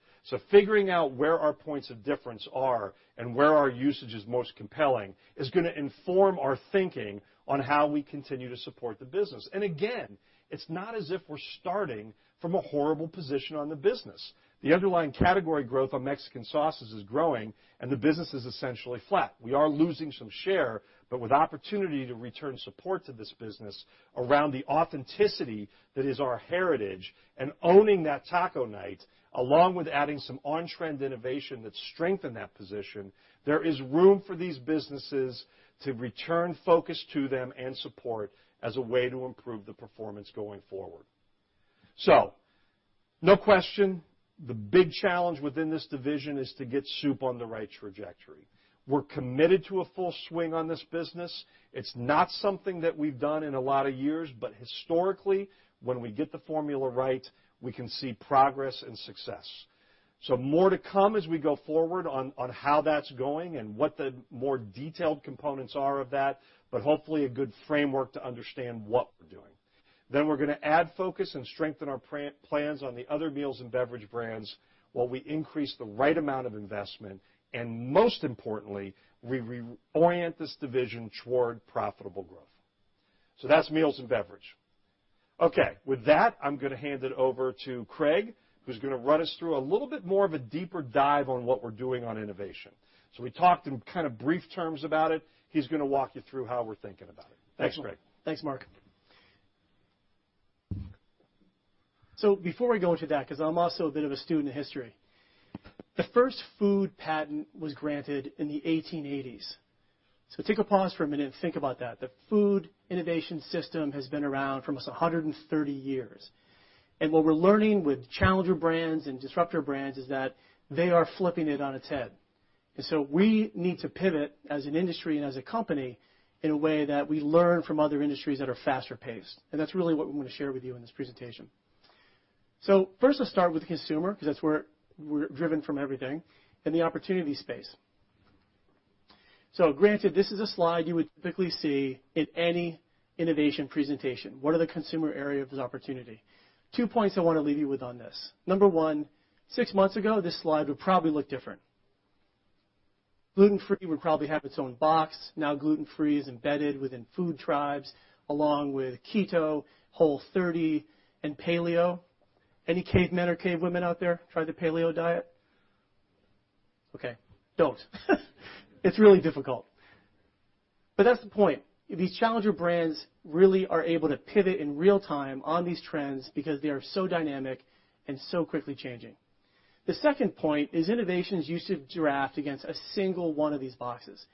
Figuring out where our points of difference are and where our usage is most compelling is going to inform our thinking on how we continue to support the business. Again, it's not as if we're starting from a horrible position on the business. The underlying category growth on Mexican sauces is growing and the business is essentially flat. We are losing some share, but with opportunity to return support to this business around the authenticity that is our heritage and owning that taco night, along with adding some on-trend innovation that strengthen that position, there is room for these businesses to return focus to them and support as a way to improve the performance going forward. No question, the big challenge within this division is to get soup on the right trajectory. We're committed to a full swing on this business. It's not something that we've done in a lot of years, but historically, when we get the formula right, we can see progress and success. More to come as we go forward on how that's going and what the more detailed components are of that, but hopefully a good framework to understand what we're doing. We're going to add focus and strengthen our plans on the other meals and beverage brands while we increase the right amount of investment, and most importantly, we reorient this division toward profitable growth. That's meals and beverage. Okay. With that, I'm going to hand it over to Craig, who's going to run us through a little bit more of a deeper dive on what we're doing on innovation. We talked in kind of brief terms about it. He's going to walk you through how we're thinking about it. Thanks, Craig. Thanks, Mark. Before we go into that, because I'm also a bit of a student of history, the first food patent was granted in the 1880s. Take a pause for a minute and think about that. The food innovation system has been around for almost 130 years. What we're learning with challenger brands and disruptor brands is that they are flipping it on its head. We need to pivot as an industry and as a company in a way that we learn from other industries that are faster paced. That's really what we want to share with you in this presentation. First, let's start with the consumer, because that's where we're driven from everything, and the opportunity space. Granted, this is a slide you would typically see in any innovation presentation. What are the consumer areas of opportunity? Two points I want to leave you with on this. Number one, six months ago, this slide would probably look different. Gluten-free would probably have its own box. Now gluten-free is embedded within food tribes, along with keto, Whole30, and paleo. Any cavemen or cavewomen out there? Tried the paleo diet? Okay, don't. It's really difficult. That's the point. These challenger brands really are able to pivot in real time on these trends because they are so dynamic and so quickly changing. The second point is innovations used to draft against a single one of these boxes.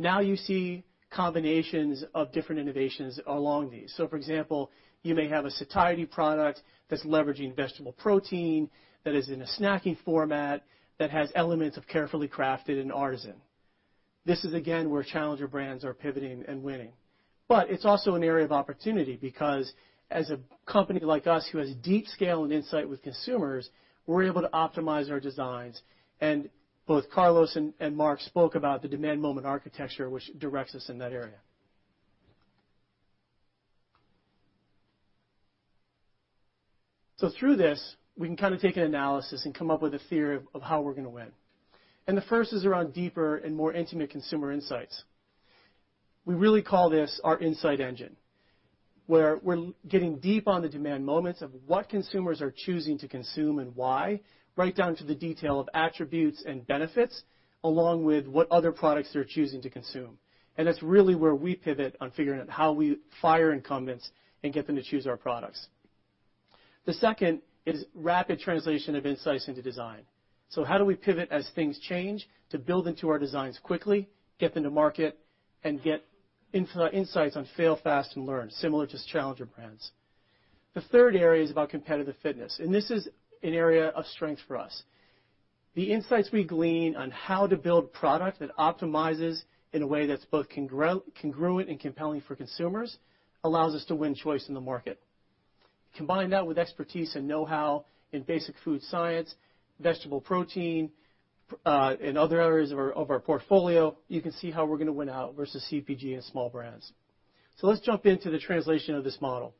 Now you see combinations of different innovations along these. For example, you may have a satiety product that's leveraging vegetable protein, that is in a snacking format, that has elements of carefully crafted and artisan. This is again where challenger brands are pivoting and winning. It's also an area of opportunity because as a company like us who has deep scale and insight with consumers, we're able to optimize our designs and both Carlos and Mark spoke about the demand moment architecture which directs us in that area. Through this, we can take an analysis and come up with a theory of how we're going to win. The first is around deeper and more intimate consumer insights. We really call this our insight engine, where we're getting deep on the demand moments of what consumers are choosing to consume and why, right down to the detail of attributes and benefits, along with what other products they're choosing to consume. That's really where we pivot on figuring out how we fire incumbents and get them to choose our products. The second is rapid translation of insights into design. How do we pivot as things change to build into our designs quickly, get them to market, and get insights on fail fast and learn, similar to challenger brands. The third area is about competitive fitness, and this is an area of strength for us. The insights we glean on how to build product that optimizes in a way that's both congruent and compelling for consumers allows us to win choice in the market. Combine that with expertise and know-how in basic food science, vegetable protein, in other areas of our portfolio, you can see how we're going to win out versus CPG and small brands. Let's jump into the translation of this model.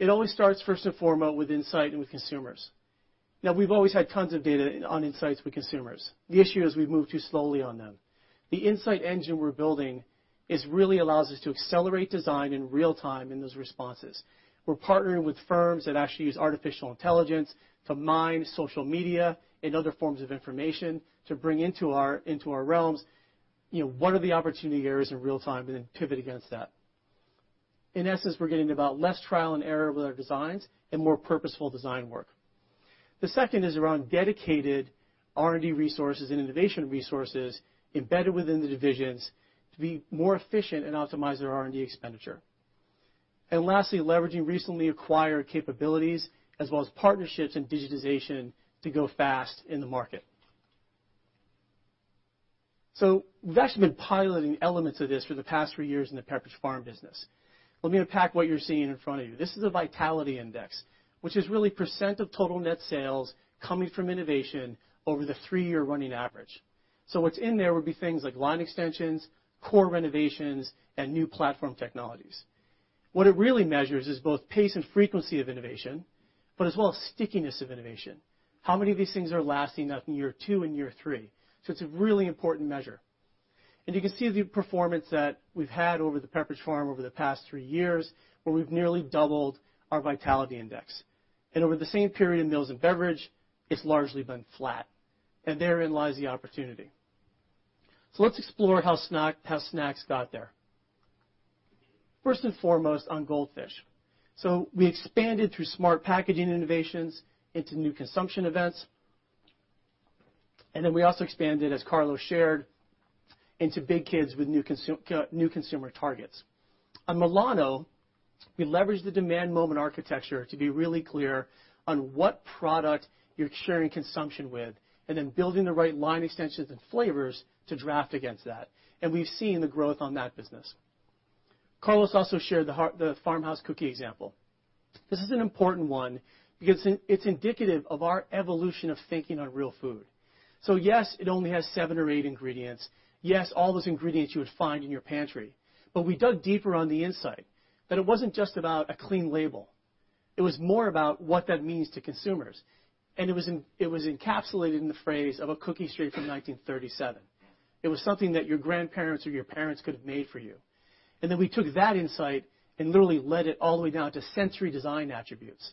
It always starts first and foremost with insight and with consumers. Now we've always had tons of data on insights with consumers. The issue is we've moved too slowly on them. The insight engine we're building really allows us to accelerate design in real time in those responses. We're partnering with firms that actually use artificial intelligence to mine social media and other forms of information to bring into our realms, what are the opportunity areas in real time, and then pivot against that. In essence, we're getting about less trial and error with our designs and more purposeful design work. The second is around dedicated R&D resources and innovation resources embedded within the divisions to be more efficient and optimize their R&D expenditure. Lastly, leveraging recently acquired capabilities as well as partnerships and digitization to go fast in the market. We've actually been piloting elements of this for the past three years in the Pepperidge Farm business. Let me unpack what you're seeing in front of you. This is a vitality index, which is really % of total net sales coming from innovation over the three-year running average. What's in there would be things like line extensions, core renovations, and new platform technologies. What it really measures is both pace and frequency of innovation, but as well as stickiness of innovation. How many of these things are lasting up in year two and year three? It's a really important measure. You can see the performance that we've had over the Pepperidge Farm over the past three years, where we've nearly doubled our vitality index. Over the same period in meals and beverage, it's largely been flat, and therein lies the opportunity. Let's explore how snacks got there. First and foremost, on Goldfish. We expanded through smart packaging innovations into new consumption events. We also expanded, as Carlos shared, into Big Kids with new consumer targets. On Milano, we leveraged the demand moment architecture to be really clear on what product you're sharing consumption with, then building the right line extensions and flavors to draft against that. We've seen the growth on that business. Carlos also shared the Farmhouse cookie example. This is an important one because it's indicative of our evolution of thinking on real food. Yes, it only has seven or eight ingredients. Yes, all those ingredients you would find in your pantry. We dug deeper on the insight, that it wasn't just about a clean label. It was more about what that means to consumers. It was encapsulated in the phrase of a cookie straight from 1937. It was something that your grandparents or your parents could have made for you. We took that insight and literally led it all the way down to sensory design attributes.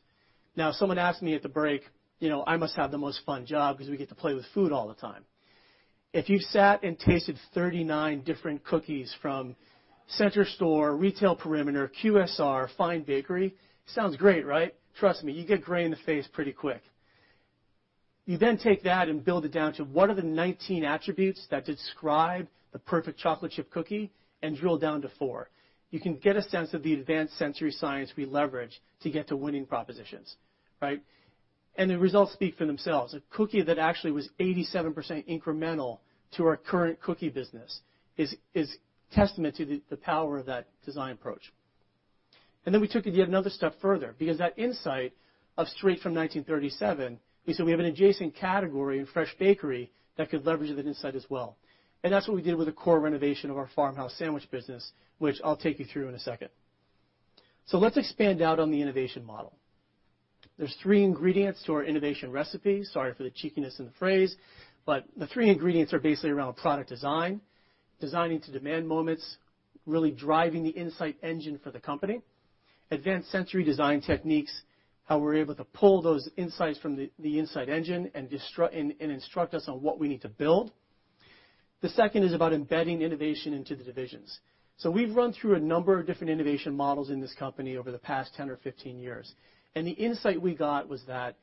Now, someone asked me at the break, I must have the most fun job because we get to play with food all the time. If you sat and tasted 39 different cookies from center store, retail perimeter, QSR, fine bakery, sounds great, right? Trust me, you get gray in the face pretty quick. You then take that and build it down to what are the 19 attributes that describe the perfect chocolate chip cookie and drill down to four. You can get a sense of the advanced sensory science we leverage to get to winning propositions, right? The results speak for themselves. A cookie that actually was 87% incremental to our current cookie business is testament to the power of that design approach. We took it yet another step further, because that insight of straight from 1937, we said we have an adjacent category in fresh bakery that could leverage that insight as well. That's what we did with the core renovation of our Farmhouse sandwich business, which I'll take you through in a second. Let's expand out on the innovation model. There's three ingredients to our innovation recipe. Sorry for the cheekiness in the phrase, but the three ingredients are basically around product design, designing to demand moments, really driving the insight engine for the company, advanced sensory design techniques, how we're able to pull those insights from the insight engine and instruct us on what we need to build. The second is about embedding innovation into the divisions. We've run through a number of different innovation models in this company over the past 10 or 15 years, the insight we got was that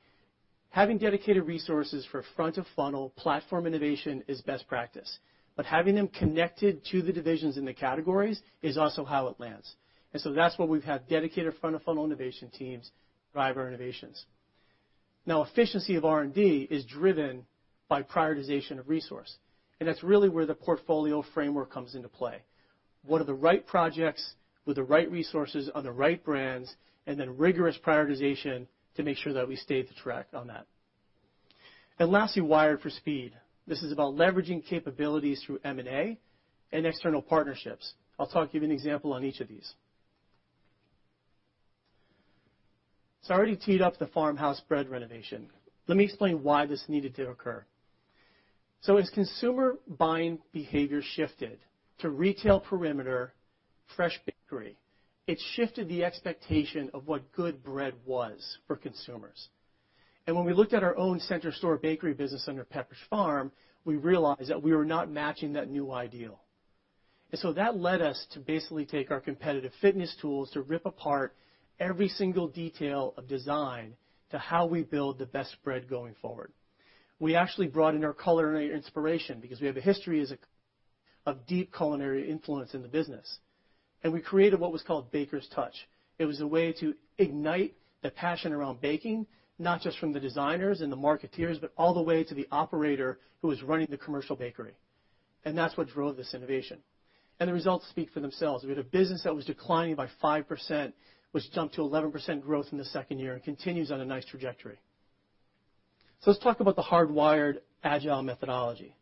having dedicated resources for front-of-funnel platform innovation is best practice. Having them connected to the divisions in the categories is also how it lands. That's why we've had dedicated front-of-funnel innovation teams drive our innovations. Now efficiency of R&D is driven by prioritization of resource, that's really where the portfolio framework comes into play. What are the right projects with the right resources on the right brands, then rigorous prioritization to make sure that we stay the track on that. Lastly, wired for speed. This is about leveraging capabilities through M&A and external partnerships. I'll give you an example on each of these. I already teed up the Farmhouse bread renovation. Let me explain why this needed to occur. As consumer buying behavior shifted to retail perimeter fresh bakery, it shifted the expectation of what good bread was for consumers. When we looked at our own center store bakery business under Pepperidge Farm, we realized that we were not matching that new ideal. That led us to basically take our competitive fitness tools to rip apart every single detail of design to how we build the best bread going forward. We actually brought in our culinary inspiration because we have a history as a of deep culinary influence in the business. We created what was called Baker's Touch. It was a way to ignite the passion around baking, not just from the designers and the marketeers, but all the way to the operator who was running the commercial bakery. That's what drove this innovation. The results speak for themselves. We had a business that was declining by 5%, which jumped to 11% growth in the second year and continues on a nice trajectory. Let's talk about the hardwired agile methodology.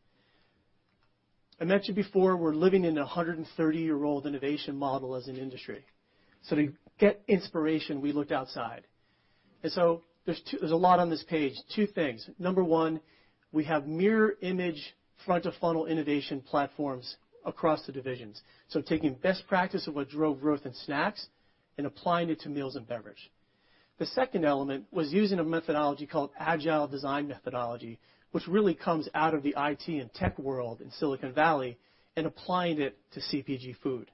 I mentioned before, we're living in a 130-year-old innovation model as an industry. To get inspiration, we looked outside. There's a lot on this page. Two things. Number 1, we have mirror image front-of-funnel innovation platforms across the divisions. Taking best practice of what drove growth in snacks and applying it to meals and beverage. The second element was using a methodology called agile design methodology, which really comes out of the IT and tech world in Silicon Valley, applying it to CPG food.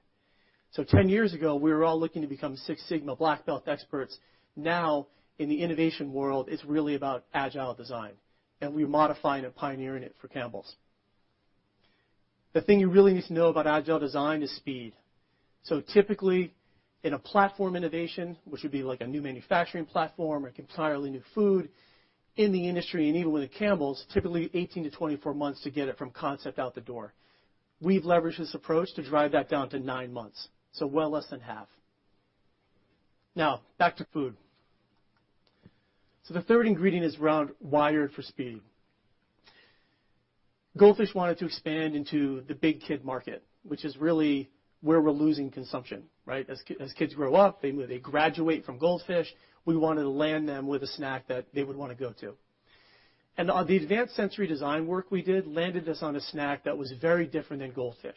10 years ago, we were all looking to become Six Sigma Black Belt experts. Now, in the innovation world, it's really about agile design, and we're modifying and pioneering it for Campbell's. The thing you really need to know about agile design is speed. Typically, in a platform innovation, which would be like a new manufacturing platform or entirely new food, in the industry and even within Campbell's, typically 18 to 24 months to get it from concept out the door. We've leveraged this approach to drive that down to nine months, well less than half. Now, back to food. The third ingredient is around wired for speed. Goldfish wanted to expand into the big kid market, which is really where we're losing consumption, right? As kids grow up, they graduate from Goldfish. We wanted to land them with a snack that they would want to go to. The advanced sensory design work we did landed us on a snack that was very different than Goldfish.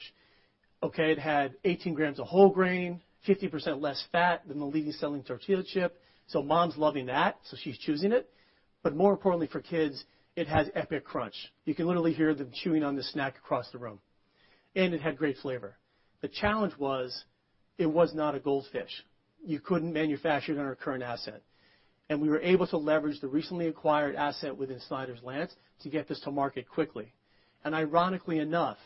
Okay? It had 18 grams of whole grain, 50% less fat than the leading selling tortilla chip, so mom's loving that, so she's choosing it. More importantly for kids, it has epic crunch. You can literally hear them chewing on this snack across the room. It had great flavor. The challenge was it was not a Goldfish. You couldn't manufacture it on our current asset. We were able to leverage the recently acquired asset within Snyder's-Lance to get this to market quickly. Ironically enough,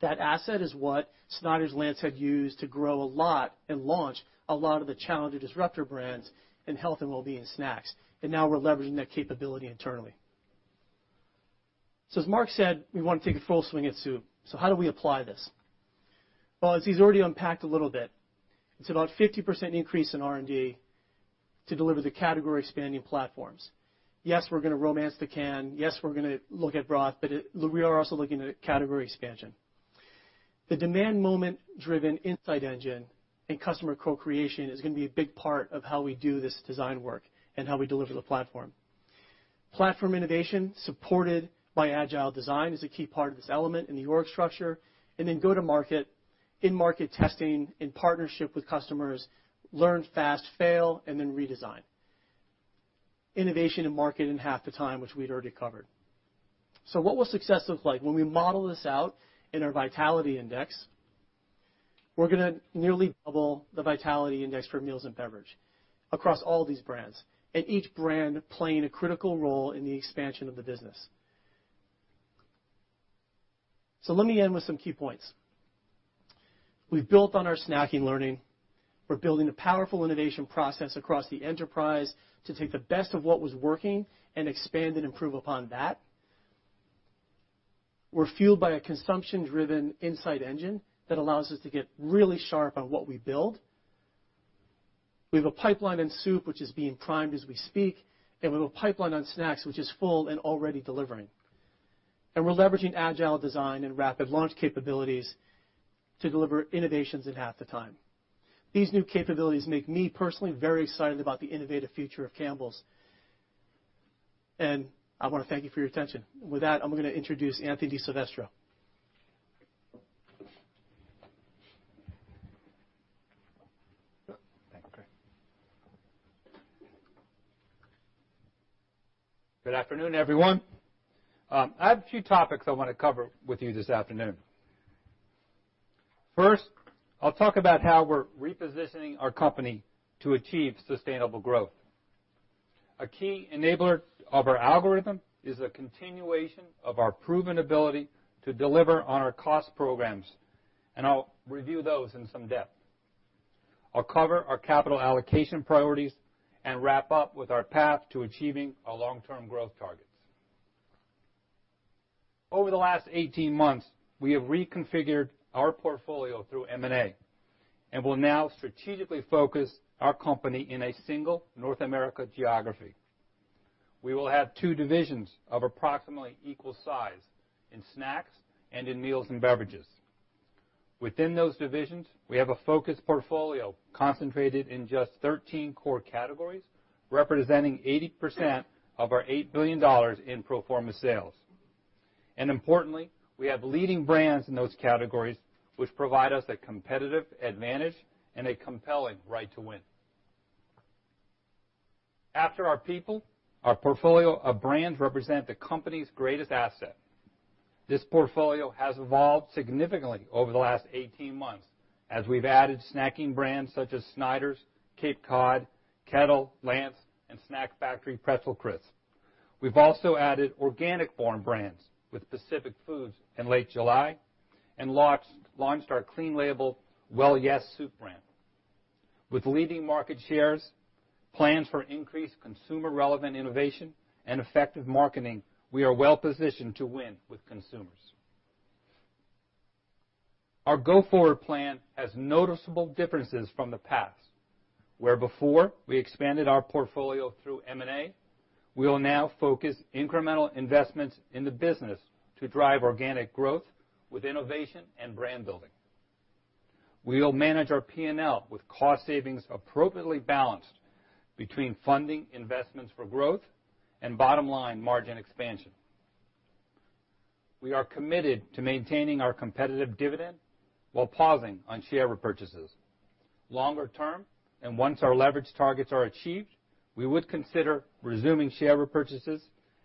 that asset is what Snyder's-Lance had used to grow a lot and launch a lot of the challenger disruptor brands in health and wellbeing snacks. Now we're leveraging that capability internally. As Mark said, we want to take a full swing at soup. How do we apply this? As he's already unpacked a little bit, it's about 50% increase in R&D to deliver the category expanding platforms. Yes, we're going to romance the can. Yes, we're going to look at broth, but we are also looking at category expansion. The demand moment driven insight engine and customer co-creation is going to be a big part of how we do this design work and how we deliver the platform. Platform innovation supported by agile design is a key part of this element in the org structure, then go to market, in-market testing, in partnership with customers, learn fast, fail, and then redesign. Innovation to market in half the time, which we'd already covered. What will success look like? When we model this out in our vitality index, we're going to nearly double the vitality index for meals and beverage across all these brands, and each brand playing a critical role in the expansion of the business. Let me end with some key points. We've built on our snacking learning. We're building a powerful innovation process across the enterprise to take the best of what was working and expand and improve upon that. We're fueled by a consumption-driven insight engine that allows us to get really sharp on what we build. We have a pipeline in soup, which is being primed as we speak, we have a pipeline on snacks, which is full and already delivering. We're leveraging agile design and rapid launch capabilities to deliver innovations in half the time. These new capabilities make me personally very excited about the innovative future of Campbell's. I want to thank you for your attention. With that, I'm going to introduce Anthony DiSilvestro. Thank you, Craig. Good afternoon, everyone. I have a few topics I want to cover with you this afternoon. First, I'll talk about how we're repositioning our company to achieve sustainable growth. A key enabler of our algorithm is a continuation of our proven ability to deliver on our cost programs, I'll review those in some depth. I'll cover our capital allocation priorities and wrap up with our path to achieving our long-term growth targets. Over the last 18 months, we have reconfigured our portfolio through M&A. We will now strategically focus our company in a single North America geography. We will have two divisions of approximately equal size in Campbell Snacks and in Campbell Meals & Beverages. Within those divisions, we have a focused portfolio concentrated in just 13 core categories, representing 80% of our $8 billion in pro forma sales. Importantly, we have leading brands in those categories, which provide us a competitive advantage and a compelling right to win. After our people, our portfolio of brands represent the company's greatest asset. This portfolio has evolved significantly over the last 18 months, as we've added snacking brands such as Snyder's, Cape Cod, Kettle, Lance, and Snack Factory Pretzel Crisps. We've also added organic form brands with Pacific Foods and Late July and launched our clean label Well Yes! soup brand. With leading market shares, plans for increased consumer relevant innovation and effective marketing, we are well positioned to win with consumers. Our go-forward plan has noticeable differences from the past. Where before we expanded our portfolio through M&A, we will now focus incremental investments in the business to drive organic growth with innovation and brand building. We will manage our P&L with cost savings appropriately balanced between funding investments for growth and bottom-line margin expansion. We are committed to maintaining our competitive dividend while pausing on share repurchases. Longer term, once our leverage targets are achieved, we would consider resuming share repurchases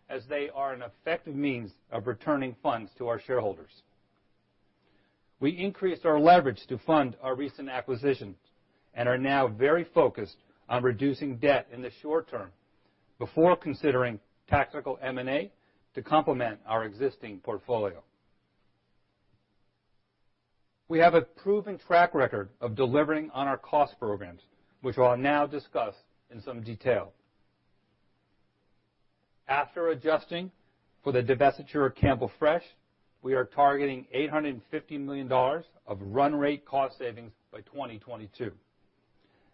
as they are an effective means of returning funds to our shareholders. We increased our leverage to fund our recent acquisitions and are now very focused on reducing debt in the short term before considering tactical M&A to complement our existing portfolio. We have a proven track record of delivering on our cost programs, which I'll now discuss in some detail. After adjusting for the divestiture of Campbell Fresh, we are targeting $850 million of run rate cost savings by 2022.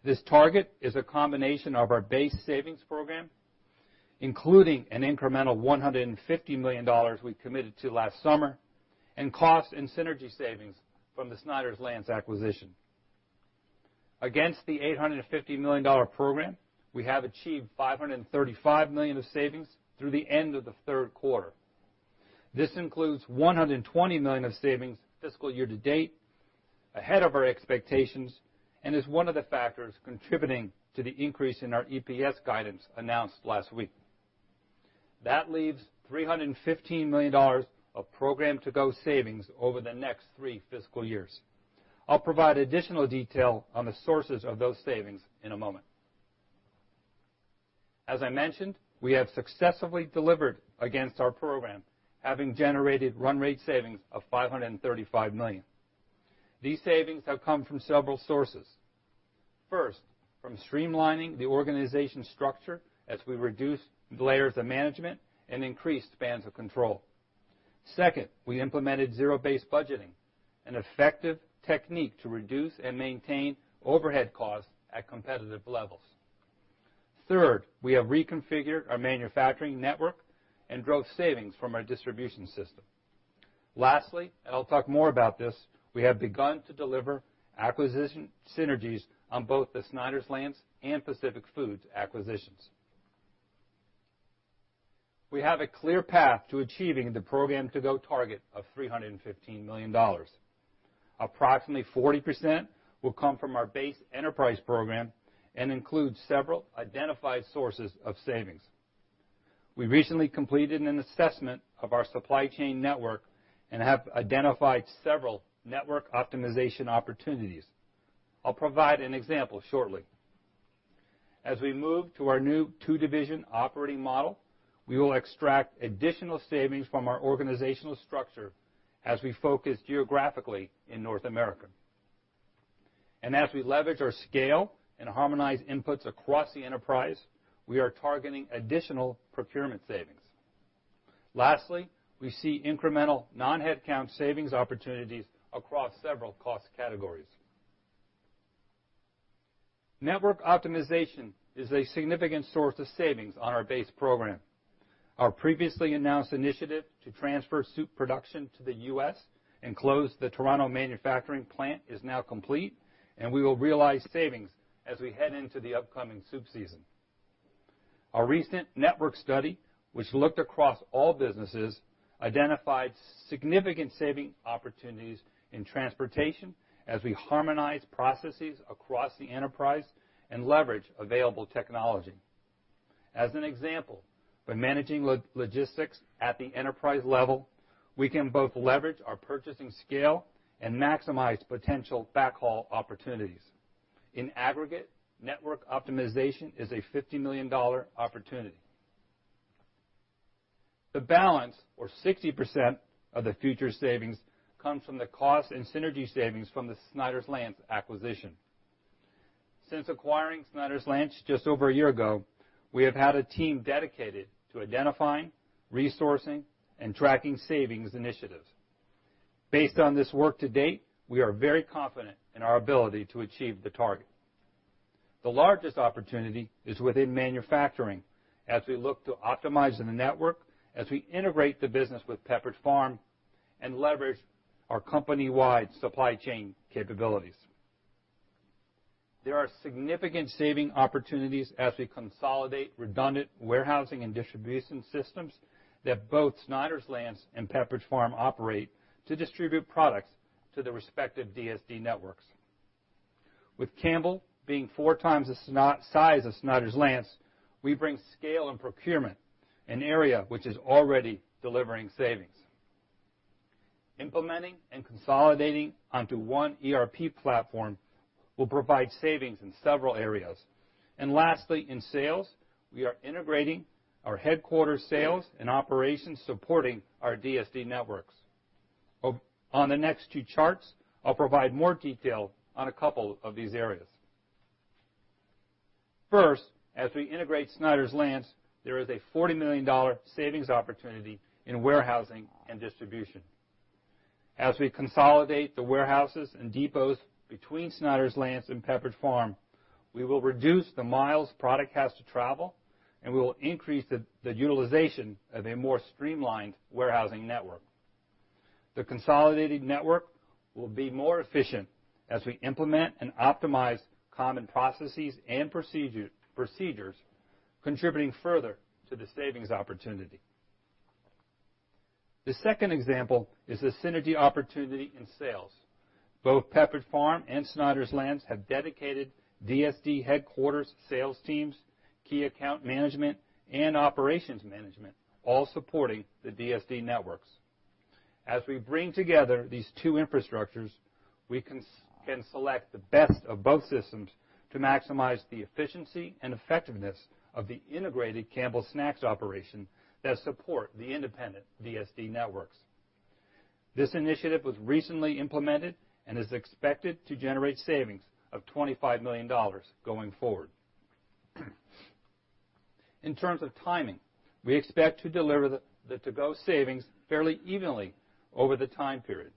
This target is a combination of our base savings program, including an incremental $150 million we committed to last summer, and cost and synergy savings from the Snyder's-Lance acquisition. Against the $850 million program, we have achieved $535 million of savings through the end of the third quarter. This includes $120 million of savings fiscal year to date, ahead of our expectations, and is one of the factors contributing to the increase in our EPS guidance announced last week. That leaves $315 million of program to go savings over the next three fiscal years. I'll provide additional detail on the sources of those savings in a moment. As I mentioned, we have successfully delivered against our program, having generated run rate savings of $535 million. These savings have come from several sources. First, from streamlining the organization structure as we reduced layers of management and increased spans of control. Second, we implemented zero-based budgeting, an effective technique to reduce and maintain overhead costs at competitive levels. Third, we have reconfigured our manufacturing network and drove savings from our distribution system. Lastly, I'll talk more about this, we have begun to deliver acquisition synergies on both the Snyder's-Lance and Pacific Foods acquisitions. We have a clear path to achieving the program to go target of $315 million. Approximately 40% will come from our base enterprise program and include several identified sources of savings. We recently completed an assessment of our supply chain network and have identified several network optimization opportunities. I'll provide an example shortly. As we move to our new two-division operating model, we will extract additional savings from our organizational structure as we focus geographically in North America. As we leverage our scale and harmonize inputs across the enterprise, we are targeting additional procurement savings. Lastly, we see incremental non-headcount savings opportunities across several cost categories. Network optimization is a significant source of savings on our base program. Our previously announced initiative to transfer soup production to the U.S. and close the Toronto manufacturing plant is now complete, and we will realize savings as we head into the upcoming soup season. Our recent network study, which looked across all businesses, identified significant saving opportunities in transportation as we harmonize processes across the enterprise and leverage available technology. As an example, by managing logistics at the enterprise level, we can both leverage our purchasing scale and maximize potential backhaul opportunities. In aggregate, network optimization is a $50 million opportunity. The balance, or 60%, of the future savings comes from the cost and synergy savings from the Snyder's-Lance acquisition. Since acquiring Snyder's-Lance just over a year ago, we have had a team dedicated to identifying, resourcing, and tracking savings initiatives. Based on this work to date, we are very confident in our ability to achieve the target. The largest opportunity is within manufacturing, as we look to optimize the network, as we integrate the business with Pepperidge Farm, and leverage our company-wide supply chain capabilities. There are significant saving opportunities as we consolidate redundant warehousing and distribution systems that both Snyder's-Lance and Pepperidge Farm operate to distribute products to the respective DSD networks. With Campbell being four times the size of Snyder's-Lance, we bring scale and procurement, an area which is already delivering savings. Implementing and consolidating onto one ERP platform will provide savings in several areas. Lastly, in sales, we are integrating our headquarters sales and operations supporting our DSD networks. On the next two charts, I'll provide more detail on a couple of these areas. First, as we integrate Snyder's-Lance, there is a $40 million savings opportunity in warehousing and distribution. As we consolidate the warehouses and depots between Snyder's-Lance and Pepperidge Farm, we will reduce the miles product has to travel, and we will increase the utilization of a more streamlined warehousing network. The consolidated network will be more efficient as we implement and optimize common processes and procedures, contributing further to the savings opportunity. The second example is the synergy opportunity in sales. Both Pepperidge Farm and Snyder's-Lance have dedicated DSD headquarters, sales teams, key account management, and operations management, all supporting the DSD networks. As we bring together these two infrastructures, we can select the best of both systems to maximize the efficiency and effectiveness of the integrated Campbell Snacks operation that support the independent DSD networks. This initiative was recently implemented and is expected to generate savings of $25 million going forward. In terms of timing, we expect to deliver the To-Go savings fairly evenly over the time period.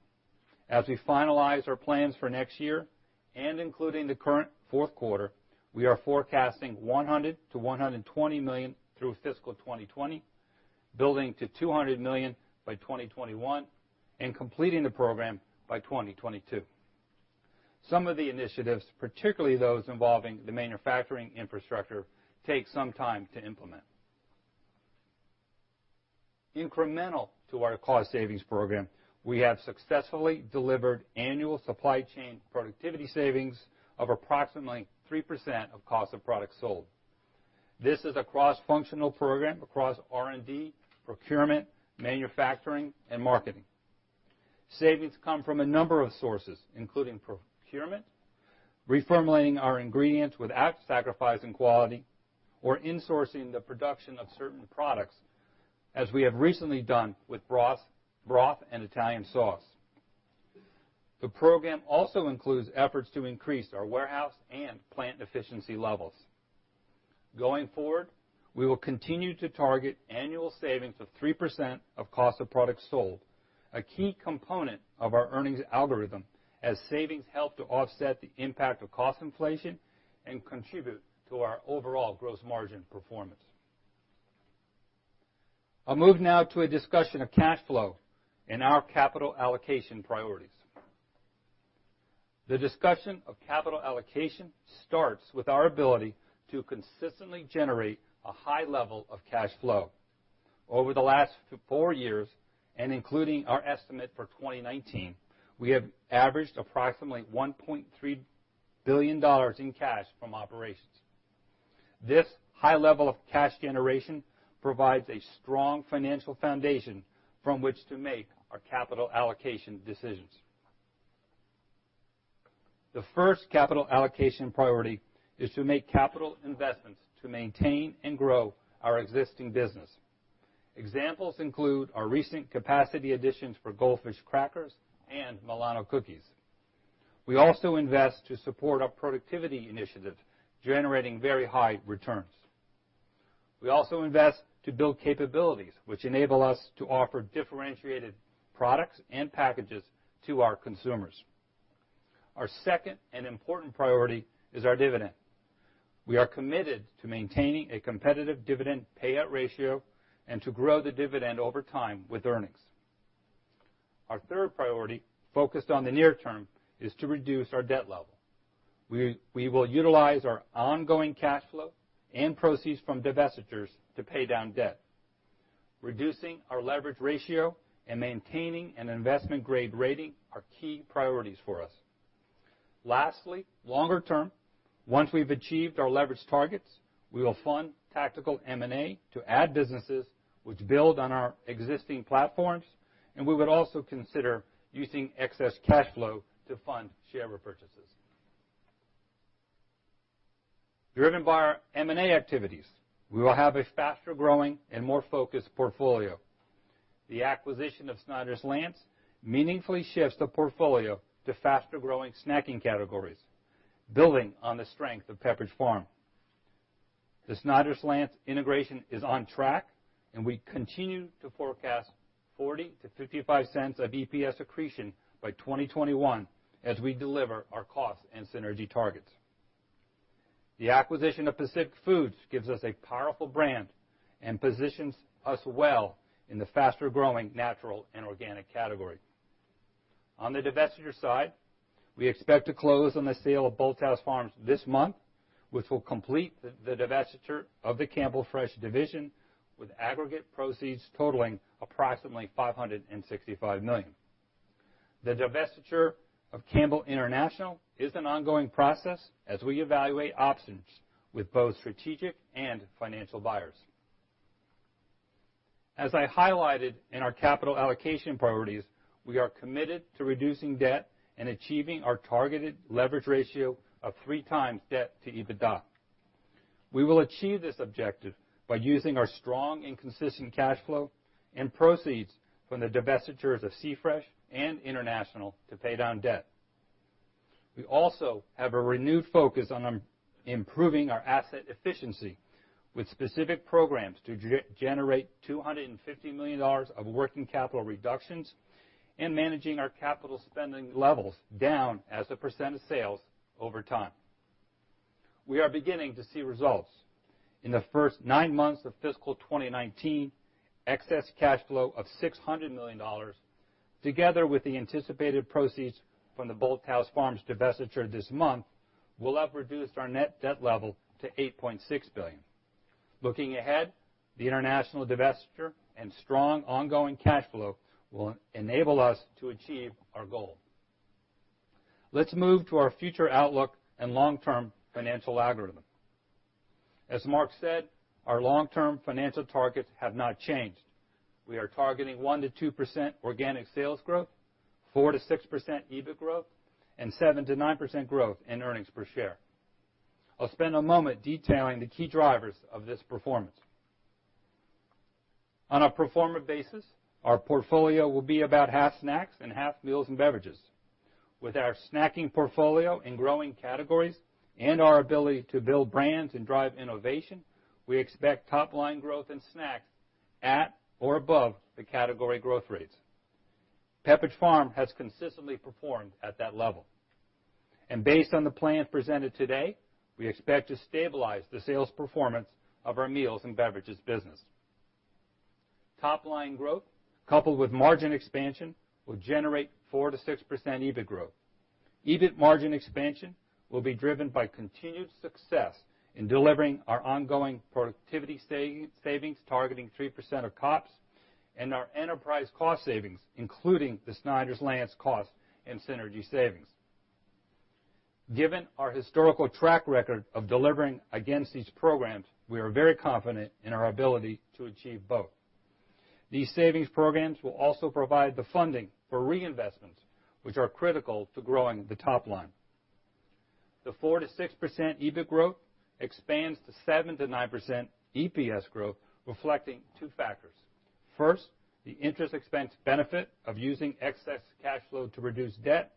As we finalize our plans for next year, and including the current fourth quarter, we are forecasting $100 million-$120 million through fiscal 2020, building to $200 million by 2021, and completing the program by 2022. Some of the initiatives, particularly those involving the manufacturing infrastructure, take some time to implement. Incremental to our cost savings program, we have successfully delivered annual supply chain productivity savings of approximately 3% of cost of product sold. This is a cross-functional program across R&D, procurement, manufacturing, and marketing. Savings come from a number of sources, including procurement, reformulating our ingredients without sacrificing quality, or insourcing the production of certain products, as we have recently done with broth and Italian sauce. The program also includes efforts to increase our warehouse and plant efficiency levels. Going forward, we will continue to target annual savings of 3% of cost of products sold, a key component of our earnings algorithm as savings help to offset the impact of cost inflation and contribute to our overall gross margin performance. I'll move now to a discussion of cash flow and our capital allocation priorities. The discussion of capital allocation starts with our ability to consistently generate a high level of cash flow. Over the last four years, and including our estimate for 2019, we have averaged approximately $1.3 billion in cash from operations. This high level of cash generation provides a strong financial foundation from which to make our capital allocation decisions. The first capital allocation priority is to make capital investments to maintain and grow our existing business. Examples include our recent capacity additions for Goldfish crackers and Milano cookies. We also invest to support our productivity initiative, generating very high returns. We also invest to build capabilities, which enable us to offer differentiated products and packages to our consumers. Our second and important priority is our dividend. We are committed to maintaining a competitive dividend payout ratio and to grow the dividend over time with earnings. Our third priority, focused on the near term, is to reduce our debt level. We will utilize our ongoing cash flow and proceeds from divestitures to pay down debt. Reducing our leverage ratio and maintaining an investment-grade rating are key priorities for us. Lastly, longer term, once we've achieved our leverage targets, we will fund tactical M&A to add businesses which build on our existing platforms, and we would also consider using excess cash flow to fund share repurchases. Driven by our M&A activities, we will have a faster-growing and more focused portfolio. The acquisition of Snyder's-Lance meaningfully shifts the portfolio to faster-growing snacking categories, building on the strength of Pepperidge Farm. The Snyder's-Lance integration is on track, and we continue to forecast $0.40 to $0.55 of EPS accretion by 2021 as we deliver our cost and synergy targets. The acquisition of Pacific Foods gives us a powerful brand and positions us well in the faster-growing natural and organic category. On the divestiture side, we expect to close on the sale of Bolthouse Farms this month, which will complete the divestiture of the Campbell Fresh division, with aggregate proceeds totaling approximately $565 million. The divestiture of Campbell International is an ongoing process as we evaluate options with both strategic and financial buyers. As I highlighted in our capital allocation priorities, we are committed to reducing debt and achieving our targeted leverage ratio of three times debt to EBITDA. We will achieve this objective by using our strong and consistent cash flow and proceeds from the divestitures of Campbell Fresh and Campbell International to pay down debt. We also have a renewed focus on improving our asset efficiency with specific programs to generate $250 million of working capital reductions and managing our capital spending levels down as a percent of sales over time. We are beginning to see results. In the first nine months of fiscal 2019, excess cash flow of $600 million, together with the anticipated proceeds from the Bolthouse Farms divestiture this month, will have reduced our net debt level to $8.6 billion. Looking ahead, the Campbell International divestiture and strong ongoing cash flow will enable us to achieve our goal. Let's move to our future outlook and long-term financial algorithm. As Mark said, our long-term financial targets have not changed. We are targeting 1%-2% organic sales growth, 4%-6% EBIT growth, and 7%-9% growth in earnings per share. I'll spend a moment detailing the key drivers of this performance. On a pro forma basis, our portfolio will be about half snacks and half meals and beverages. With our snacking portfolio in growing categories and our ability to build brands and drive innovation, we expect top-line growth in snacks at or above the category growth rates. Pepperidge Farm has consistently performed at that level. Based on the plan presented today, we expect to stabilize the sales performance of our meals and beverages business. Top-line growth, coupled with margin expansion, will generate 4%-6% EBIT growth. EBIT margin expansion will be driven by continued success in delivering our ongoing productivity savings, targeting 3% of COPS, and our enterprise cost savings, including the Snyder's-Lance cost and synergy savings. Given our historical track record of delivering against these programs, we are very confident in our ability to achieve both. These savings programs will also provide the funding for reinvestments, which are critical to growing the top line. The 4%-6% EBIT growth expands to 7%-9% EPS growth, reflecting two factors. First, the interest expense benefit of using excess cash flow to reduce debt,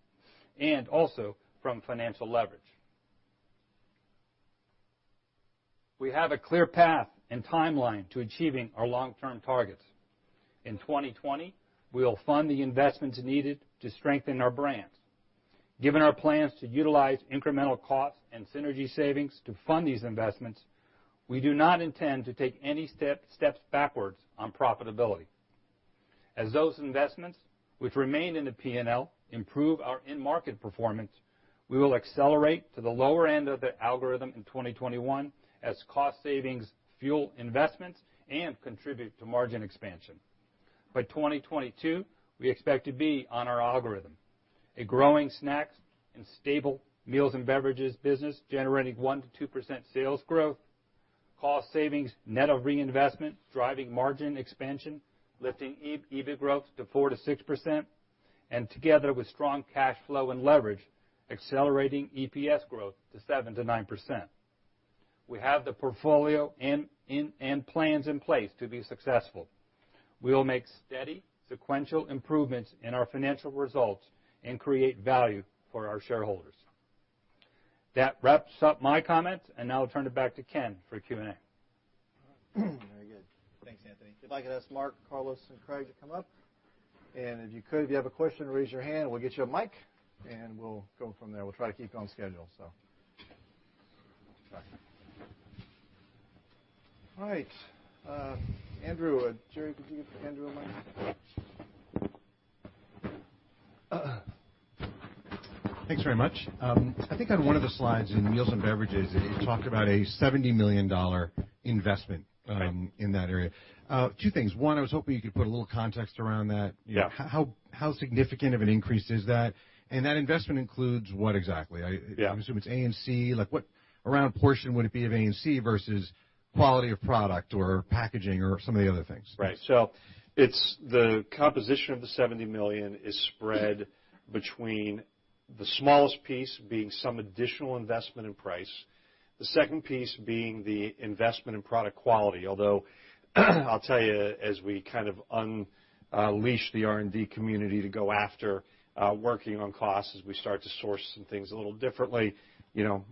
and also from financial leverage. We have a clear path and timeline to achieving our long-term targets. In 2020, we will fund the investments needed to strengthen our brands. Given our plans to utilize incremental cost and synergy savings to fund these investments, we do not intend to take any steps backwards on profitability. As those investments, which remain in the P&L, improve our in-market performance, we will accelerate to the lower end of the algorithm in 2021 as cost savings fuel investments and contribute to margin expansion. By 2022, we expect to be on our algorithm. A growing snacks and stable meals and beverages business generating 1%-2% sales growth, cost savings net of reinvestment, driving margin expansion, lifting EBIT growth to 4%-6%, together with strong cash flow and leverage, accelerating EPS growth to 7%-9%. We have the portfolio and plans in place to be successful. We will make steady, sequential improvements in our financial results and create value for our shareholders. That wraps up my comments, now I'll turn it back to Ken for Q&A. All right. Very good. Thanks, Anthony. If I could ask Mark, Carlos, and Craig to come up. If you could, if you have a question, raise your hand and we'll get you a mic and we'll go from there. We'll try to keep you on schedule. All right. Andrew. Jerry, could you get Andrew a mic? Thanks very much. I think on one of the slides in Meals & Beverages, you talked about a $70 million investment Right in that area. Two things. One, I was hoping you could put a little context around that. Yeah. How significant of an increase is that? That investment includes what exactly? Yeah. I assume it's A&C. What around portion would it be of A&C versus quality of product or packaging or some of the other things? Right. It's the composition of the $70 million is spread between the smallest piece being some additional investment in price, the second piece being the investment in product quality. Although, I'll tell you as we kind of unleash the R&D community to go after working on costs as we start to source some things a little differently,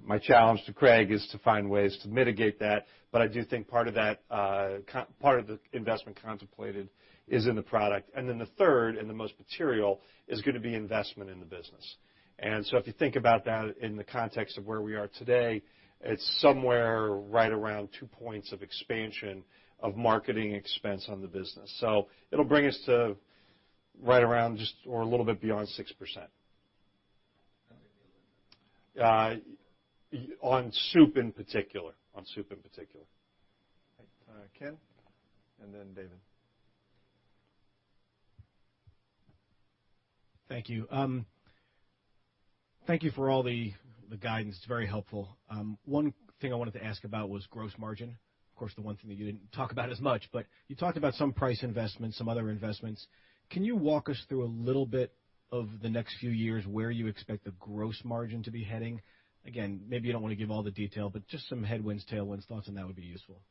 my challenge to Craig is to find ways to mitigate that, but I do think part of the investment contemplated is in the product. Then the third, and the most material, is going to be investment in the business. If you think about that in the context of where we are today, it's somewhere right around two points of expansion of marketing expense on the business. It'll bring us to right around just or a little bit beyond 6%. On soup. On soup in particular. All right. Ken, then David. Thank you. Thank you for all the guidance. It's very helpful. One thing I wanted to ask about was gross margin. Of course, the one thing that you didn't talk about as much, you talked about some price investments, some other investments. Can you walk us through a little bit of the next few years where you expect the gross margin to be heading? Again, maybe you don't want to give all the detail, just some headwinds, tailwinds thoughts on that would be useful.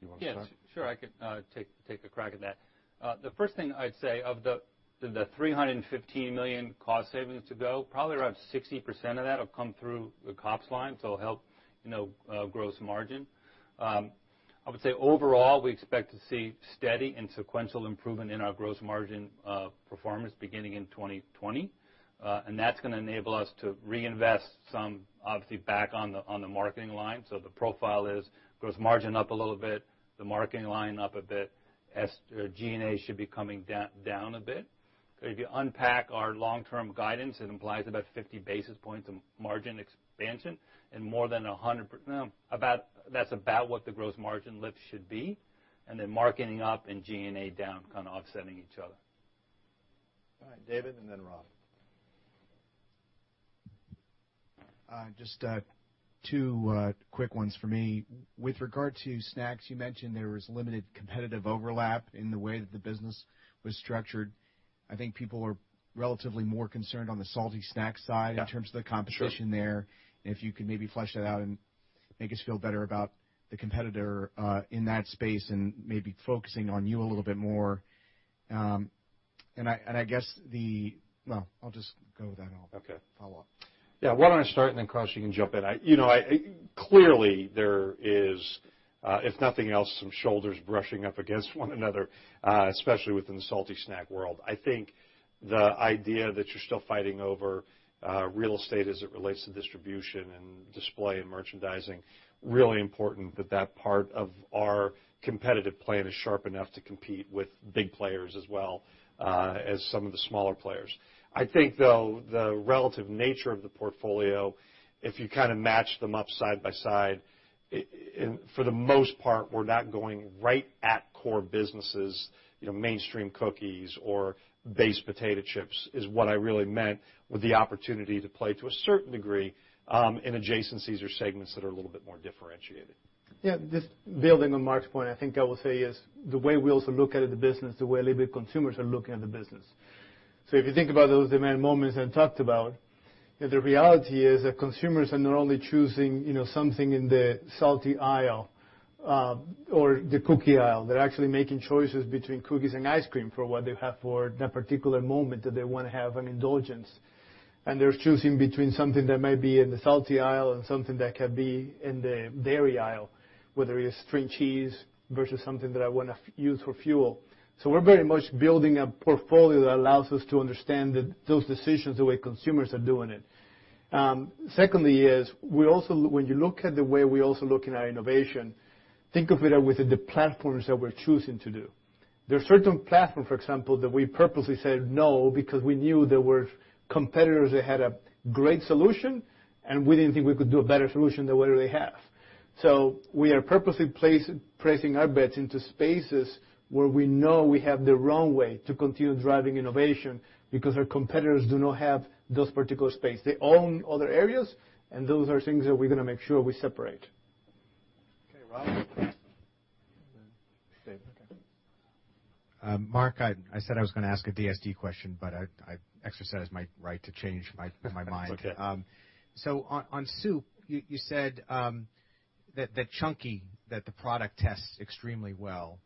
Do you want to start? Yeah. Sure. I could take a crack at that. The first thing I'd say of the $315 million cost savings to go, probably around 60% of that will come through the COGS line, it'll help gross margin. I would say overall, we expect to see steady and sequential improvement in our gross margin performance beginning in 2020. That's going to enable us to reinvest some obviously back on the marketing line. The profile is gross margin up a little bit, the marketing line up a bit, G&A should be coming down a bit. If you unpack our long-term guidance, it implies about 50 basis points of margin expansion and no, that's about what the gross margin lift should be, and then marketing up and G&A down kind of offsetting each other. All right, David, then Rob. Just two quick ones for me. With regard to snacks, you mentioned there was limited competitive overlap in the way that the business was structured. I think people are relatively more concerned on the salty snack side. Yeah In terms of the competition there. Sure. If you could maybe flesh that out and make us feel better about the competitor in that space and maybe focusing on you a little bit more. Well, I'll just go with that. Okay follow-up. Yeah, why don't I start and then, Carlos, you can jump in. Clearly, there is if nothing else, some shoulders brushing up against one another, especially within the salty snack world. I think the idea that you're still fighting over real estate as it relates to distribution and display and merchandising, really important that that part of our competitive plan is sharp enough to compete with big players as well as some of the smaller players. I think, though, the relative nature of the portfolio, if you kind of match them up side by side, for the most part, we're not going right at core businesses, mainstream cookies or base potato chips is what I really meant with the opportunity to play to a certain degree, in adjacencies or segments that are a little bit more differentiated. Yeah, just building on Mark's point, I think I will say is the way we also look at the business is the way consumers are looking at the business. If you think about those demand moments I talked about, the reality is that consumers are not only choosing something in the salty aisle or the cookie aisle. They're actually making choices between cookies and ice cream for what they have for that particular moment that they want to have an indulgence. They're choosing between something that might be in the salty aisle and something that can be in the dairy aisle, whether it is string cheese versus something that I want to use for fuel. We're very much building a portfolio that allows us to understand those decisions, the way consumers are doing it. Secondly is, when you look at the way we're also looking at innovation, think of it within the platforms that we're choosing to do. There are certain platforms, for example, that we purposely said no because we knew there were competitors that had a great solution, and we didn't think we could do a better solution than whatever they have. We are purposely placing our bets into spaces where we know we have the runway to continue driving innovation because our competitors do not have those particular space. They own other areas, and those are things that we're going to make sure we separate. Okay, Rob. David. Okay. Mark, I said I was going to ask a DSD question. I exercise my right to change my mind. It's okay. On soup, you said- That Chunky, the product tests extremely well.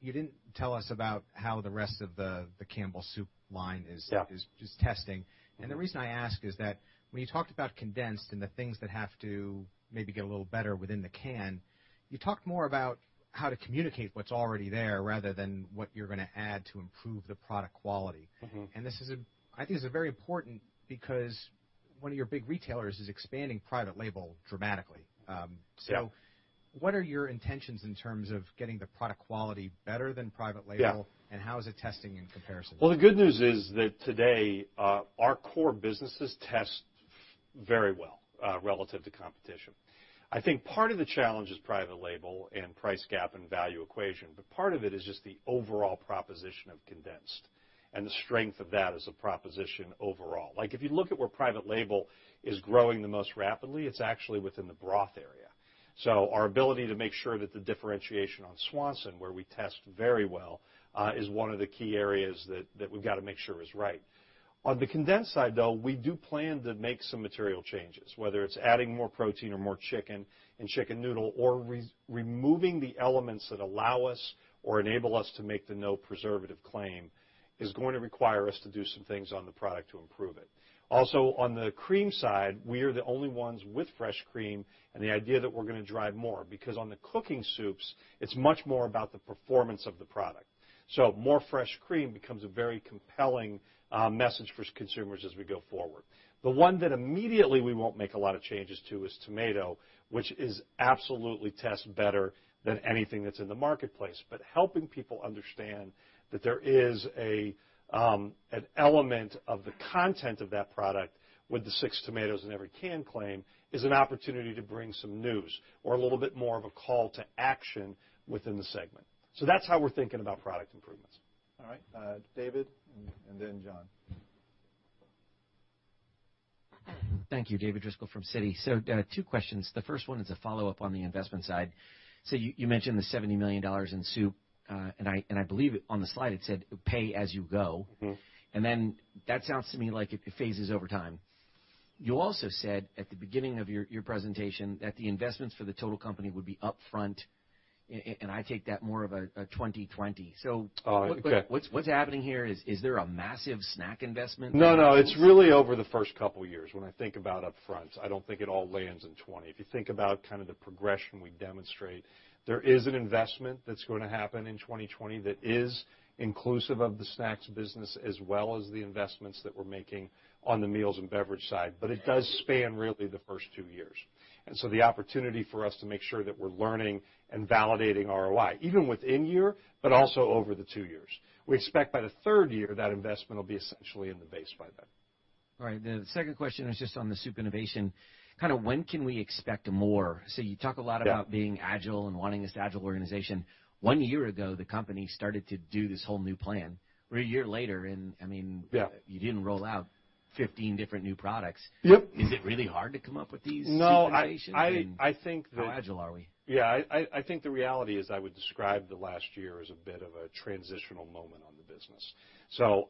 You didn't tell us about how the rest of the Campbell Soup line is- Yeah Testing. The reason I ask is that when you talked about condensed and the things that have to maybe get a little better within the can, you talked more about how to communicate what's already there, rather than what you're going to add to improve the product quality. I think it's very important because one of your big retailers is expanding private label dramatically. Yeah. What are your intentions in terms of getting the product quality better than private label? Yeah. How is it testing in comparison? The good news is that today, our core businesses test very well relative to competition. I think part of the challenge is private label and price gap and value equation, but part of it is just the overall proposition of condensed and the strength of that as a proposition overall. If you look at where private label is growing the most rapidly, it's actually within the broth area. Our ability to make sure that the differentiation on Swanson, where we test very well, is one of the key areas that we've got to make sure is right. On the condensed side, though, we do plan to make some material changes, whether it's adding more protein or more chicken in chicken noodle, or removing the elements that allow us or enable us to make the no preservative claim is going to require us to do some things on the product to improve it. Also, on the cream side, we are the only ones with fresh cream and the idea that we're going to drive more, because on the cooking soups, it's much more about the performance of the product. More fresh cream becomes a very compelling message for consumers as we go forward. The one that immediately we won't make a lot of changes to is tomato, which absolutely tests better than anything that's in the marketplace. Helping people understand that there is an element of the content of that product with the six tomatoes in every can claim is an opportunity to bring some news or a little bit more of a call to action within the segment. That's how we're thinking about product improvements. All right. David then John. Thank you, David Driscoll from Citi. Two questions. The first one is a follow-up on the investment side. You mentioned the $70 million in soup, and I believe on the slide it said pay as you go. That sounds to me like it phases over time. You also said at the beginning of your presentation that the investments for the total company would be upfront, and I take that more of a 2020. Oh, okay. What's happening here? Is there a massive snack investment? No, it's really over the first couple of years when I think about upfront. I don't think it all lands in 2020. If you think about the progression we demonstrate, there is an investment that's going to happen in 2020 that is inclusive of the Snacks Business as well as the investments that we're making on the Meals & Beverages side, but it does span really the first two years. The opportunity for us to make sure that we're learning and validating ROI, even within year, but also over the two years. We expect by the third year that investment will be essentially in the base by then. All right. The second question is just on the soup innovation. When can we expect more? You talk a lot about Yeah being agile and wanting this agile organization. One year ago, the company started to do this whole new plan. We're a year later, you didn't roll out 15 different new products. Yep. Is it really hard to come up with these innovations? No, I think. How agile are we? Yeah, I think the reality is I would describe the last year as a bit of a transitional moment on the business.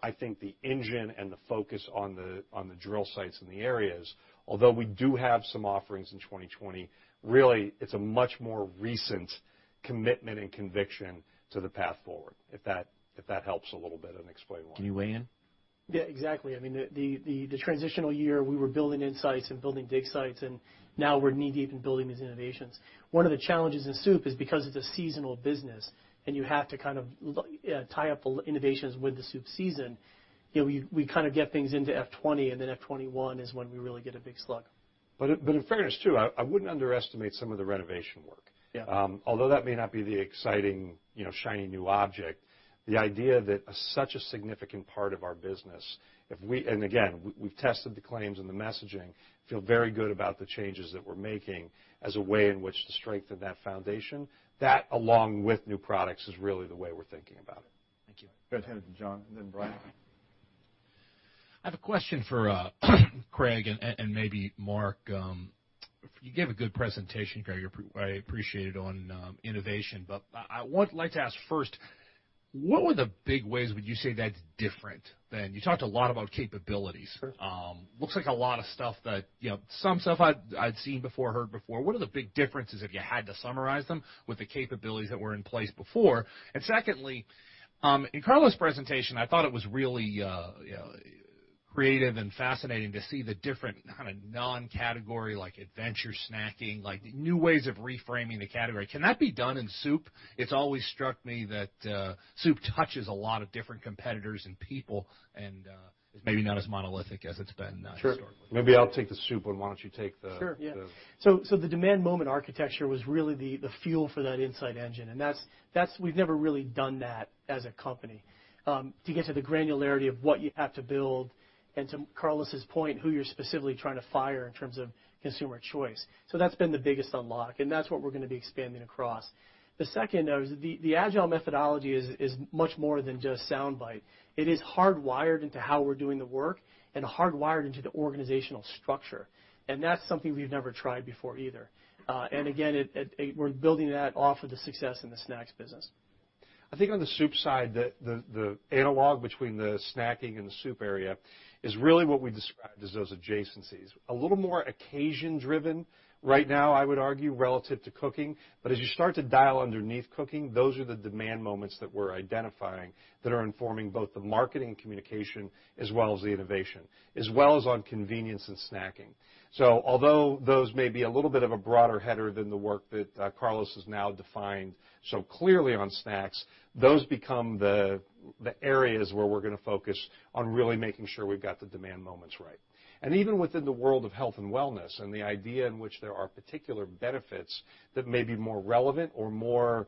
I think the engine and the focus on the drill sites in the areas, although we do have some offerings in 2020, really, it's a much more recent commitment and conviction to the path forward, if that helps a little bit and explain why. Can you weigh in? Yeah, exactly. The transitional year, we were building insights and building dig sites, and now we're knee-deep in building these innovations. One of the challenges in soup is because it's a seasonal business and you have to tie up innovations with the soup season. We get things into FY 2020, then FY 2021 is when we really get a big slug. In fairness too, I wouldn't underestimate some of the renovation work. Yeah. Although that may not be the exciting, shiny new object, the idea that such a significant part of our business, again, we've tested the claims and the messaging, feel very good about the changes that we're making as a way in which to strengthen that foundation. That along with new products is really the way we're thinking about it. Thank you. Go ahead to John, then Brian. I have a question for Craig and maybe Mark. You gave a good presentation, Craig. I appreciate it on innovation. I would like to ask first, what were the big ways would you say that's different then? You talked a lot about capabilities. Sure. Looks like a lot of stuff that, some stuff I'd seen before, heard before. What are the big differences, if you had to summarize them, with the capabilities that were in place before? Secondly, in Carlos' presentation, I thought it was really creative and fascinating to see the different kind of non-category, like adventure snacking, like new ways of reframing the category. Can that be done in soup? It's always struck me that soup touches a lot of different competitors and people, and is maybe not as monolithic as it's been historically. Sure. Maybe I'll take the soup, why don't you take the- Sure, yeah. The demand moment architecture was really the fuel for that insight engine, and we've never really done that as a company, to get to the granularity of what you have to build, and to Carlos' point, who you're specifically trying to fire in terms of consumer choice. That's been the biggest unlock, and that's what we're going to be expanding across. The second, though, is the agile methodology is much more than just soundbite. It is hardwired into how we're doing the work and hardwired into the organizational structure, and that's something we've never tried before either. Again, we're building that off of the success in the snacks business. I think on the soup side, the analog between the snacking and the soup area is really what we described as those adjacencies. A little more occasion driven right now, I would argue, relative to cooking, but as you start to dial underneath cooking, those are the demand moments that we're identifying that are informing both the marketing communication as well as the innovation, as well as on convenience and snacking. Although those may be a little bit of a broader header than the work that Carlos has now defined so clearly on snacks, those become the areas where we're going to focus on really making sure we've got the demand moments right. Even within the world of health and wellness and the idea in which there are particular benefits that may be more relevant or more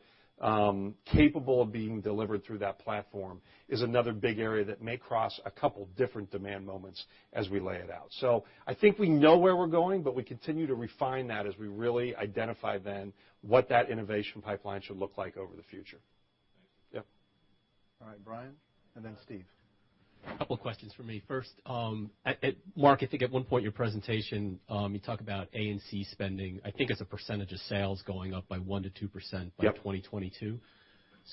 capable of being delivered through that platform is another big area that may cross a couple different demand moments as we lay it out. I think we know where we're going, but we continue to refine that as we really identify then what that innovation pipeline should look like over the future. Thanks. Yep. All right, Brian, and then Steve. A couple questions for me. First, Mark, I think at one point in your presentation, you talk about A&C spending, I think as a percentage of sales going up by 1%-2% by 2022.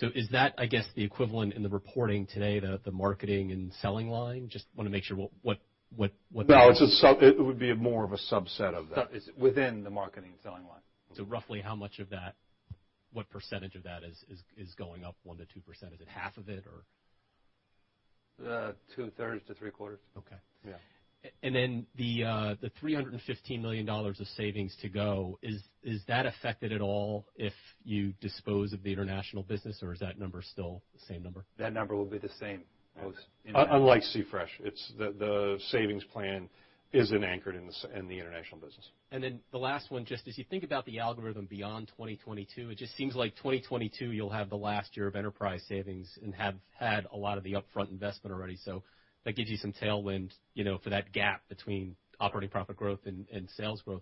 Yep. Is that, I guess, the equivalent in the reporting today, the marketing and selling line? Just want to make sure what that is. No, it would be more of a subset of that. Within the marketing and selling line. Roughly how much of that, what percentage of that is going up 1%-2%? Is it half of it or? Two thirds to three quarters. Okay. Yeah. The $315 million of savings to go, is that affected at all if you dispose of the international business, or is that number still the same number? That number will be the same post impact. Unlike C Fresh, the savings plan isn't anchored in the international business. The last one, just as you think about the algorithm beyond 2022, it just seems like 2022 you'll have the last year of enterprise savings and have had a lot of the upfront investment already. That gives you some tailwind for that gap between operating profit growth and sales growth.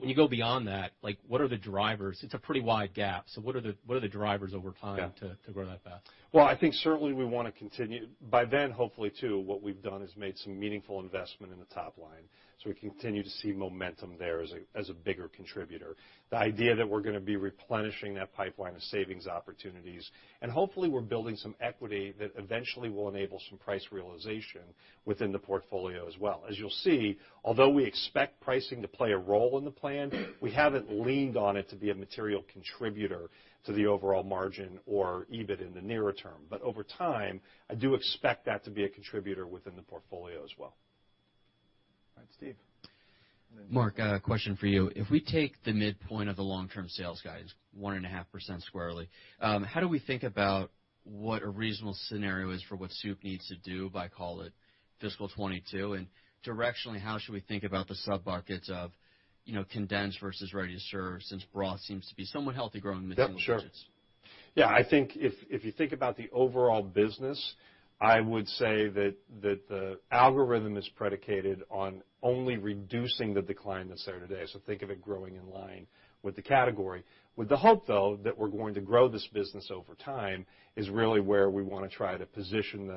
When you go beyond that, what are the drivers? It's a pretty wide gap. What are the drivers over time to grow that fast? Well, I think certainly we want to continue. By then, hopefully too, what we've done is made some meaningful investment in the top line, so we continue to see momentum there as a bigger contributor. The idea that we're going to be replenishing that pipeline of savings opportunities, and hopefully we're building some equity that eventually will enable some price realization within the portfolio as well. As you'll see, although we expect pricing to play a role in the plan, we haven't leaned on it to be a material contributor to the overall margin or EBIT in the nearer term. Over time, I do expect that to be a contributor within the portfolio as well. All right, Steve. Mark, a question for you. If we take the midpoint of the long-term sales guide, 1.5% squarely, how do we think about what a reasonable scenario is for what soup needs to do by, call it fiscal 2022, and directionally, how should we think about the sub-buckets of condensed versus ready-to-serve, since broth seems to be somewhat healthy growing within those buckets? Yep, sure. Yeah, I think if you think about the overall business, I would say that the algorithm is predicated on only reducing the decline that's there today. Think of it growing in line with the category. With the hope, though, that we're going to grow this business over time is really where we want to try to position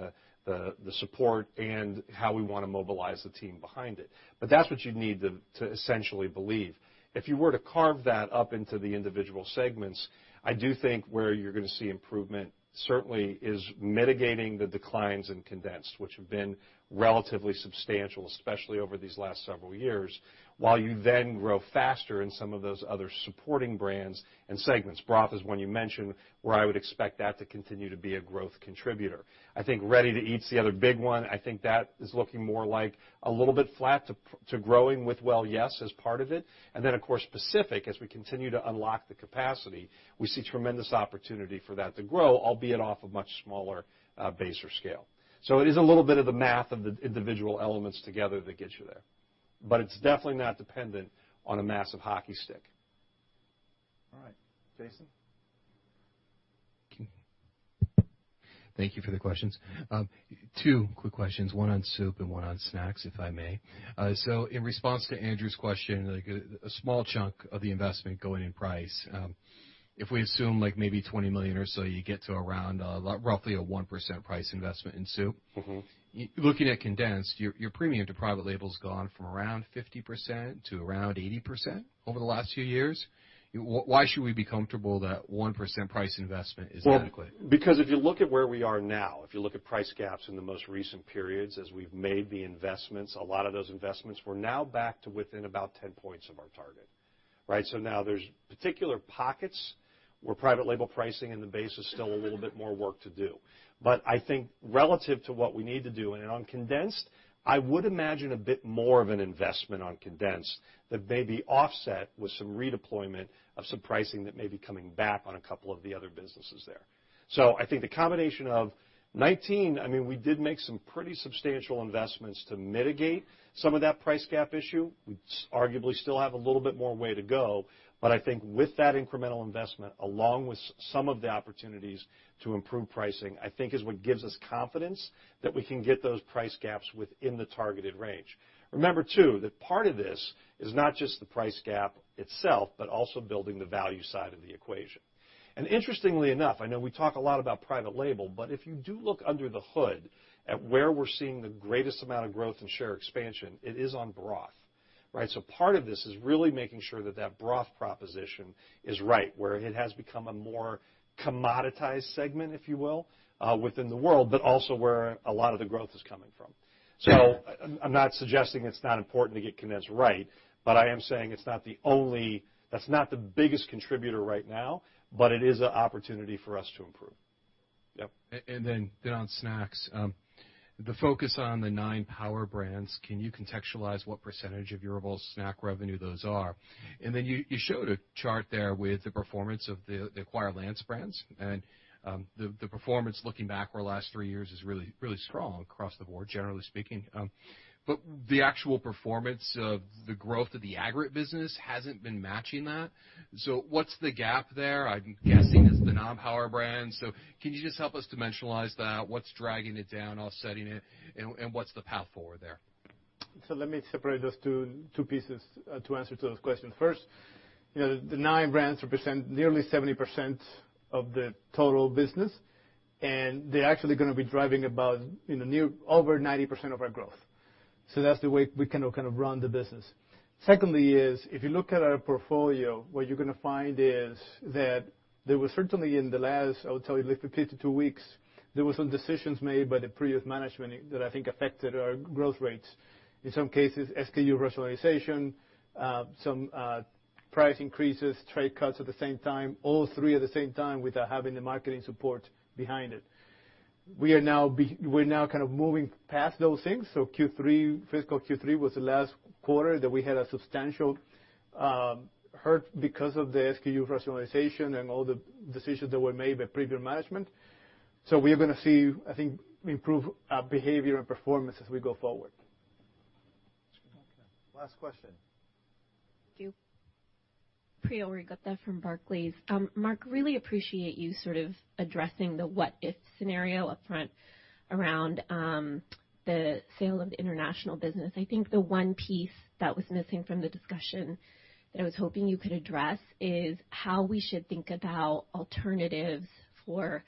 the support and how we want to mobilize the team behind it. That's what you'd need to essentially believe. If you were to carve that up into the individual segments, I do think where you're going to see improvement, certainly, is mitigating the declines in condensed, which have been relatively substantial, especially over these last several years, while you then grow faster in some of those other supporting brands and segments. Broth is one you mentioned, where I would expect that to continue to be a growth contributor. I think ready-to-eat's the other big one. I think that is looking more like a little bit flat to growing with Well Yes as part of it. Of course, Pacific, as we continue to unlock the capacity, we see tremendous opportunity for that to grow, albeit off a much smaller base or scale. It is a little bit of the math of the individual elements together that gets you there. It's definitely not dependent on a massive hockey stick. All right. Jason? Thank you for the questions. Two quick questions, one on soup and one on snacks, if I may. In response to Andrew's question, a small chunk of the investment going in price. If we assume maybe $20 million or so, you get to around roughly a 1% price investment in soup. Looking at condensed, your premium to private label's gone from around 50% to around 80% over the last few years. Why should we be comfortable that 1% price investment is adequate? Because if you look at where we are now, if you look at price gaps in the most recent periods, as we've made the investments, a lot of those investments, we're now back to within about 10 points of our target. Right? Now there's particular pockets where private label pricing in the base is still a little bit more work to do. I think relative to what we need to do, and on condensed, I would imagine a bit more of an investment on condensed that may be offset with some redeployment of some pricing that may be coming back on a couple of the other businesses there. I think the combination of 2019, we did make some pretty substantial investments to mitigate some of that price gap issue, which arguably still have a little bit more way to go. I think with that incremental investment, along with some of the opportunities to improve pricing, I think is what gives us confidence that we can get those price gaps within the targeted range. Remember, too, that part of this is not just the price gap itself, but also building the value side of the equation. Interestingly enough, I know we talk a lot about private label, if you do look under the hood at where we're seeing the greatest amount of growth and share expansion, it is on broth. Right? Part of this is really making sure that that broth proposition is right, where it has become a more commoditized segment, if you will, within the world, but also where a lot of the growth is coming from. I'm not suggesting it's not important to get condensed right, I am saying that's not the biggest contributor right now, it is an opportunity for us to improve. Yep. On snacks, the focus on the nine power brands, can you contextualize what percentage of your overall snack revenue those are? You showed a chart there with the performance of the acquired Lance brands and the performance looking back over the last three years is really strong across the board, generally speaking. The actual performance of the growth of the aggregate business hasn't been matching that. What's the gap there? I'm guessing it's the non-power brands. Can you just help us dimensionalize that? What's dragging it down, offsetting it, and what's the path forward there? Let me separate those two pieces to answer those questions. First, the nine brands represent nearly 70% of the total business, and they're actually going to be driving about over 90% of our growth. That's the way we run the business. Secondly is, if you look at our portfolio, what you're going to find is that there was certainly in the last, I would tell you, like 52 weeks, there were some decisions made by the previous management that I think affected our growth rates. In some cases, SKU rationalization, some price increases, trade cuts at the same time, all three at the same time without having the marketing support behind it. We're now kind of moving past those things. Fiscal Q3 was the last quarter that we had a substantial hurt because of the SKU rationalization and all the decisions that were made by previous management. We're going to see, I think, improved behavior and performance as we go forward. Okay, last question. Thank you. Priya Regatta from Barclays. Mark, really appreciate you sort of addressing the what if scenario upfront around the sale of the international business. I think the one piece that was missing from the discussion that I was hoping you could address is how we should think about alternatives for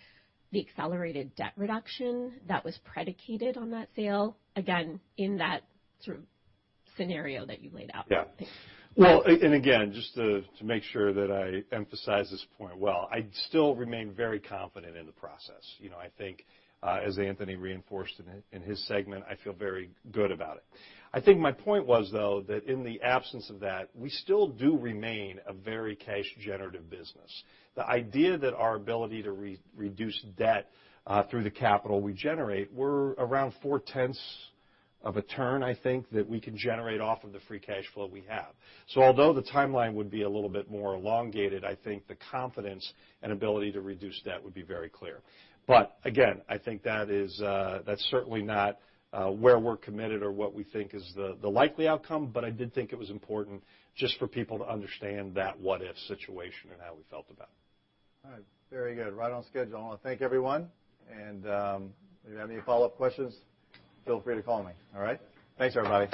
the accelerated debt reduction that was predicated on that sale. Again, in that sort of scenario that you laid out. Yeah. Well, again, just to make sure that I emphasize this point well, I still remain very confident in the process. I think, as Anthony reinforced in his segment, I feel very good about it. I think my point was, though, that in the absence of that, we still do remain a very cash generative business. The idea that our ability to reduce debt through the capital we generate, we're around 4/10 of a turn, I think, that we can generate off of the free cash flow we have. Although the timeline would be a little bit more elongated, I think the confidence and ability to reduce debt would be very clear. Again, I think that's certainly not where we're committed or what we think is the likely outcome, but I did think it was important just for people to understand that what if situation and how we felt about it. All right. Very good. Right on schedule. I want to thank everyone. If you have any follow-up questions, feel free to call me, all right? Thanks, everybody.